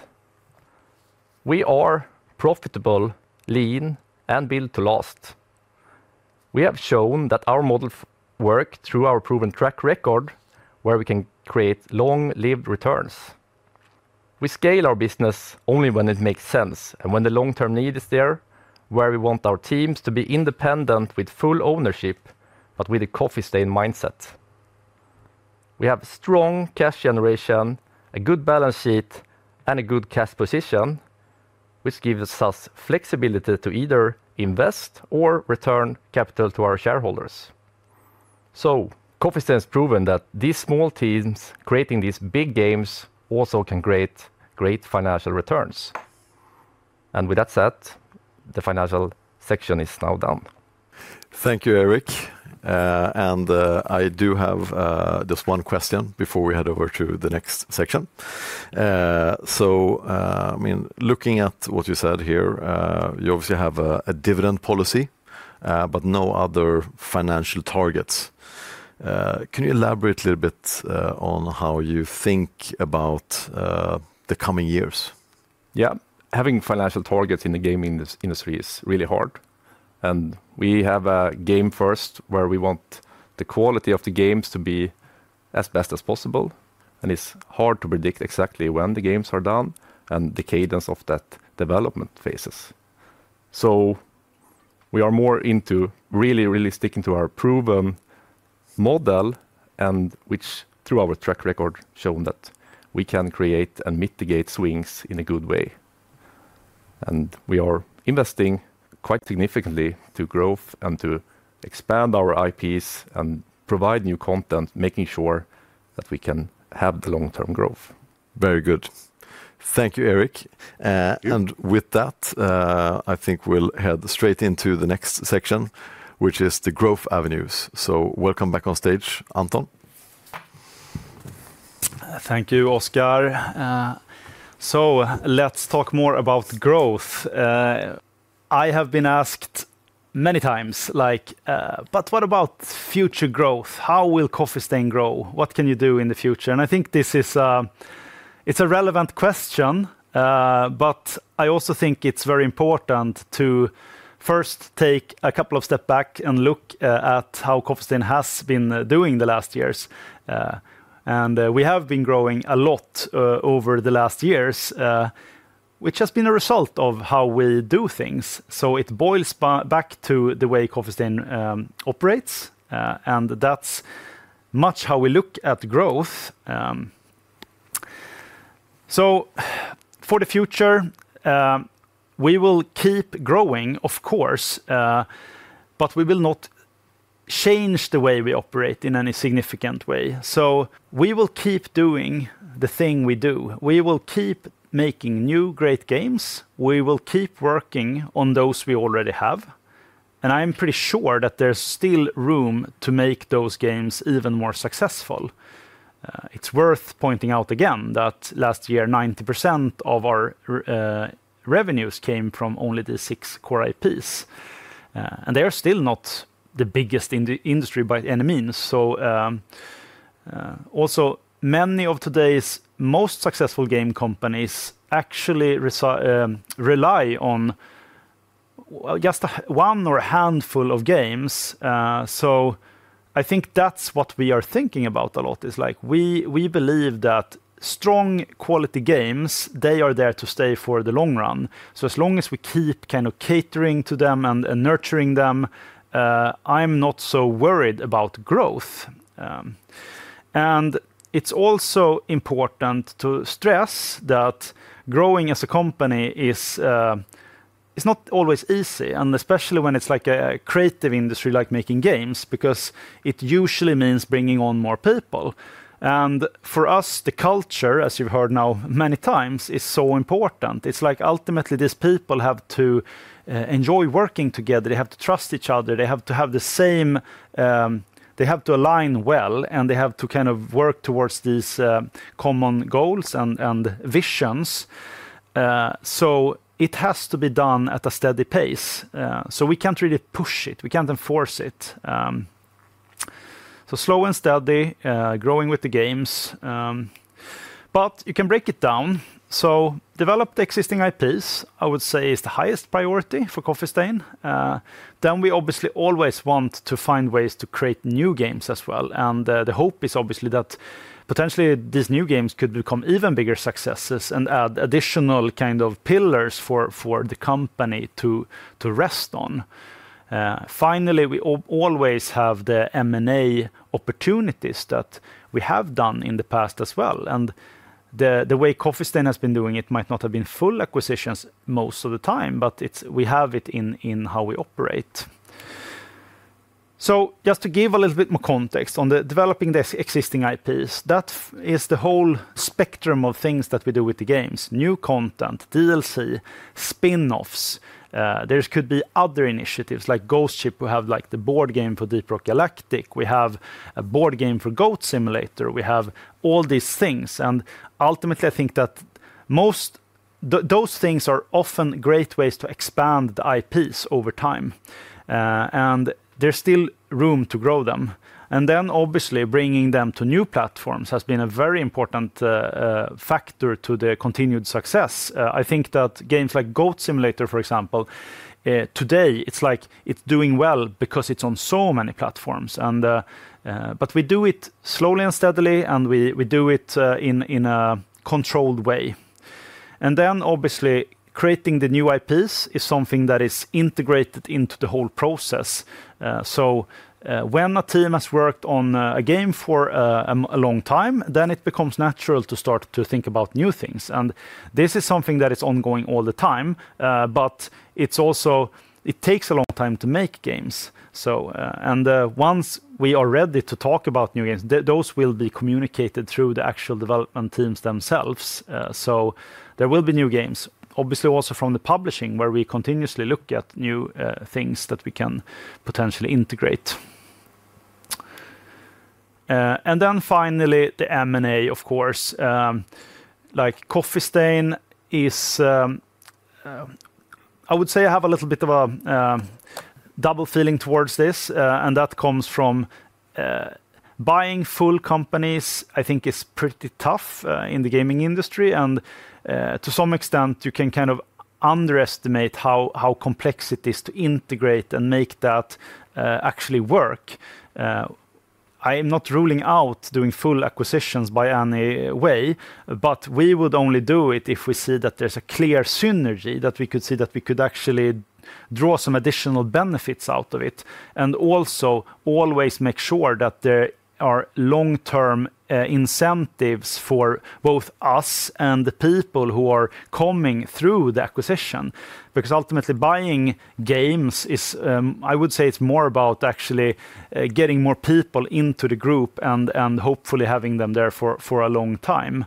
We are profitable, lean, and built to last. We have shown that our model works through our proven track record, where we can create long-lived returns. We scale our business only when it makes sense and when the long-term need is there, where we want our teams to be independent with full ownership, but with a Coffee Stain mindset. We have strong cash generation, a good balance sheet, and a good cash position, which gives us flexibility to either invest or return capital to our shareholders. Coffee Stain's proven that these small teams creating these big games also can create great financial returns. With that said, the financial section is now done. Thank you, Erik. I do have just one question before we head over to the next section. Looking at what you said here, you obviously have a dividend policy, but no other financial targets. Can you elaborate a little bit on how you think about the coming years? Yeah, having financial targets in the gaming industry is really hard. We have a game first, where we want the quality of the games to be as best as possible. It is hard to predict exactly when the games are done and the cadence of that development phases. We are more into really, really sticking to our proven model, which through our track record shows that we can create and mitigate swings in a good way. We are investing quite significantly to growth and to expand our IPs and provide new content, making sure that we can have the long-term growth. Very good. Thank you, Erik. With that, I think we'll head straight into the next section, which is the growth avenues. Welcome back on stage, Anton. Thank you, Oscar. Let's talk more about growth. I have been asked many times, like, but what about future growth? How will Coffee Stain grow? What can you do in the future? I think this is a relevant question, but I also think it's very important to first take a couple of steps back and look at how Coffee Stain has been doing the last years. We have been growing a lot over the last years, which has been a result of how we do things. It boils back to the way Coffee Stain operates, and that's much how we look at growth. For the future, we will keep growing, of course, but we will not change the way we operate in any significant way. We will keep doing the thing we do. We will keep making new great games. We will keep working on those we already have. I'm pretty sure that there's still room to make those games even more successful. It's worth pointing out again that last year, 90% of our revenues came from only these six core IPs. They are still not the biggest in the industry by any means. Also, many of today's most successful game companies actually rely on just one or a handful of games. I think that's what we are thinking about a lot. It's like we believe that strong quality games, they are there to stay for the long run. As long as we keep kind of catering to them and nurturing them, I'm not so worried about growth. It's also important to stress that growing as a company is not always easy, especially when it's like a creative industry like making games, because it usually means bringing on more people. For us, the culture, as you've heard now many times, is so important. It's like ultimately these people have to enjoy working together. They have to trust each other. They have to have the same, they have to align well, and they have to kind of work towards these common goals and visions. It has to be done at a steady pace. We can't really push it. We can't enforce it. Slow and steady, growing with the games. You can break it down. Develop the existing IPs, I would say, is the highest priority for Coffee Stain. We obviously always want to find ways to create new games as well. The hope is obviously that potentially these new games could become even bigger successes and add additional kind of pillars for the company to rest on. Finally, we always have the M&A opportunities that we have done in the past as well. The way Coffee Stain has been doing it might not have been full acquisitions most of the time, but we have it in how we operate. Just to give a little bit more context on developing the existing IPs, that is the whole spectrum of things that we do with the games: new content, DLC, spinoffs. There could be other initiatives like Ghost Ship. We have the board game for Deep Rock Galactic. We have a board game for Goat Simulator. We have all these things. Ultimately, I think that most of those things are often great ways to expand the IPs over time. There is still room to grow them. Obviously, bringing them to new platforms has been a very important factor to the continued success. I think that games like Goat Simulator, for example, today it's like it's doing well because it's on so many platforms. We do it slowly and steadily, and we do it in a controlled way. Obviously, creating the new IPs is something that is integrated into the whole process. When a team has worked on a game for a long time, then it becomes natural to start to think about new things. This is something that is ongoing all the time, but it also takes a long time to make games. Once we are ready to talk about new games, those will be communicated through the actual development teams themselves. There will be new games, obviously also from the publishing, where we continuously look at new things that we can potentially integrate. Finally, the M&A, of course. Like Coffee Stain is, I would say I have a little bit of a double feeling towards this, and that comes from buying full companies, I think is pretty tough in the gaming industry. To some extent, you can kind of underestimate how complex it is to integrate and make that actually work. I'm not ruling out doing full acquisitions by any way, but we would only do it if we see that there's a clear synergy that we could see that we could actually draw some additional benefits out of it. Also always make sure that there are long-term incentives for both us and the people who are coming through the acquisition, because ultimately buying games is, I would say it's more about actually getting more people into the group and hopefully having them there for a long time.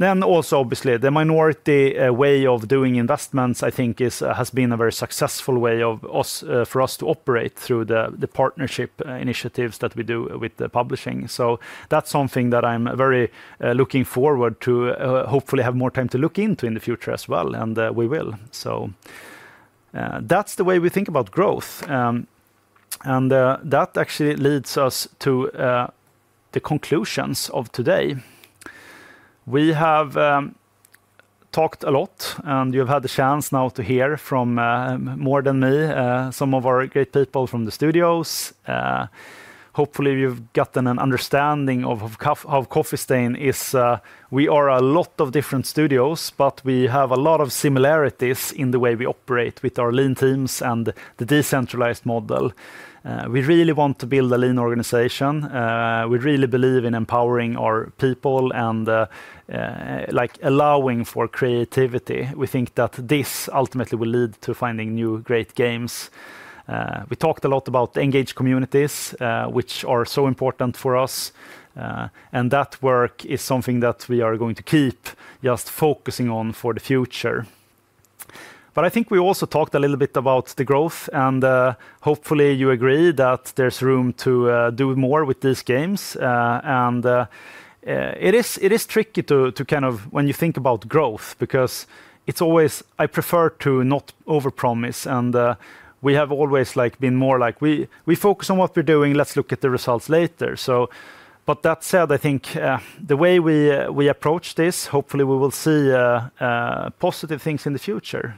Then also obviously the minority way of doing investments, I think, has been a very successful way for us to operate through the partnership initiatives that we do with the publishing. That is something that I'm very looking forward to, hopefully have more time to look into in the future as well. We will. That is the way we think about growth. That actually leads us to the conclusions of today. We have talked a lot, and you've had the chance now to hear from more than me, some of our great people from the studios. Hopefully you've gotten an understanding of how Coffee Stain is. We are a lot of different studios, but we have a lot of similarities in the way we operate with our lean teams and the decentralized model. We really want to build a lean organization. We really believe in empowering our people and allowing for creativity. We think that this ultimately will lead to finding new great games. We talked a lot about engaged communities, which are so important for us. That work is something that we are going to keep just focusing on for the future. I think we also talked a little bit about the growth, and hopefully you agree that there's room to do more with these games. It is tricky to kind of, when you think about growth, because it's always I prefer to not overpromise. We have always been more like we focus on what we're doing. Let's look at the results later. That said, I think the way we approach this, hopefully we will see positive things in the future.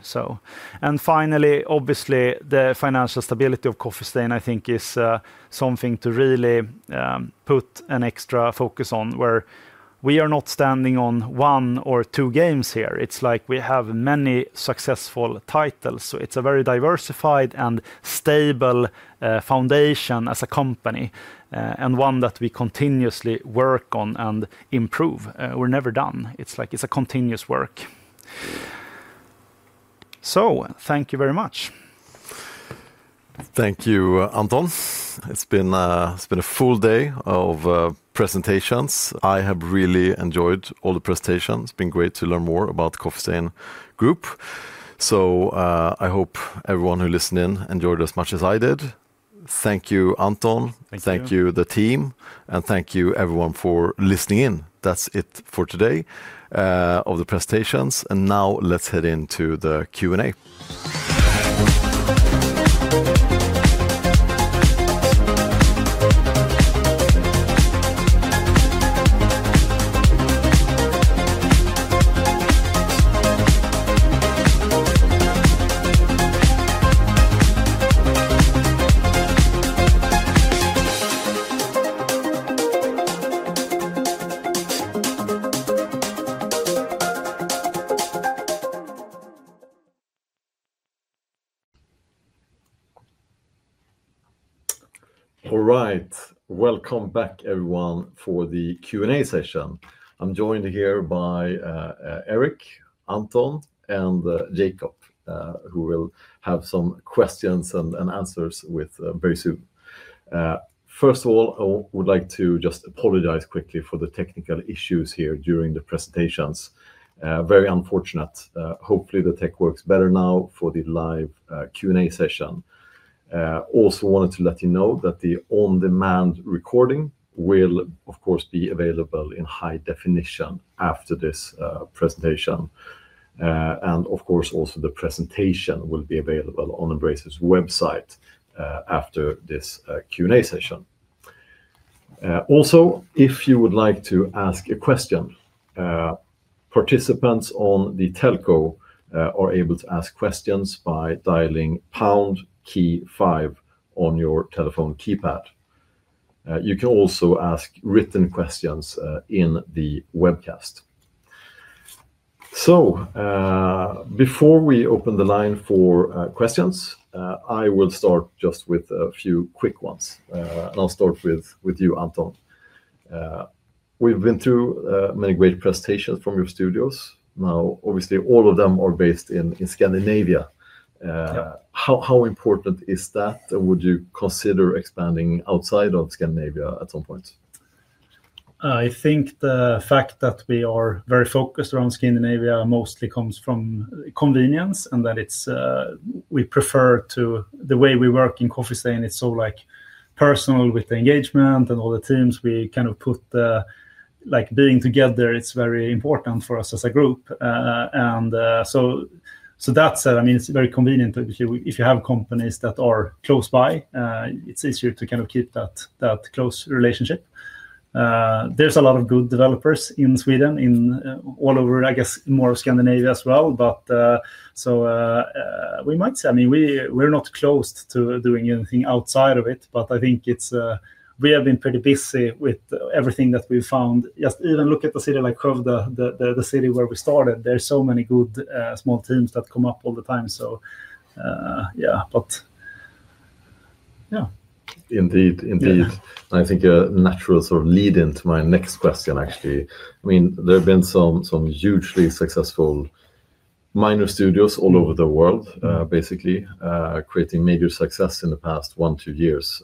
And finally, obviously the financial stability of Coffee Stain, I think is something to really put an extra focus on, where we are not standing on one or two games here. It's like we have many successful titles. It is a very diversified and stable foundation as a company and one that we continuously work on and improve. We're never done. It's like it's a continuous work. Thank you very much. Thank you, Anton. It has been a full day of presentations. I have really enjoyed all the presentations. It has been great to learn more about Coffee Stain Group. I hope everyone who listened in enjoyed as much as I did. Thank you, Anton. Thank you, the team. And thank you, everyone, for listening in. That is it for today of the presentations. Now let's head into the Q&A. All right, welcome back, everyone, for the Q&A session. I'm joined here by Erik, Anton, and Jacob, who will have some questions and answers with you very soon. First of all, I would like to just apologize quickly for the technical issues here during the presentations. Very unfortunate. Hopefully the tech works better now for the live Q&A session. Also wanted to let you know that the on-demand recording will, of course, be available in high definition after this presentation. Of course, also the presentation will be available on Embracer's website after this Q&A session. Also, if you would like to ask a question, participants on the telco are able to ask questions by dialing pound key five on your telephone keypad. You can also ask written questions in the webcast. Before we open the line for questions, I will start just with a few quick ones. I'll start with you, Anton. We've been through many great presentations from your studios. Now, obviously, all of them are based in Scandinavia. How important is that? Would you consider expanding outside of Scandinavia at some point? I think the fact that we are very focused around Scandinavia mostly comes from convenience and that it's we prefer to the way we work in Coffee Stain, it's so personal with the engagement and all the teams. We kind of put like being together, it's very important for us as a group. That said, I mean, it's very convenient if you have companies that are close by, it's easier to kind of keep that close relationship. There's a lot of good developers in Sweden, in all over, I guess, more of Scandinavia as well. We might say, I mean, we're not closed to doing anything outside of it, but I think we have been pretty busy with everything that we've found. Just even look at the city like Skövde, the city where we started. There are so many good small teams that come up all the time. Yeah. Indeed, indeed. I think a natural sort of lead into my next question, actually. I mean, there have been some hugely successful minor studios all over the world, basically creating major success in the past one, two years,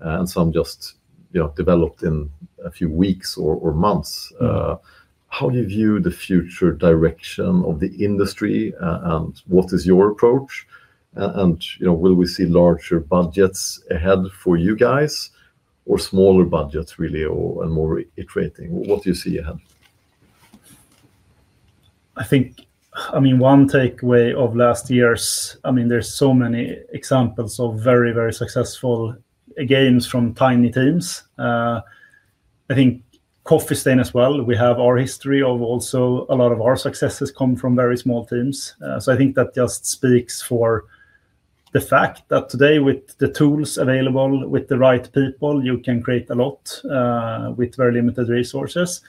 and some just developed in a few weeks or months. How do you view the future direction of the industry and what is your approach? Will we see larger budgets ahead for you guys or smaller budgets really and more iterating? What do you see ahead? I think, I mean, one takeaway of last year's, I mean, there are so many examples of very, very successful games from tiny teams. I think Coffee Stain as well, we have our history of also a lot of our successes come from very small teams. I think that just speaks for the fact that today with the tools available, with the right people, you can create a lot with very limited resources.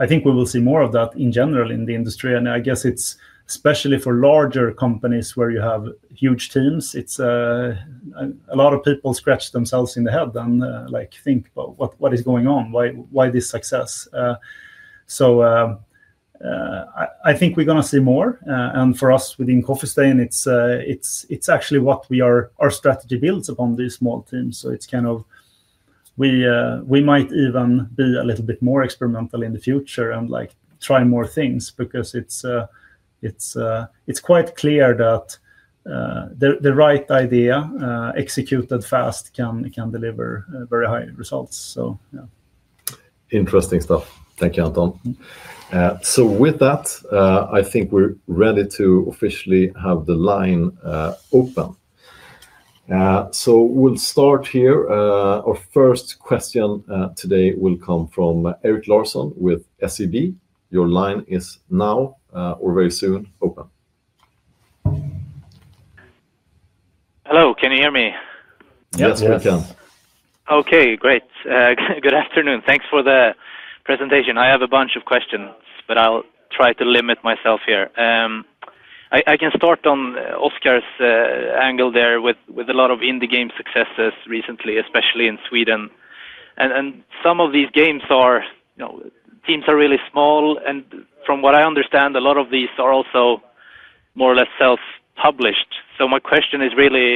I think we will see more of that in general in the industry. I guess it's especially for larger companies where you have huge teams, it's a lot of people scratch themselves in the head and think, what is going on? Why this success? I think we're going to see more. For us within Coffee Stain, it's actually what our strategy builds upon, these small teams. It's kind of we might even be a little bit more experimental in the future and try more things because it's quite clear that the right idea executed fast can deliver very high results. Yeah. Interesting stuff. Thank you, Anton. With that, I think we're ready to officially have the line open. We'll start here. Our first question today will come from Erik Larsson with SEB. Your line is now or very soon open. Hello, can you hear me? Yes, we can. Okay, great. Good afternoon. Thanks for the presentation. I have a bunch of questions, but I'll try to limit myself here. I can start on Oscar's angle there with a lot of indie game successes recently, especially in Sweden. Some of these games or teams are really small. From what I understand, a lot of these are also more or less self-published. My question is really,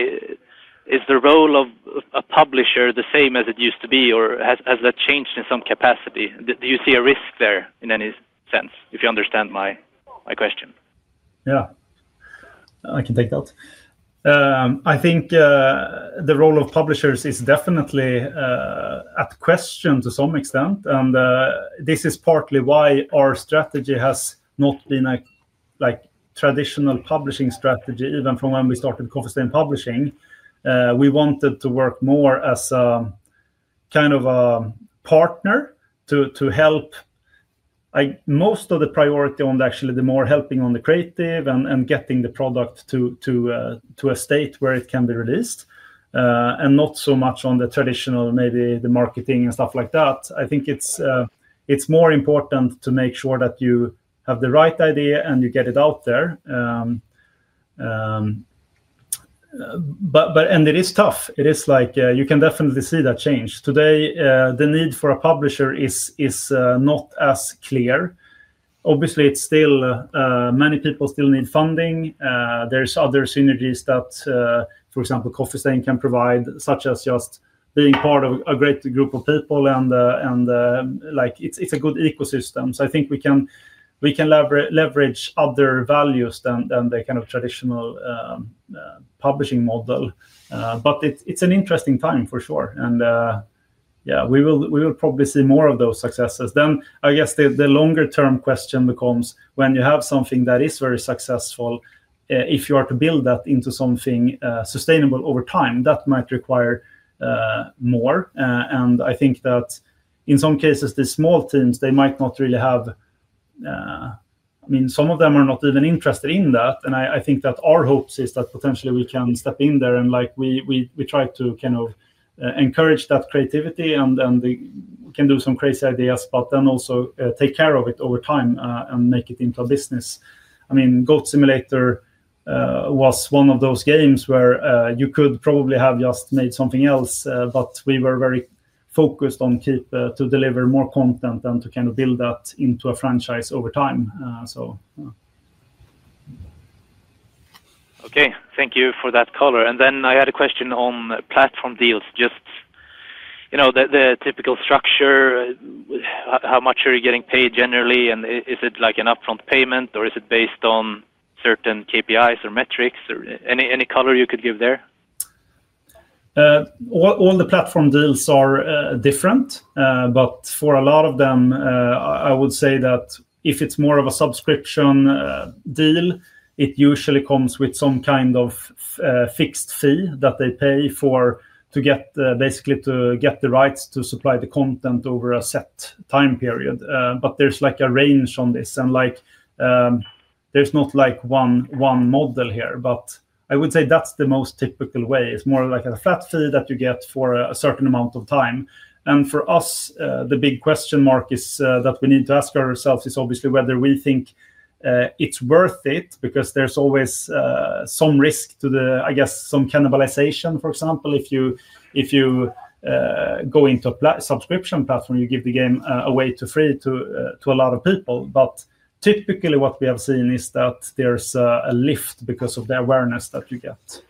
is the role of a publisher the same as it used to be, or has that changed in some capacity? Do you see a risk there in any sense, if you understand my question? Yeah, I can take that. I think the role of publishers is definitely at question to some extent. This is partly why our strategy has not been a traditional publishing strategy, even from when we started Coffee Stain Publishing. We wanted to work more as a kind of a partner to help, most of the priority on actually the more helping on the creative and getting the product to a state where it can be released and not so much on the traditional, maybe the marketing and stuff like that. I think it's more important to make sure that you have the right idea and you get it out there. It is tough. You can definitely see that change. Today, the need for a publisher is not as clear. Obviously, many people still need funding. There are other synergies that, for example, Coffee Stain can provide, such as just being part of a great group of people. It is a good ecosystem. I think we can leverage other values than the kind of traditional publishing model. It is an interesting time for sure. Yeah, we will probably see more of those successes. I guess the longer-term question becomes when you have something that is very successful, if you are to build that into something sustainable over time, that might require more. I think that in some cases, the small teams, they might not really have, I mean, some of them are not even interested in that. I think that our hopes is that potentially we can step in there and we try to kind of encourage that creativity and we can do some crazy ideas, but then also take care of it over time and make it into a business. I mean, Goat Simulator was one of those games where you could probably have just made something else, but we were very focused on keep to deliver more content and to kind of build that into a franchise over time. Okay, thank you for that color. I had a question on platform deals, just the typical structure, how much are you getting paid generally, and is it like an upfront payment or is it based on certain KPIs or metrics or any color you could give there? All the platform deals are different, but for a lot of them, I would say that if it's more of a subscription deal, it usually comes with some kind of fixed fee that they pay to get basically to get the rights to supply the content over a set time period. There's a range on this. There's not one model here, but I would say that's the most typical way. It's more like a flat fee that you get for a certain amount of time. For us, the big question mark that we need to ask ourselves is obviously whether we think it's worth it because there's always some risk to the, I guess, some cannibalization, for example, if you go into a subscription platform, you give the game away for free to a lot of people. Typically what we have seen is that there's a lift because of the awareness that you get.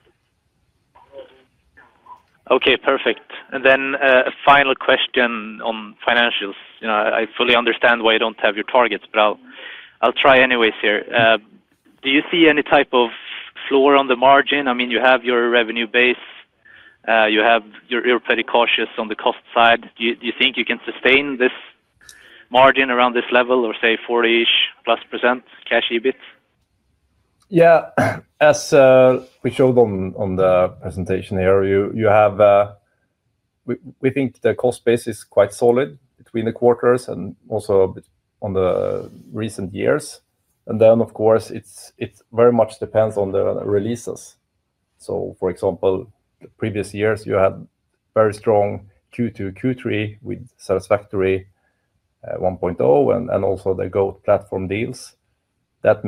Okay, perfect. A final question on financials. I fully understand why you do not have your targets, but I will try anyways here. Do you see any type of floor on the margin? I mean, you have your revenue base, you are pretty cautious on the cost side. Do you think you can sustain this margin around this level or say 40% plus cash EBIT? Yeah, as we showed on the presentation here, we think the cost base is quite solid between the quarters and also in the recent years. Of course, it very much depends on the releases. For example, the previous years, you had very strong Q2, Q3 with Satisfactory 1.0 and also the Goat platform deals. That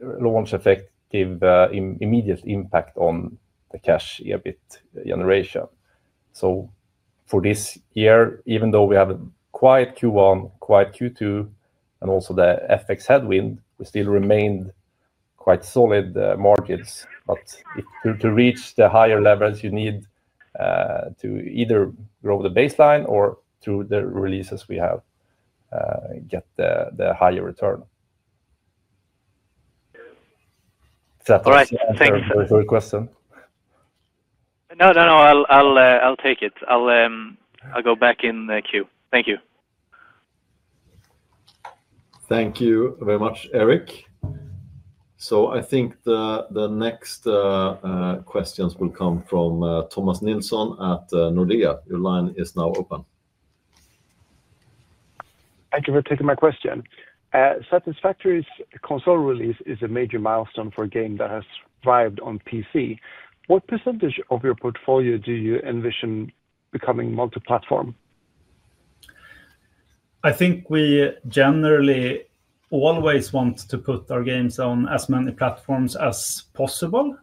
launch effect gave immediate impact on the cash EBIT generation. For this year, even though we have a quiet Q1, quiet Q2, and also the FX headwind, we still remained quite solid margins. To reach the higher levels, you need to either grow the baseline or through the releases we have, get the higher return. All right, thanks. Thanks for your question. I'll take it. I'll go back in the queue. Thank you. Thank you very much, Erik. I think the next questions will come from Thomas Nilsson at Nordea. Your line is now open. Thank you for taking my question. Satisfactory's console release is a major milestone for a game that has arrived on PC. What percentage of your portfolio do you envision becoming multi-platform? I think we generally always want to put our games on as many platforms as possible.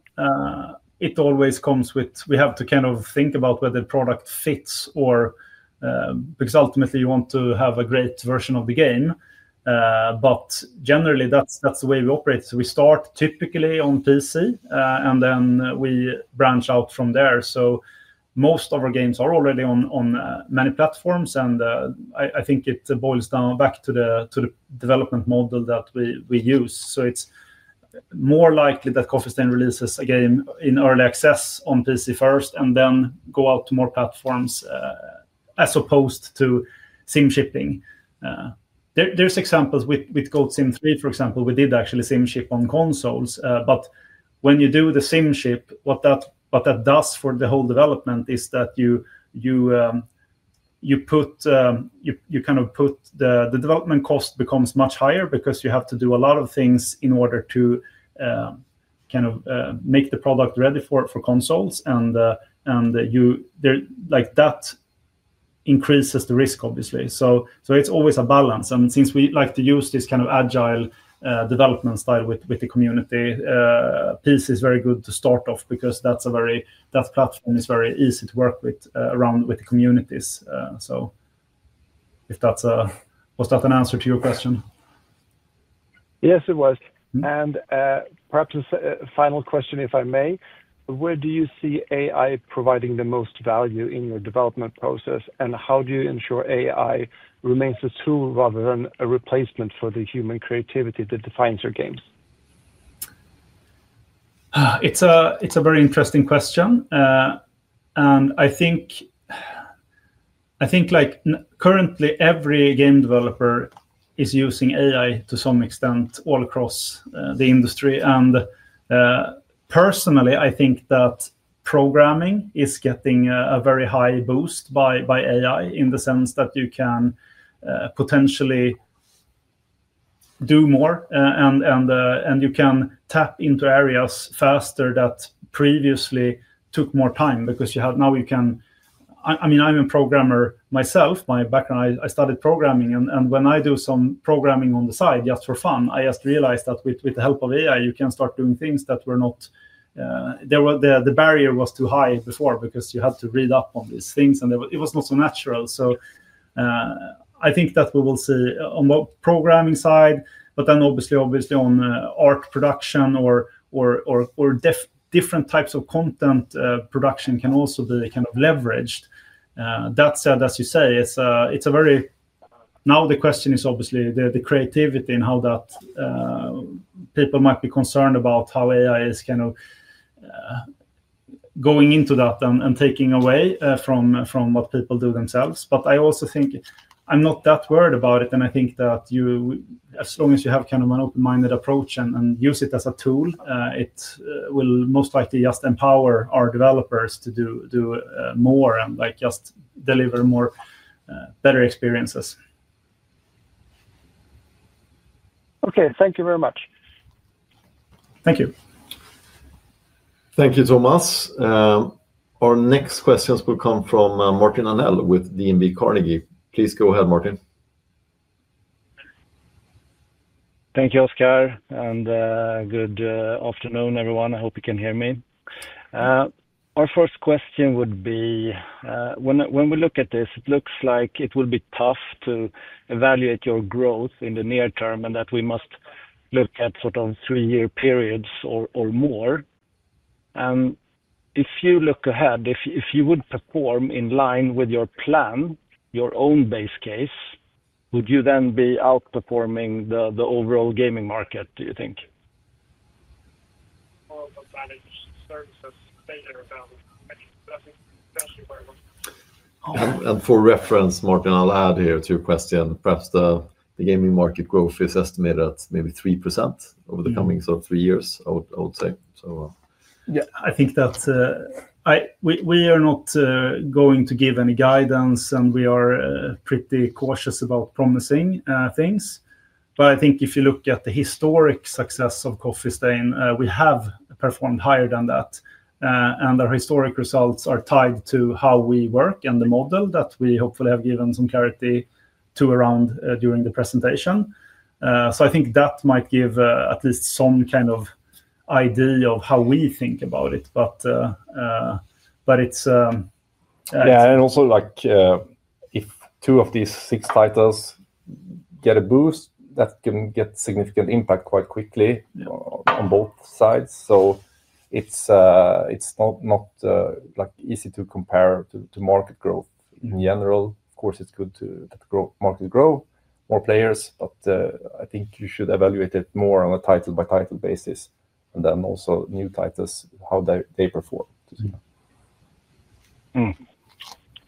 It always comes with we have to kind of think about whether the product fits or because ultimately you want to have a great version of the game. Generally, that's the way we operate. We start typically on PC and then we branch out from there. Most of our games are already on many platforms and I think it boils down back to the development model that we use. It's more likely that Coffee Stain releases a game in early access on PC first and then go out to more platforms as opposed to sim shipping. There's examples with Goat Simulator 3, for example, we did actually sim ship on consoles. When you do the SIM ship, what that does for the whole development is that you kind of put the development cost becomes much higher because you have to do a lot of things in order to kind of make the product ready for consoles. That increases the risk, obviously. It is always a balance. Since we like to use this kind of agile development style with the community, PC is very good to start off because that platform is very easy to work with around with the communities. Was that an answer to your question? Yes, it was. Perhaps a final question, if I may. Where do you see AI providing the most value in your development process? How do you ensure AI remains a tool rather than a replacement for the human creativity that defines your games? It is a very interesting question. I think currently every game developer is using AI to some extent all across the industry. Personally, I think that programming is getting a very high boost by AI in the sense that you can potentially do more and you can tap into areas faster that previously took more time because now you can, I mean, I'm a programmer myself. My background, I started programming. When I do some programming on the side, just for fun, I just realized that with the help of AI, you can start doing things that were not, the barrier was too high before because you had to read up on these things and it was not so natural. I think that we will see on the programming side, but then obviously, obviously on art production or different types of content production can also be kind of leveraged. That said, as you say, it's a very, now the question is obviously the creativity and how that people might be concerned about how AI is kind of going into that and taking away from what people do themselves. I also think I'm not that worried about it. I think that as long as you have kind of an open-minded approach and use it as a tool, it will most likely just empower our developers to do more and just deliver more better experiences. Okay, thank you very much. Thank you. Thank you, Thomas. Our next questions will come from Martin Arnell with DNB Carnegie. Please go ahead, Martin. Thank you, Oscar. And good afternoon, everyone. I hope you can hear me. Our first question would be, when we look at this, it looks like it will be tough to evaluate your growth in the near term and that we must look at sort of three-year periods or more. If you look ahead, if you would perform in line with your plan, your own base case, would you then be outperforming the overall gaming market, do you think? For reference, Martin, I'll add here to your question, perhaps the gaming market growth is estimated at maybe 3% over the coming sort of three years, I would say. Yeah, I think that we are not going to give any guidance and we are pretty cautious about promising things. I think if you look at the historic success of Coffee Stain, we have performed higher than that. Our historic results are tied to how we work and the model that we hopefully have given some clarity to around during the presentation. I think that might give at least some kind of idea of how we think about it. Yeah, also if two of these six titles get a boost, that can get significant impact quite quickly on both sides. It is not easy to compare to market growth in general. Of course, it is good to let the market grow, more players, but I think you should evaluate it more on a title-by-title basis. Also new titles, how they perform.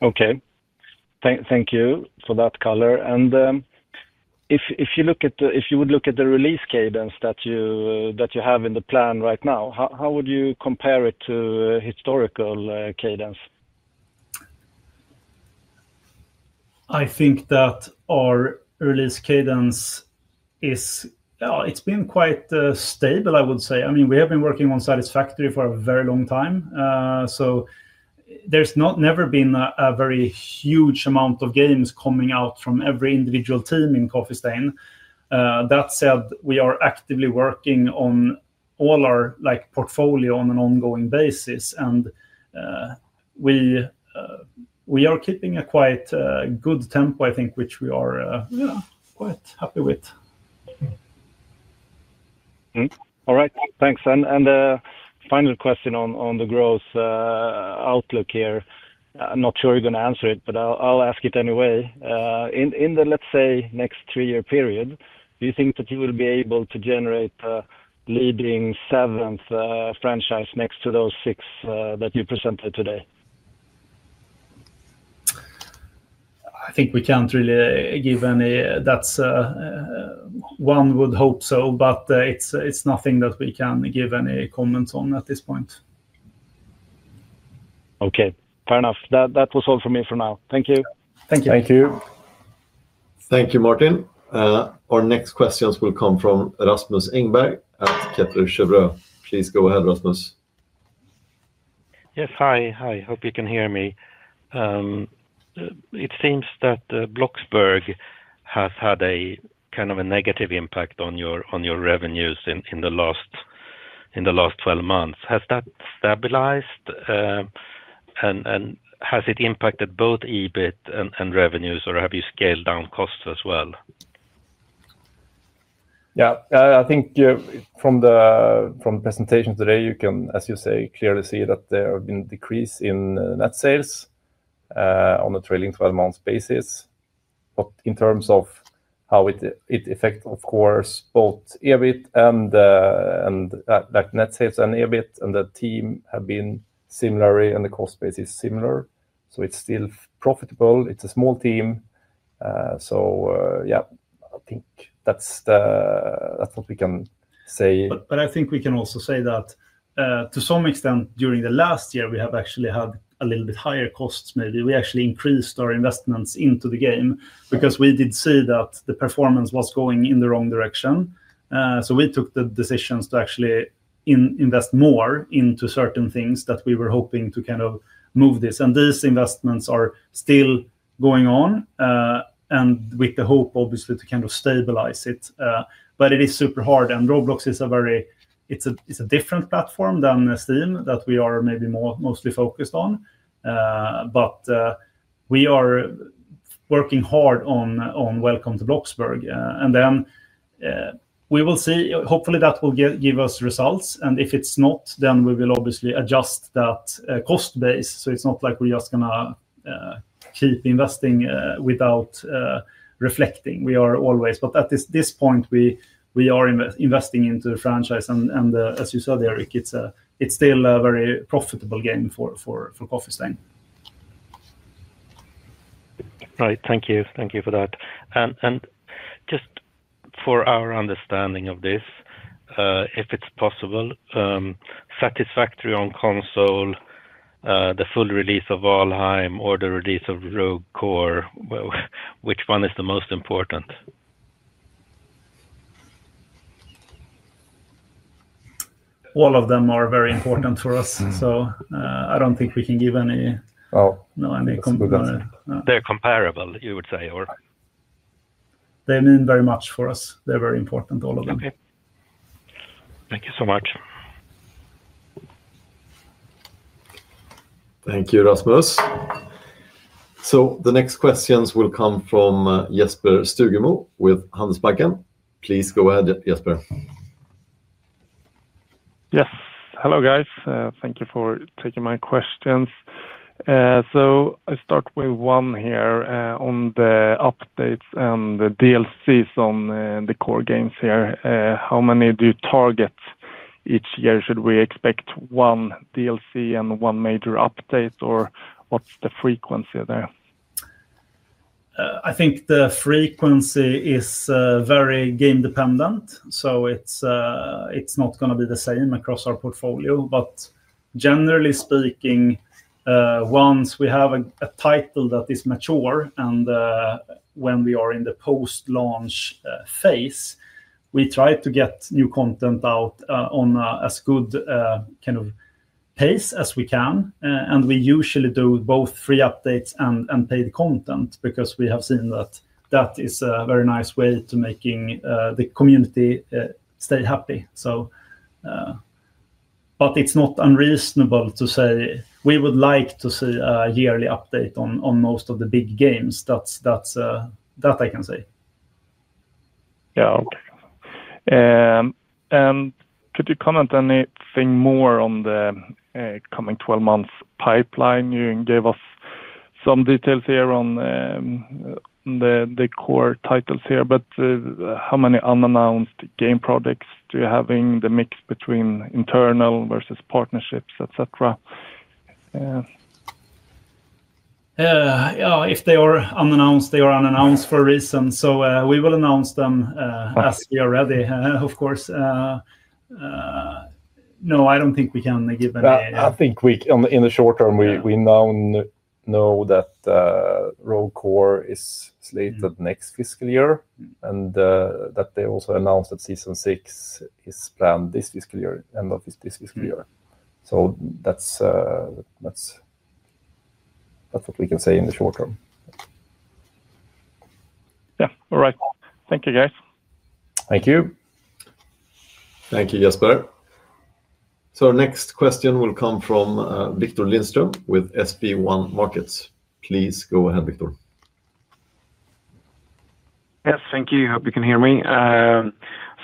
Okay. Thank you for that color. If you look at the, if you would look at the release cadence that you have in the plan right now, how would you compare it to historical cadence? I think that our release cadence is, it's been quite stable, I would say. I mean, we have been working on Satisfactory for a very long time. So there's never been a very huge amount of games coming out from every individual team in Coffee Stain. That said, we are actively working on all our portfolio on an ongoing basis. We are keeping a quite good tempo, I think, which we are quite happy with. All right. Thanks. Final question on the growth outlook here. I'm not sure you're going to answer it, but I'll ask it anyway. In the, let's say, next three-year period, do you think that you will be able to generate the leading seventh franchise next to those six that you presented today? I think we can't really give any, that's one would hope so, but it's nothing that we can give any comments on at this point. Okay. Fair enough. That was all from me for now. Thank you. Thank you. Thank you. Thank you, Martin. Our next questions will come from Rasmus Engberg at Kepler Cheuvreux. Please go ahead, Rasmus. Yes, hi. Hi. Hope you can hear me. It seems that Bloxburg has had a kind of a negative impact on your revenues in the last 12 months. Has that stabilized? And has it impacted both EBIT and revenues, or have you scaled down costs as well? Yeah, I think from the presentation today, you can, as you say, clearly see that there have been decreases in net sales on a trailing 12-month basis. In terms of how it affects, of course, both EBIT and net sales and EBIT and the team have been similarly and the cost basis similar. It is still profitable. It is a small team. I think that is what we can say. I think we can also say that to some extent during the last year, we have actually had a little bit higher costs maybe. We actually increased our investments into the game because we did see that the performance was going in the wrong direction. We took the decisions to actually invest more into certain things that we were hoping to kind of move this. These investments are still going on with the hope, obviously, to kind of stabilize it. It is super hard. Roblox is a very, it's a different platform than Steam that we are maybe mostly focused on. We are working hard on Welcome to Bloxburg. We will see, hopefully, that will give us results. If it's not, then we will obviously adjust that cost base. It's not like we're just going to keep investing without reflecting. We are always, but at this point, we are investing into the franchise. As you said, Erik, it's still a very profitable game for Coffee Stain. Right. Thank you. Thank you for that. Just for our understanding of this, if it's possible, Satisfactory on console, the full release of Valheim or the release of Rogue Core, which one is the most important? All of them are very important for us. I don't think we can give any, no, any comparison. They're comparable, you would say, or? They mean very much for us. They're very important, all of them. Okay. Thank you so much. Thank you, Rasmus. The next questions will come from Jesper Stugemo with Handelsbanken. Please go ahead, Jesper. Yes. Hello, guys. Thank you for taking my questions. I'll start with one here on the updates and the DLCs on the core games here. How many do you target each year? Should we expect one DLC and one major update, or what's the frequency there? I think the frequency is very game-dependent. It's not going to be the same across our portfolio. Generally speaking, once we have a title that is mature and when we are in the post-launch phase, we try to get new content out on as good kind of pace as we can. We usually do both free updates and paid content because we have seen that that is a very nice way to making the community stay happy. It is not unreasonable to say we would like to see a yearly update on most of the big games. That is what I can say. Yeah. Could you comment anything more on the coming 12-month pipeline? You gave us some details here on the core titles here, but how many unannounced game projects do you have in the mix between internal versus partnerships, etc.? If they are unannounced, they are unannounced for a reason. We will announce them as we are ready, of course. No, I do not think we can give any. I think in the short term, we now know that Rogue Core is slated next fiscal year and that they also announced that Season 6 is planned this fiscal year and this fiscal year. That is what we can say in the short term. Yeah. All right. Thank you, guys. Thank you. Thank you, Jesper. Our next question will come from Viktor Lindström with SB1 Markets. Please go ahead, Viktor. Yes, thank you. Hope you can hear me. I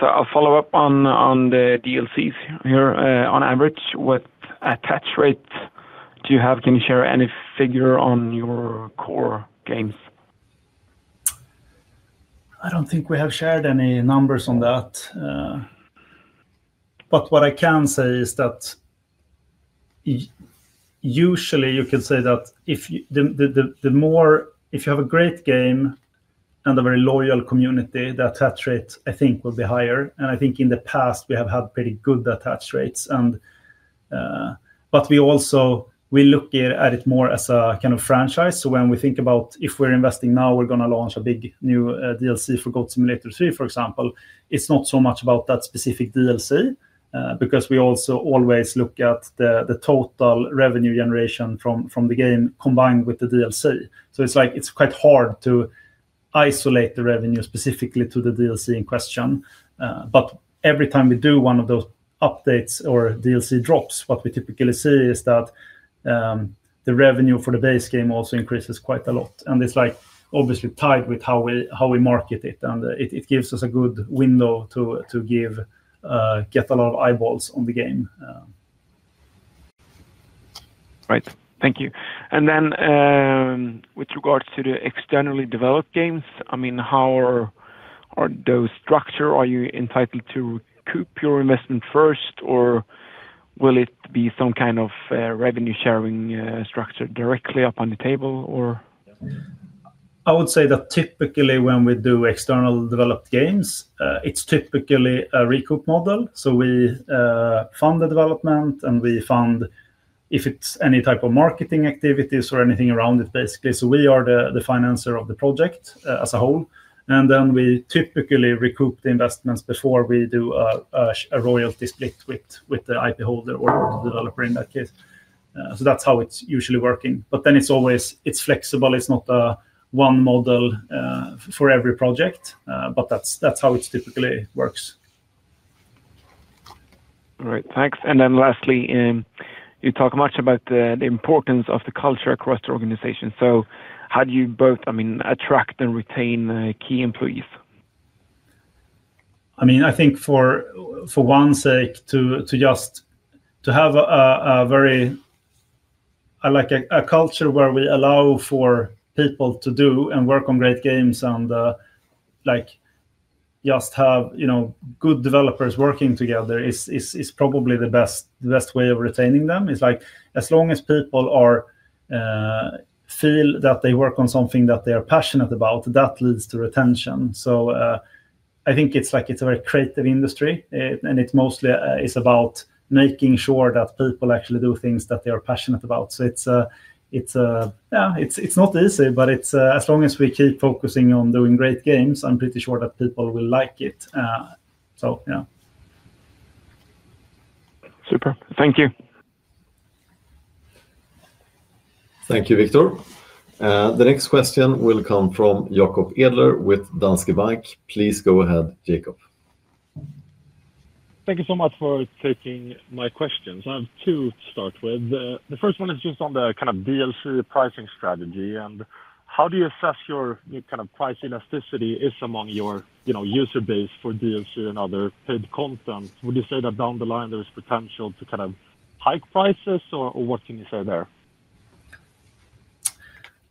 will follow up on the DLCs here. On average, what attach rate do you have? Can you share any figure on your core games? I do not think we have shared any numbers on that. What I can say is that usually you can say that if you have a great game and a very loyal community, the attach rate, I think, will be higher. I think in the past, we have had pretty good attach rates. We also look at it more as a kind of franchise. When we think about if we're investing now, we're going to launch a big new DLC for Goat Simulator 3, for example, it's not so much about that specific DLC because we also always look at the total revenue generation from the game combined with the DLC. It is quite hard to isolate the revenue specifically to the DLC in question. Every time we do one of those updates or DLC drops, what we typically see is that the revenue for the base game also increases quite a lot. It is obviously tied with how we market it. It gives us a good window to get a lot of eyeballs on the game. Right. Thank you. With regards to the externally developed games, I mean, how are those structured? Are you entitled to recoup your investment first, or will it be some kind of revenue-sharing structure directly up on the table, or? I would say that typically when we do external developed games, it's typically a recoup model. We fund the development and we fund if it's any type of marketing activities or anything around it, basically. We are the financer of the project as a whole. Then we typically recoup the investments before we do a royalty split with the IP holder or the developer in that case. That's how it's usually working. It is always flexible. It's not a one model for every project, but that's how it typically works. All right. Thanks. Lastly, you talk much about the importance of the culture across the organization. How do you both, I mean, attract and retain key employees? I mean, I think for one's sake to just have a very, like a culture where we allow for people to do and work on great games and just have good developers working together is probably the best way of retaining them. It's like as long as people feel that they work on something that they are passionate about, that leads to retention. I think it's a very creative industry, and it mostly is about making sure that people actually do things that they are passionate about. It's not easy, but as long as we keep focusing on doing great games, I'm pretty sure that people will like it. Yeah. Super. Thank you. Thank you, Viktor. The next question will come from Jacob Edler with Danske Bank. Please go ahead, Jacob. Thank you so much for taking my questions. I have two to start with. The first one is just on the kind of DLC pricing strategy. And how do you assess your kind of price elasticity among your user base for DLC and other paid content? Would you say that down the line, there is potential to kind of hike prices, or what can you say there?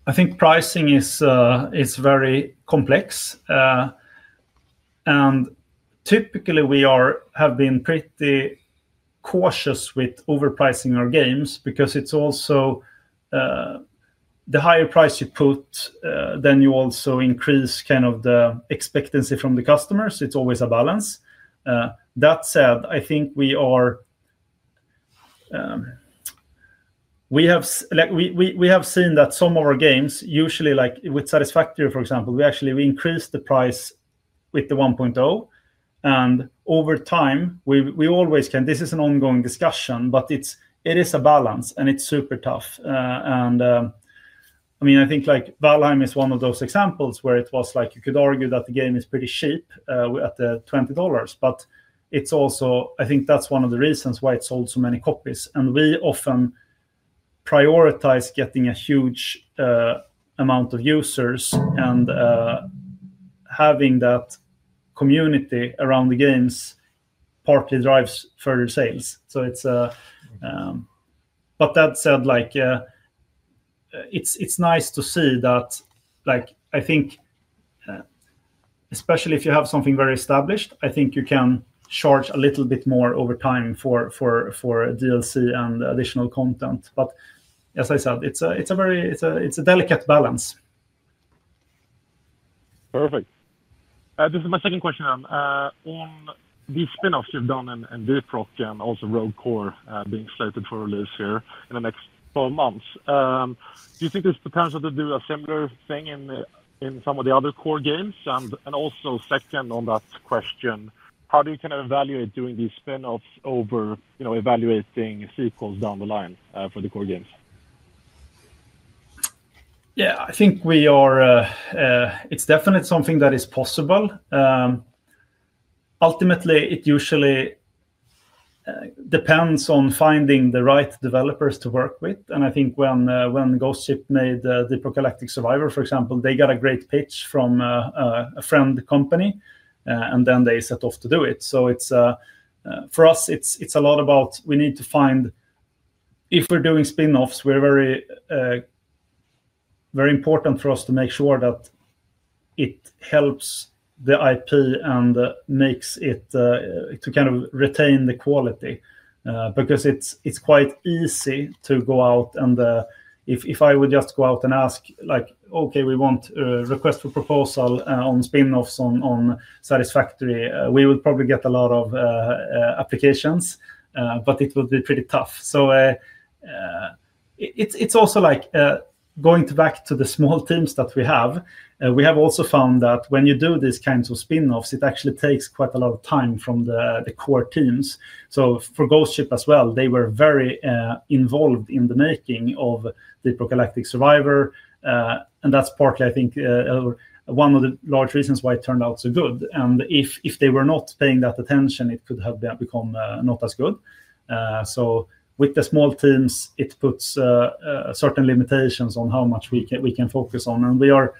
I think pricing is very complex. Typically, we have been pretty cautious with overpricing our games because it is also the higher price you put, then you also increase kind of the expectancy from the customers. It is always a balance. That said, I think we have seen that some of our games, usually like with Satisfactory, for example, we actually increased the price with the 1.0. Over time, we always can, this is an ongoing discussion, but it is a balance and it's super tough. I mean, I think Valheim is one of those examples where it was like you could argue that the game is pretty cheap at $20, but I think that's one of the reasons why it sold so many copies. We often prioritize getting a huge amount of users and having that community around the games partly drives further sales. That said, it's nice to see that, I think, especially if you have something very established, I think you can charge a little bit more over time for DLC and additional content. As I said, it's a delicate balance. Perfect. This is my second question. On the spinoffs you've done and Deep Rock and also Rogue Core being slated for release here in the next 12 months, do you think there's potential to do a similar thing in some of the other core games? Also, second on that question, how do you kind of evaluate doing these spinoffs over evaluating sequels down the line for the core games? Yeah, I think it's definitely something that is possible. Ultimately, it usually depends on finding the right developers to work with. I think when Ghost Ship made the Deep Rock Galactic Survivor, for example, they got a great pitch from a friend company and then they set off to do it. For us, it's a lot about we need to find if we're doing spinoffs, it's very important for us to make sure that it helps the IP and makes it to kind of retain the quality because it's quite easy to go out. If I would just go out and ask, "Okay, we want a request for proposal on spinoffs on Satisfactory," we would probably get a lot of applications, but it would be pretty tough. It's also like going back to the small teams that we have. We have also found that when you do these kinds of spinoffs, it actually takes quite a lot of time from the core teams. For Ghost Ship as well, they were very involved in the making of the Deep Rock Galactic Survivor. That's partly, I think, one of the large reasons why it turned out so good. If they were not paying that attention, it could have become not as good. With the small teams, it puts certain limitations on how much we can focus on. We are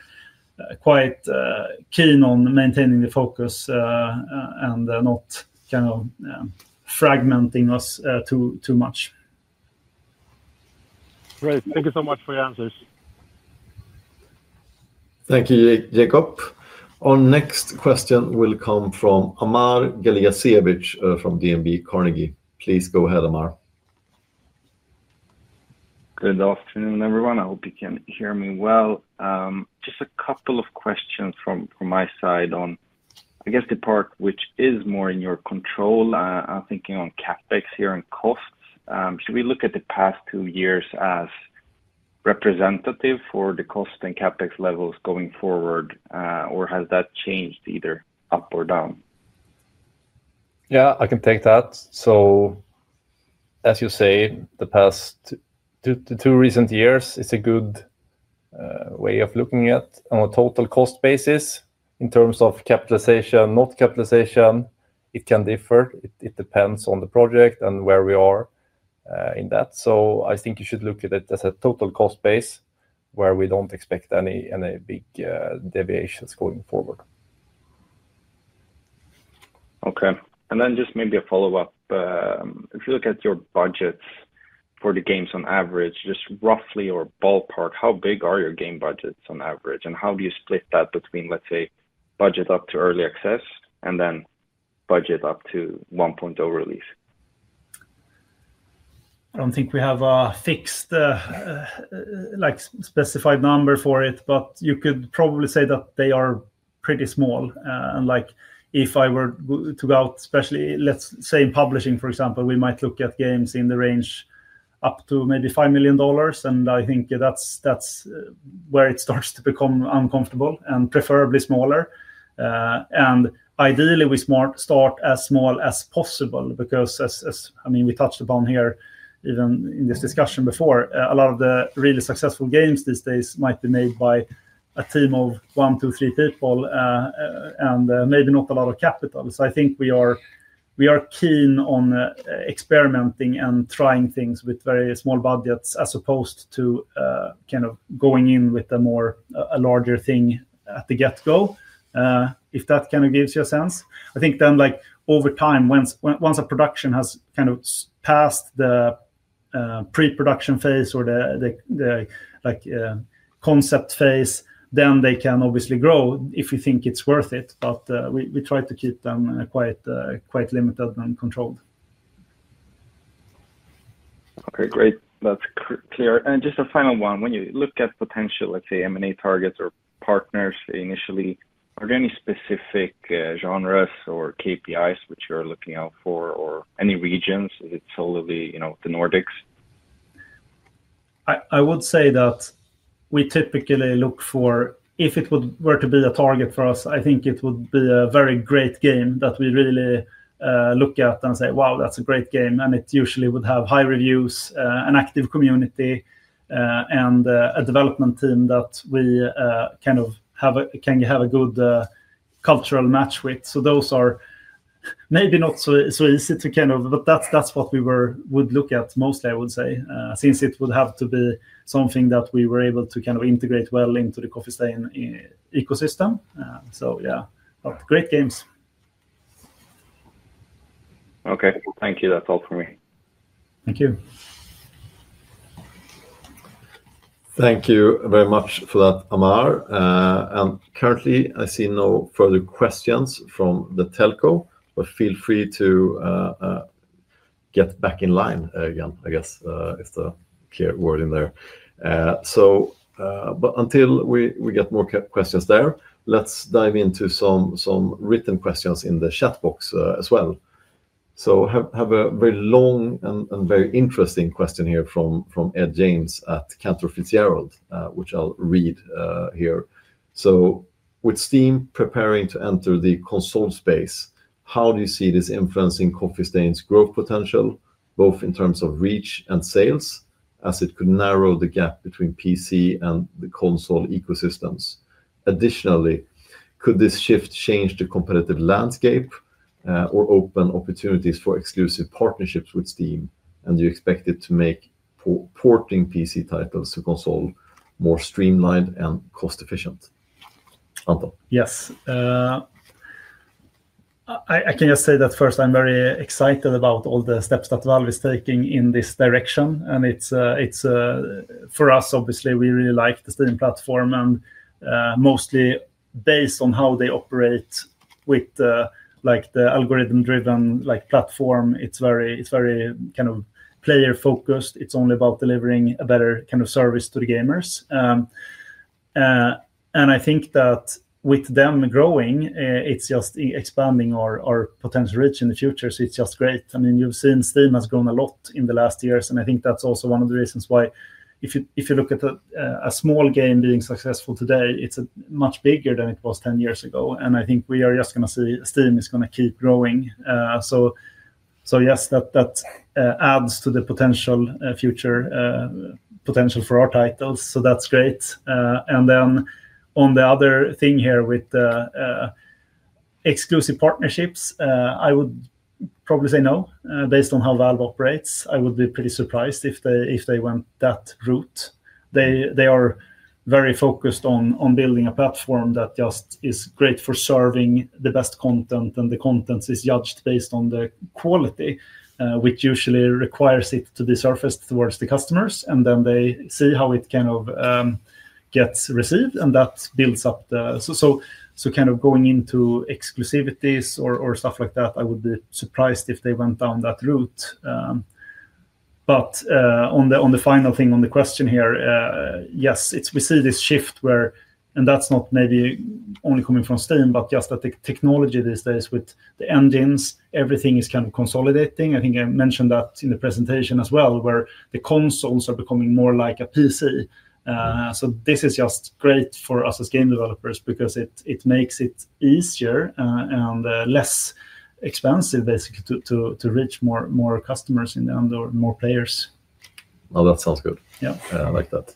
quite keen on maintaining the focus and not kind of fragmenting us too much. Great. Thank you so much for your answers. Thank you, Jacob. Our next question will come from Amar Galijasevic from DNB Carnegie. Please go ahead, Amar. Good afternoon, everyone. I hope you can hear me well. Just a couple of questions from my side on, I guess, the part which is more in your control. I'm thinking on CapEx here and costs. Should we look at the past two years as representative for the cost and CapEx levels going forward, or has that changed either up or down? Yeah, I can take that. As you say, the past two recent years, it's a good way of looking at it on a total cost basis in terms of capitalization, not capitalization. It can differ. It depends on the project and where we are in that. I think you should look at it as a total cost base where we don't expect any big deviations going forward. Okay. Maybe a follow-up. If you look at your budgets for the games on average, just roughly or ballpark, how big are your game budgets on average? How do you split that between, let's say, budget up to early access and then budget up to 1.0 release? I don't think we have a fixed specified number for it, but you could probably say that they are pretty small. If I were to go out, especially, let's say in publishing, for example, we might look at games in the range up to maybe $5 million. I think that's where it starts to become uncomfortable and preferably smaller. Ideally, we start as small as possible because, I mean, we touched upon here even in this discussion before, a lot of the really successful games these days might be made by a team of one, two, three people and maybe not a lot of capital. I think we are keen on experimenting and trying things with very small budgets as opposed to kind of going in with a larger thing at the get-go, if that kind of gives you a sense. I think then over time, once a production has kind of passed the pre-production phase or the concept phase, then they can obviously grow if you think it's worth it. We try to keep them quite limited and controlled. Okay, great. That's clear. Just a final one. When you look at potential, let's say, M&A targets or partners initially, are there any specific genres or KPIs which you're looking out for or any regions? Is it solely the Nordics? I would say that we typically look for, if it were to be a target for us, I think it would be a very great game that we really look at and say, "Wow, that's a great game." It usually would have high reviews, an active community, and a development team that we kind of can have a good cultural match with. Those are maybe not so easy to kind of, but that's what we would look at mostly, I would say, since it would have to be something that we were able to kind of integrate well into the Coffee Stain ecosystem. Yeah, great games. Okay. Thank you. That's all for me. Thank you. Thank you very much for that, Amar. Currently, I see no further questions from the telco, but feel free to get back in line again, I guess, is the clear word in there. Until we get more questions there, let's dive into some written questions in the chat box as well. I have a very long and very interesting question here from Ed James at Cantor Fitzgerald, which I'll read here. With Steam preparing to enter the console space, how do you see this influencing Coffee Stain's growth potential, both in terms of reach and sales, as it could narrow the gap between PC and the console ecosystems? Additionally, could this shift change the competitive landscape or open opportunities for exclusive partnerships with Steam? Do you expect it to make porting PC titles to console more streamlined and cost-efficient? Anton. Yes. I can just say that first, I am very excited about all the steps that Valve is taking in this direction. For us, obviously, we really like the Steam platform. Mostly based on how they operate with the algorithm-driven platform, it is very kind of player-focused. It is only about delivering a better kind of service to the gamers. I think that with them growing, it is just expanding our potential reach in the future. It is just great. I mean, you've seen Steam has grown a lot in the last years. I think that's also one of the reasons why if you look at a small game being successful today, it's much bigger than it was 10 years ago. I think we are just going to see Steam is going to keep growing. Yes, that adds to the potential future potential for our titles. That's great. On the other thing here with exclusive partnerships, I would probably say no. Based on how Valve operates, I would be pretty surprised if they went that route. They are very focused on building a platform that just is great for serving the best content, and the content is judged based on the quality, which usually requires it to be surfaced towards the customers. They see how it kind of gets received, and that builds up the so kind of going into exclusivities or stuff like that, I would be surprised if they went down that route. On the final thing on the question here, yes, we see this shift where, and that's not maybe only coming from Steam, but just that the technology these days with the engines, everything is kind of consolidating. I think I mentioned that in the presentation as well, where the consoles are becoming more like a PC. This is just great for us as game developers because it makes it easier and less expensive, basically, to reach more customers in the end or more players. That sounds good. I like that.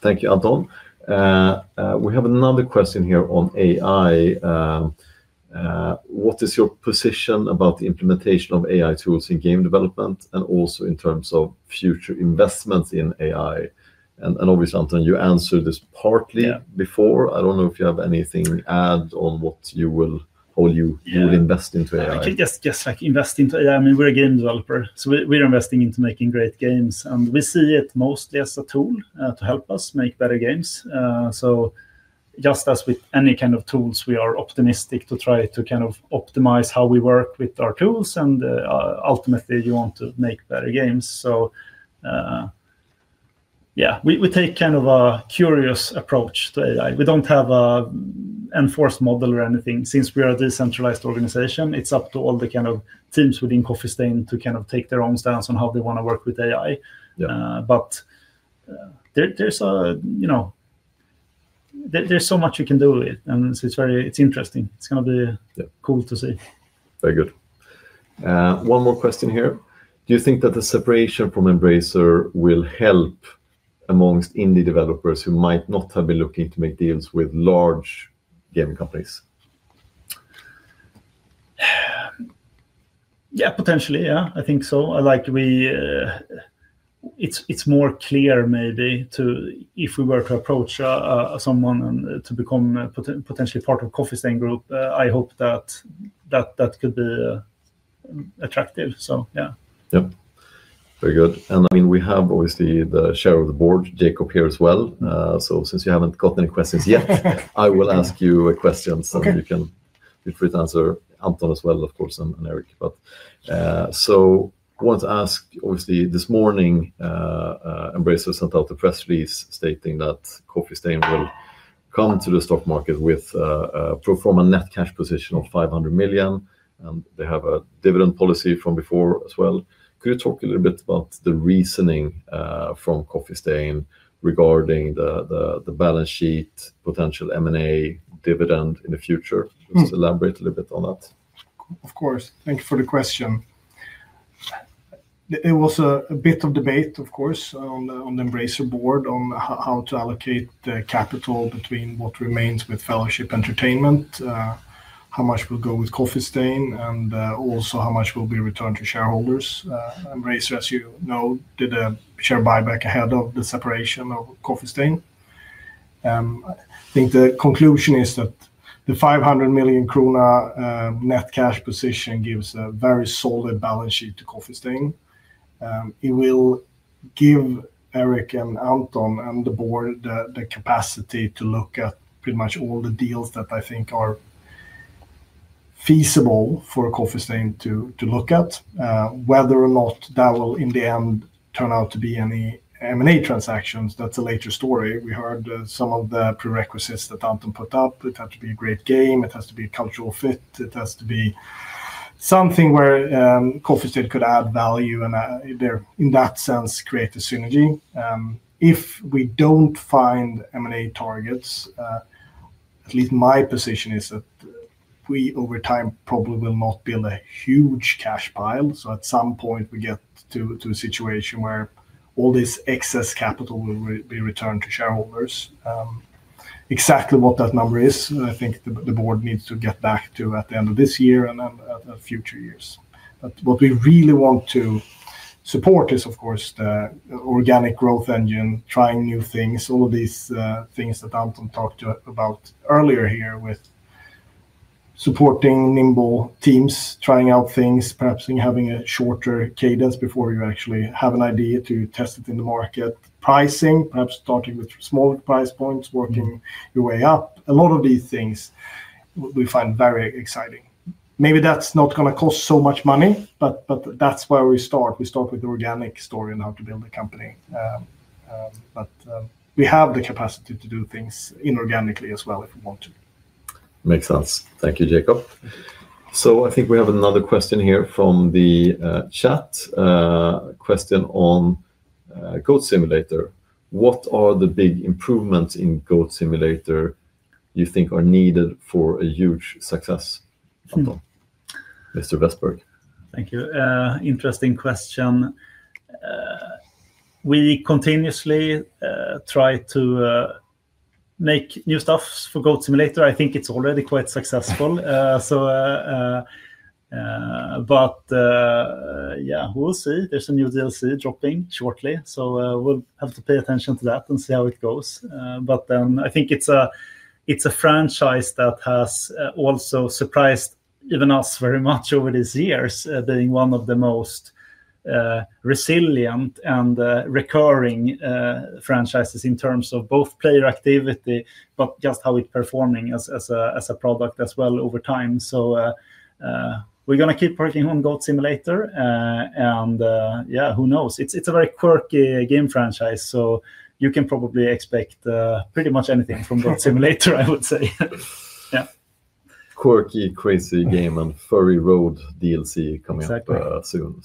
Thank you, Anton. We have another question here on AI. What is your position about the implementation of AI tools in game development and also in terms of future investments in AI? Obviously, Anton, you answered this partly before. I do not know if you have anything to add on what you will invest into AI. I can just invest into AI. I mean, we are a game developer. We are investing into making great games. We see it mostly as a tool to help us make better games. Just as with any kind of tools, we are optimistic to try to kind of optimize how we work with our tools. Ultimately, you want to make better games. Yeah, we take kind of a curious approach to AI. We do not have an enforced model or anything. Since we are a decentralized organization, it's up to all the kind of teams within Coffee Stain to kind of take their own stance on how they want to work with AI. But there's so much you can do with it. And it's interesting. It's going to be cool to see. Very good. One more question here. Do you think that the separation from Embracer will help amongst indie developers who might not have been looking to make deals with large game companies? Yeah, potentially. Yeah, I think so. It's more clear maybe if we were to approach someone to become potentially part of Coffee Stain Group. I hope that that could be attractive. So yeah. Yep. Very good. I mean, we have obviously the Chair of the Board, Jacob, here as well. Since you haven't got any questions yet, I will ask you a question. You can feel free to answer, Anton as well, of course, and Erik. I want to ask, obviously, this morning, Embracer sent out a press release stating that Coffee Stain will come to the stock market from a net cash position of 500 million. They have a dividend policy from before as well. Could you talk a little bit about the reasoning from Coffee Stain regarding the balance sheet, potential M&A, dividend in the future? Just elaborate a little bit on that. Of course. Thank you for the question. There was a bit of debate, of course, on the Embracer board on how to allocate capital between what remains with Fellowship Entertainment, how much will go with Coffee Stain, and also how much will be returned to shareholders. Embracer, as you know, did a share buyback ahead of the separation of Coffee Stain. I think the conclusion is that the 500 million krona net cash position gives a very solid balance sheet to Coffee Stain. It will give Erik and Anton and the board the capacity to look at pretty much all the deals that I think are feasible for Coffee Stain to look at. Whether or not that will, in the end, turn out to be any M&A transactions, that's a later story. We heard some of the prerequisites that Anton put up. It has to be a great game. It has to be a cultural fit. It has to be something where Coffee Stain could add value and, in that sense, create a synergy. If we don't find M&A targets, at least my position is that we, over time, probably will not build a huge cash pile. At some point, we get to a situation where all this excess capital will be returned to shareholders. Exactly what that number is, I think the board needs to get back to at the end of this year and then at future years. What we really want to support is, of course, the organic growth engine, trying new things, all of these things that Anton talked about earlier here with supporting nimble teams, trying out things, perhaps having a shorter cadence before you actually have an idea to test it in the market, pricing, perhaps starting with smaller price points, working your way up. A lot of these things we find very exciting. Maybe that's not going to cost so much money, but that's where we start. We start with the organic story and how to build a company. But we have the capacity to do things inorganically as well if we want to. Makes sense. Thank you, Jacob. I think we have another question here from the chat, a question on Goat Simulator. What are the big improvements in Goat Simulator you think are needed for a huge success? Mr. Westbergh? Thank you. Interesting question. We continuously try to make new stuff for Goat Simulator. I think it's already quite successful. Yeah, we'll see. There's a new DLC dropping shortly. We have to pay attention to that and see how it goes. I think it's a franchise that has also surprised even us very much over these years, being one of the most resilient and recurring franchises in terms of both player activity, but just how it's performing as a product as well over time. We're going to keep working on Goat Simulator. Yeah, who knows? It's a very quirky game franchise. You can probably expect pretty much anything from Goat Simulator, I would say. Yeah. Quirky, crazy game, and Furry Road DLC coming up soon.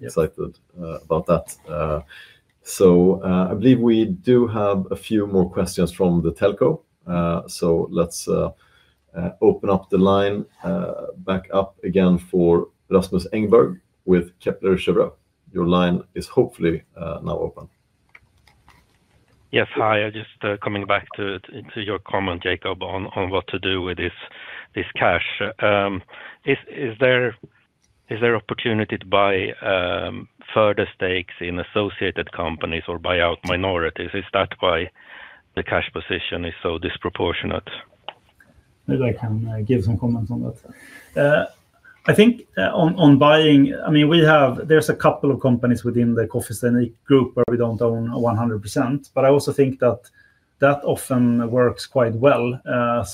Excited about that. I believe we do have a few more questions from the telco. Let's open up the line back up again for Rasmus Engberg with Kepler Cheuvreux. Your line is hopefully now open. Yes. Hi. Just coming back to your comment, Jacob, on what to do with this cash. Is there opportunity to buy further stakes in associated companies or buy out minorities? Is that why the cash position is so disproportionate? Maybe I can give some comments on that. I think on buying, I mean, there's a couple of companies within the Coffee Stain Group where we don't own 100%. I also think that that often works quite well. I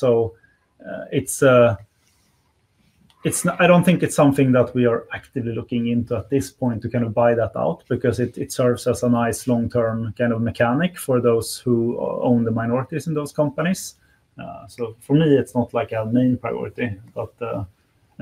do not think it is something that we are actively looking into at this point to kind of buy that out because it serves as a nice long-term kind of mechanic for those who own the minorities in those companies. For me, it is not like a main priority. I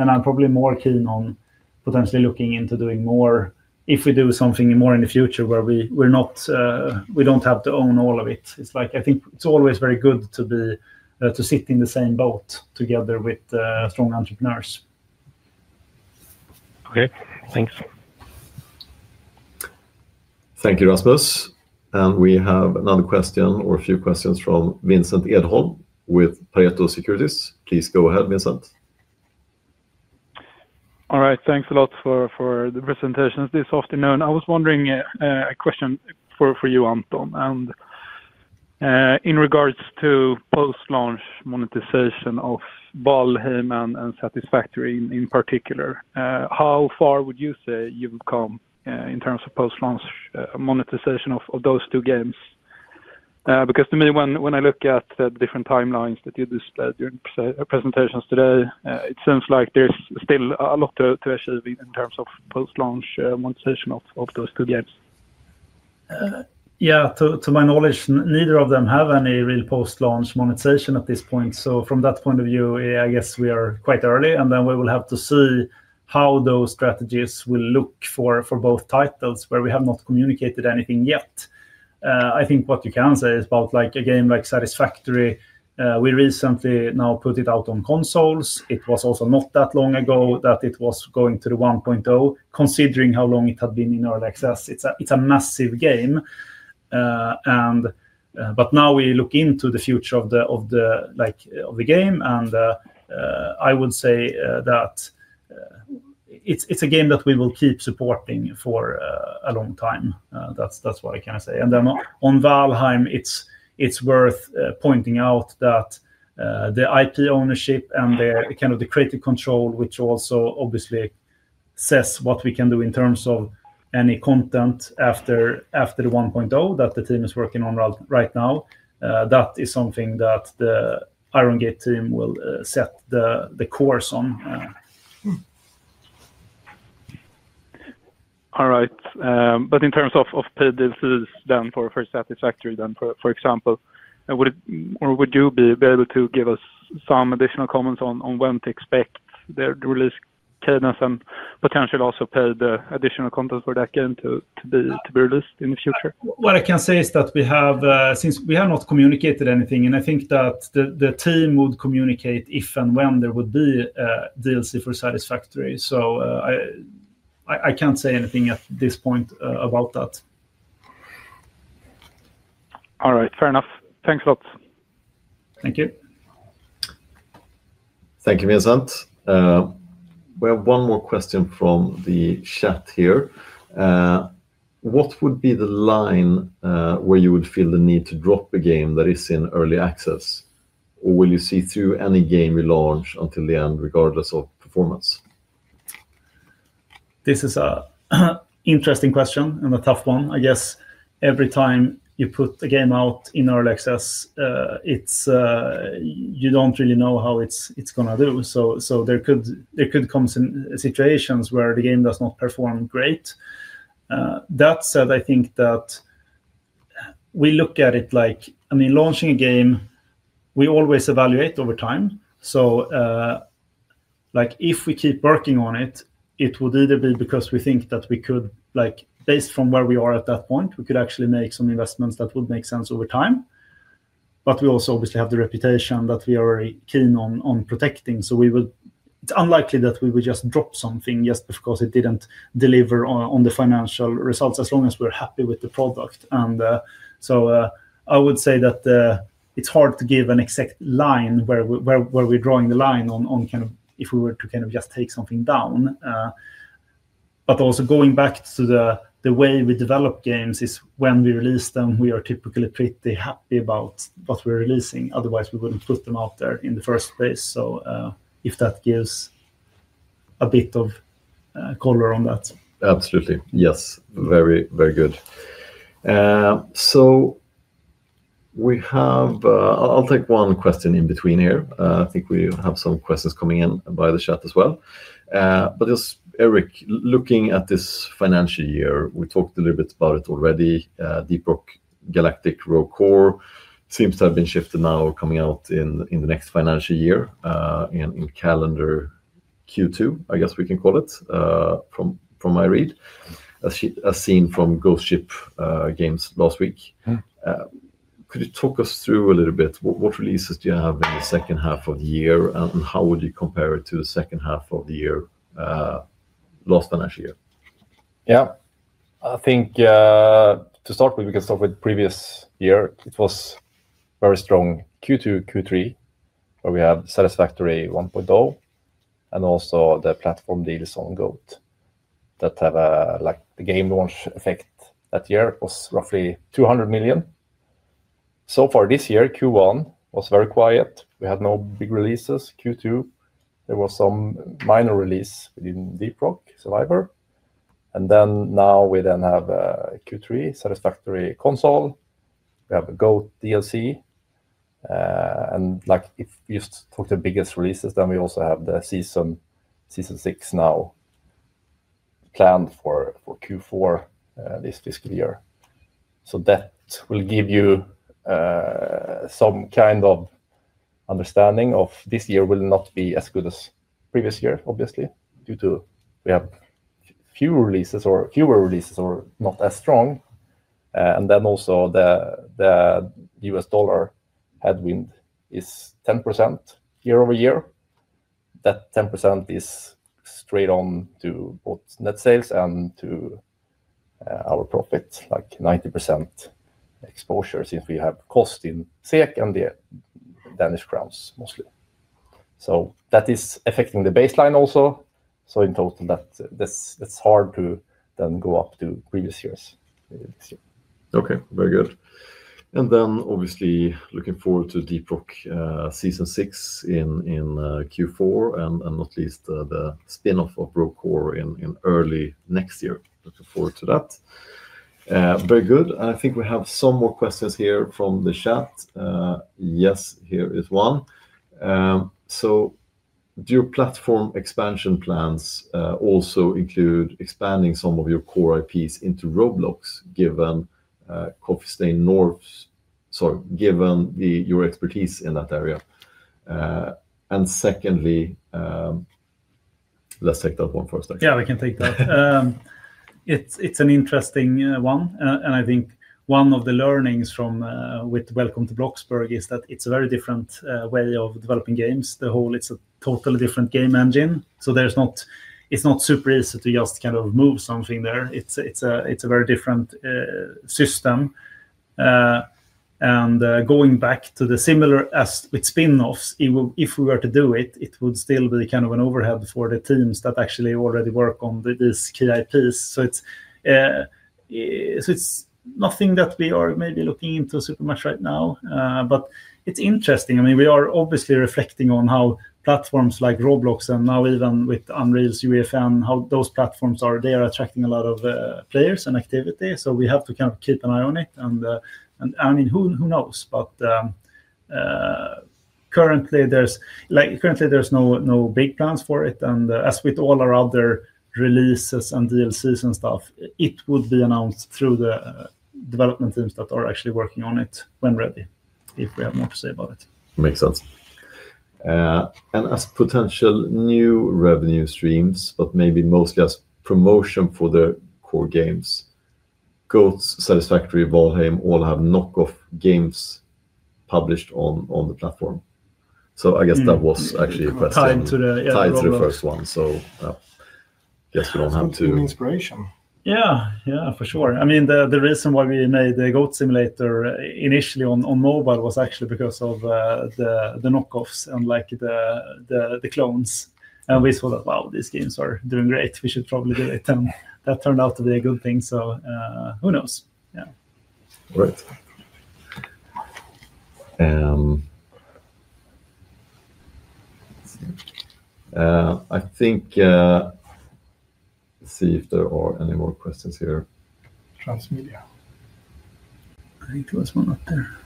am probably more keen on potentially looking into doing more if we do something more in the future where we do not have to own all of it. I think it is always very good to sit in the same boat together with strong entrepreneurs. Okay. Thanks. Thank you, Rasmus. We have another question or a few questions from Vincent Edholm with Pareto Securities. Please go ahead, Vincent. All right. Thanks a lot for the presentations this afternoon. I was wondering, a question for you, Anton. In regards to post-launch monetization of Valheim and Satisfactory in particular, how far would you say you have come in terms of post-launch monetization of those two games? Because to me, when I look at the different timelines that you displayed during presentations today, it seems like there is still a lot to achieve in terms of post-launch monetization of those two games. Yeah. To my knowledge, neither of them have any real post-launch monetization at this point. From that point of view, I guess we are quite early. We will have to see how those strategies will look for both titles where we have not communicated anything yet. I think what you can say is about a game like Satisfactory, we recently now put it out on consoles. It was also not that long ago that it was going to the 1.0, considering how long it had been in early access. It is a massive game. Now we look into the future of the game. I would say that it is a game that we will keep supporting for a long time. That is what I can say. On Valheim, it is worth pointing out that the IP ownership and kind of the creative control, which also obviously says what we can do in terms of any content after the 1.0 that the team is working on right now, that is something that the Iron Gate team will set the course on. All right. In terms of paid DLCs for Satisfactory, for example, would you be able to give us some additional comments on when to expect the release cadence and potentially also paid additional content for that game to be released in the future? What I can say is that since we have not communicated anything, I think that the team would communicate if and when there would be a DLC for Satisfactory. I cannot say anything at this point about that. All right. Fair enough. Thanks a lot. Thank you. Thank you, Vincent. We have one more question from the chat here. What would be the line where you would feel the need to drop a game that is in early access? Or will you see through any game you launch until the end, regardless of performance? This is an interesting question and a tough one. I guess every time you put a game out in Early Access, you do not really know how it is going to do. There could come situations where the game does not perform great. That said, I think that we look at it like launching a game, we always evaluate over time. If we keep working on it, it would either be because we think that we could, based from where we are at that point, we could actually make some investments that would make sense over time. We also obviously have the reputation that we are keen on protecting. It is unlikely that we would just drop something just because it did not deliver on the financial results as long as we are happy with the product. I would say that it's hard to give an exact line where we're drawing the line on kind of if we were to kind of just take something down. Also, going back to the way we develop games is when we release them, we are typically pretty happy about what we're releasing. Otherwise, we wouldn't put them out there in the first place. If that gives a bit of color on that. Absolutely. Yes. Very, very good. I'll take one question in between here. I think we have some questions coming in by the chat as well. Just Erik, looking at this financial year, we talked a little bit about it already. Deep Rock Galactic Rogue Core seems to have been shifted now, coming out in the next financial year in calendar Q2, I guess we can call it, from my read, as seen from Ghost Ship Games last week. Could you talk us through a little bit? What releases do you have in the second half of the year? And how would you compare it to the second half of the year, last financial year? Yeah. I think to start with, we can start with previous year. It was very strong Q2, Q3, where we have Satisfactory 1.0 and also the platform deals on Goat that have the game launch effect that year was roughly 200 million. So far this year, Q1 was very quiet. We had no big releases. Q2, there was some minor release within Deep Rock Galactic Survivor. And then now we then have Q3, Satisfactory Console. We have a Goat DLC. If we just talk the biggest releases, then we also have the Season 6 now planned for Q4 this fiscal year. That will give you some kind of understanding of this year will not be as good as previous year, obviously, due to we have fewer releases or not as strong. Also, the U.S. dollar headwind is 10% year-over-year. That 10% is straight on to both net sales and to our profit, like 90% exposure since we have cost in SEK and the Danish crowns mostly. That is affecting the baseline also. In total, that's hard to then go up to previous years this year. Okay. Very good. Obviously looking forward to Deep Rock Season 6 in Q4 and not least the spinoff of Rogue Core in early next year. Looking forward to that. Very good. I think we have some more questions here from the chat. Yes, here is one. Do your platform expansion plans also include expanding some of your core IPs into Roblox, given Coffee Stain North, sorry, given your expertise in that area? Secondly, let's take that one first. Yeah, we can take that. It's an interesting one. I think one of the learnings with Welcome to Bloxburg is that it's a very different way of developing games. The whole, it's a totally different game engine. It's not super easy to just kind of move something there. It's a very different system. Going back to the similar with spinoffs, if we were to do it, it would still be kind of an overhead for the teams that actually already work on these key IPs. It is nothing that we are maybe looking into super much right now. It is interesting. I mean, we are obviously reflecting on how platforms like Roblox and now even with Unreal, UEFN, how those platforms are, they are attracting a lot of players and activity. We have to kind of keep an eye on it. I mean, who knows? Currently, there are no big plans for it. As with all our other releases and DLCs and stuff, it would be announced through the development teams that are actually working on it when ready, if we have more to say about it. Makes sense. As potential new revenue streams, but maybe mostly as promotion for the core games, Goats, Satisfactory, Valheim, all have knockoff games published on the platform. I guess that was actually a question tied to the first one. So I guess we do not have to. Yeah, for sure. I mean, the reason why we made Goat Simulator initially on mobile was actually because of the knockoffs and the clones. And we thought, wow, these games are doing great. We should probably do it. That turned out to be a good thing. Who knows? Yeah. All right. I think, let's see if there are any more questions here. Transmedia. I think there was one up there.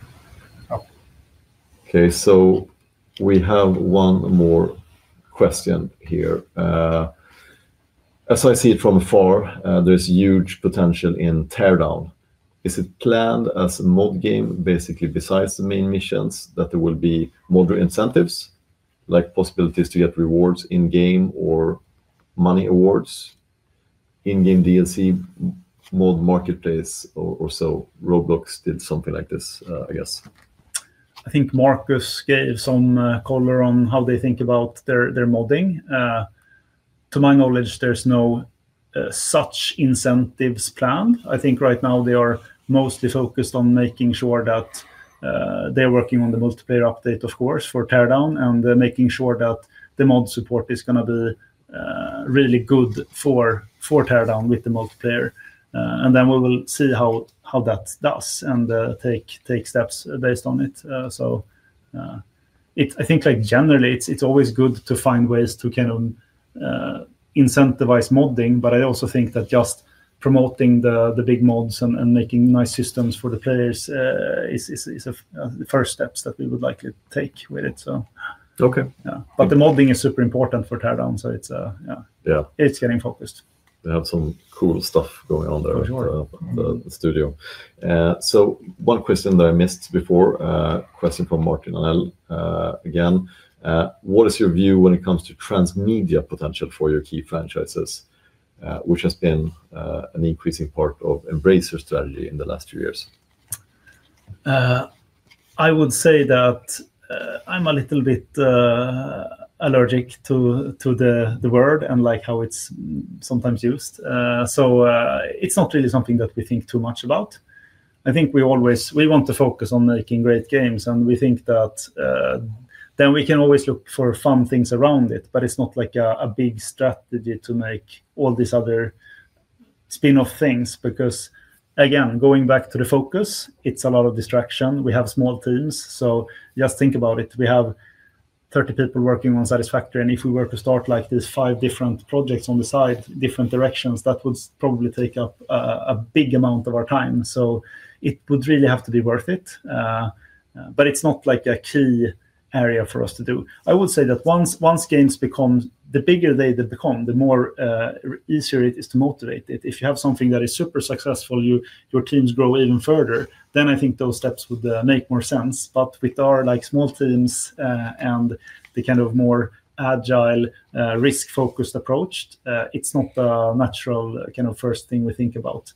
Okay. We have one more question here. As I see it from afar, there is huge potential in Teardown. Is it planned as a mod game, basically besides the main missions, that there will be moderate incentives, like possibilities to get rewards in-game or money awards, in-game DLC, mod marketplace or so? Roblox did something like this, I guess. I think Marcus gave some color on how they think about their modding. To my knowledge, there's no such incentives planned. I think right now they are mostly focused on making sure that they're working on the multiplayer update, of course, for Teardown, and making sure that the mod support is going to be really good for Teardown with the multiplayer. We will see how that does and take steps based on it. I think generally, it's always good to find ways to kind of incentivize modding. I also think that just promoting the big mods and making nice systems for the players is the first steps that we would likely take with it. The modding is super important for Teardown. It's getting focused. They have some cool stuff going on there in the studio. One question that I missed before, question from Martin Arnell again. What is your view when it comes to transmedia potential for your key franchises, which has been an increasing part of Embracer's strategy in the last few years? I would say that I'm a little bit allergic to the word and how it's sometimes used. It's not really something that we think too much about. I think we want to focus on making great games. We think that then we can always look for fun things around it. It's not like a big strategy to make all these other spinoff things. Because again, going back to the focus, it's a lot of distraction. We have small teams. Just think about it. We have 30 people working on Satisfactory. If we were to start these five different projects on the side, different directions, that would probably take up a big amount of our time. It would really have to be worth it. It is not like a key area for us to do. I would say that once games become, the bigger they become, the more easier it is to motivate it. If you have something that is super successful, your teams grow even further, then I think those steps would make more sense. With our small teams and the kind of more agile, risk-focused approach, it is not a natural kind of first thing we think about.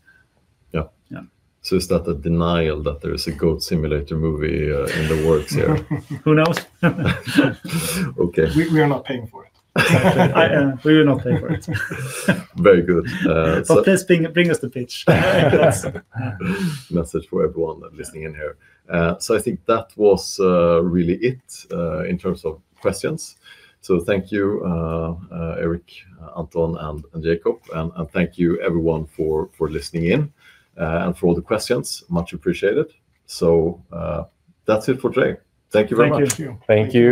Yeah. It is not a denial that there is a Goat Simulator movie in the works here. Who knows? We are not paying for it. We will not pay for it. Very good. Please bring us the pitch. Message for everyone listening in here. I think that was really it in terms of questions. Thank you, Erik, Anton, and Jacob. Thank you, everyone, for listening in and for all the questions. Much appreciated. That is it for today. Thank you very much. Thank you. Thank you.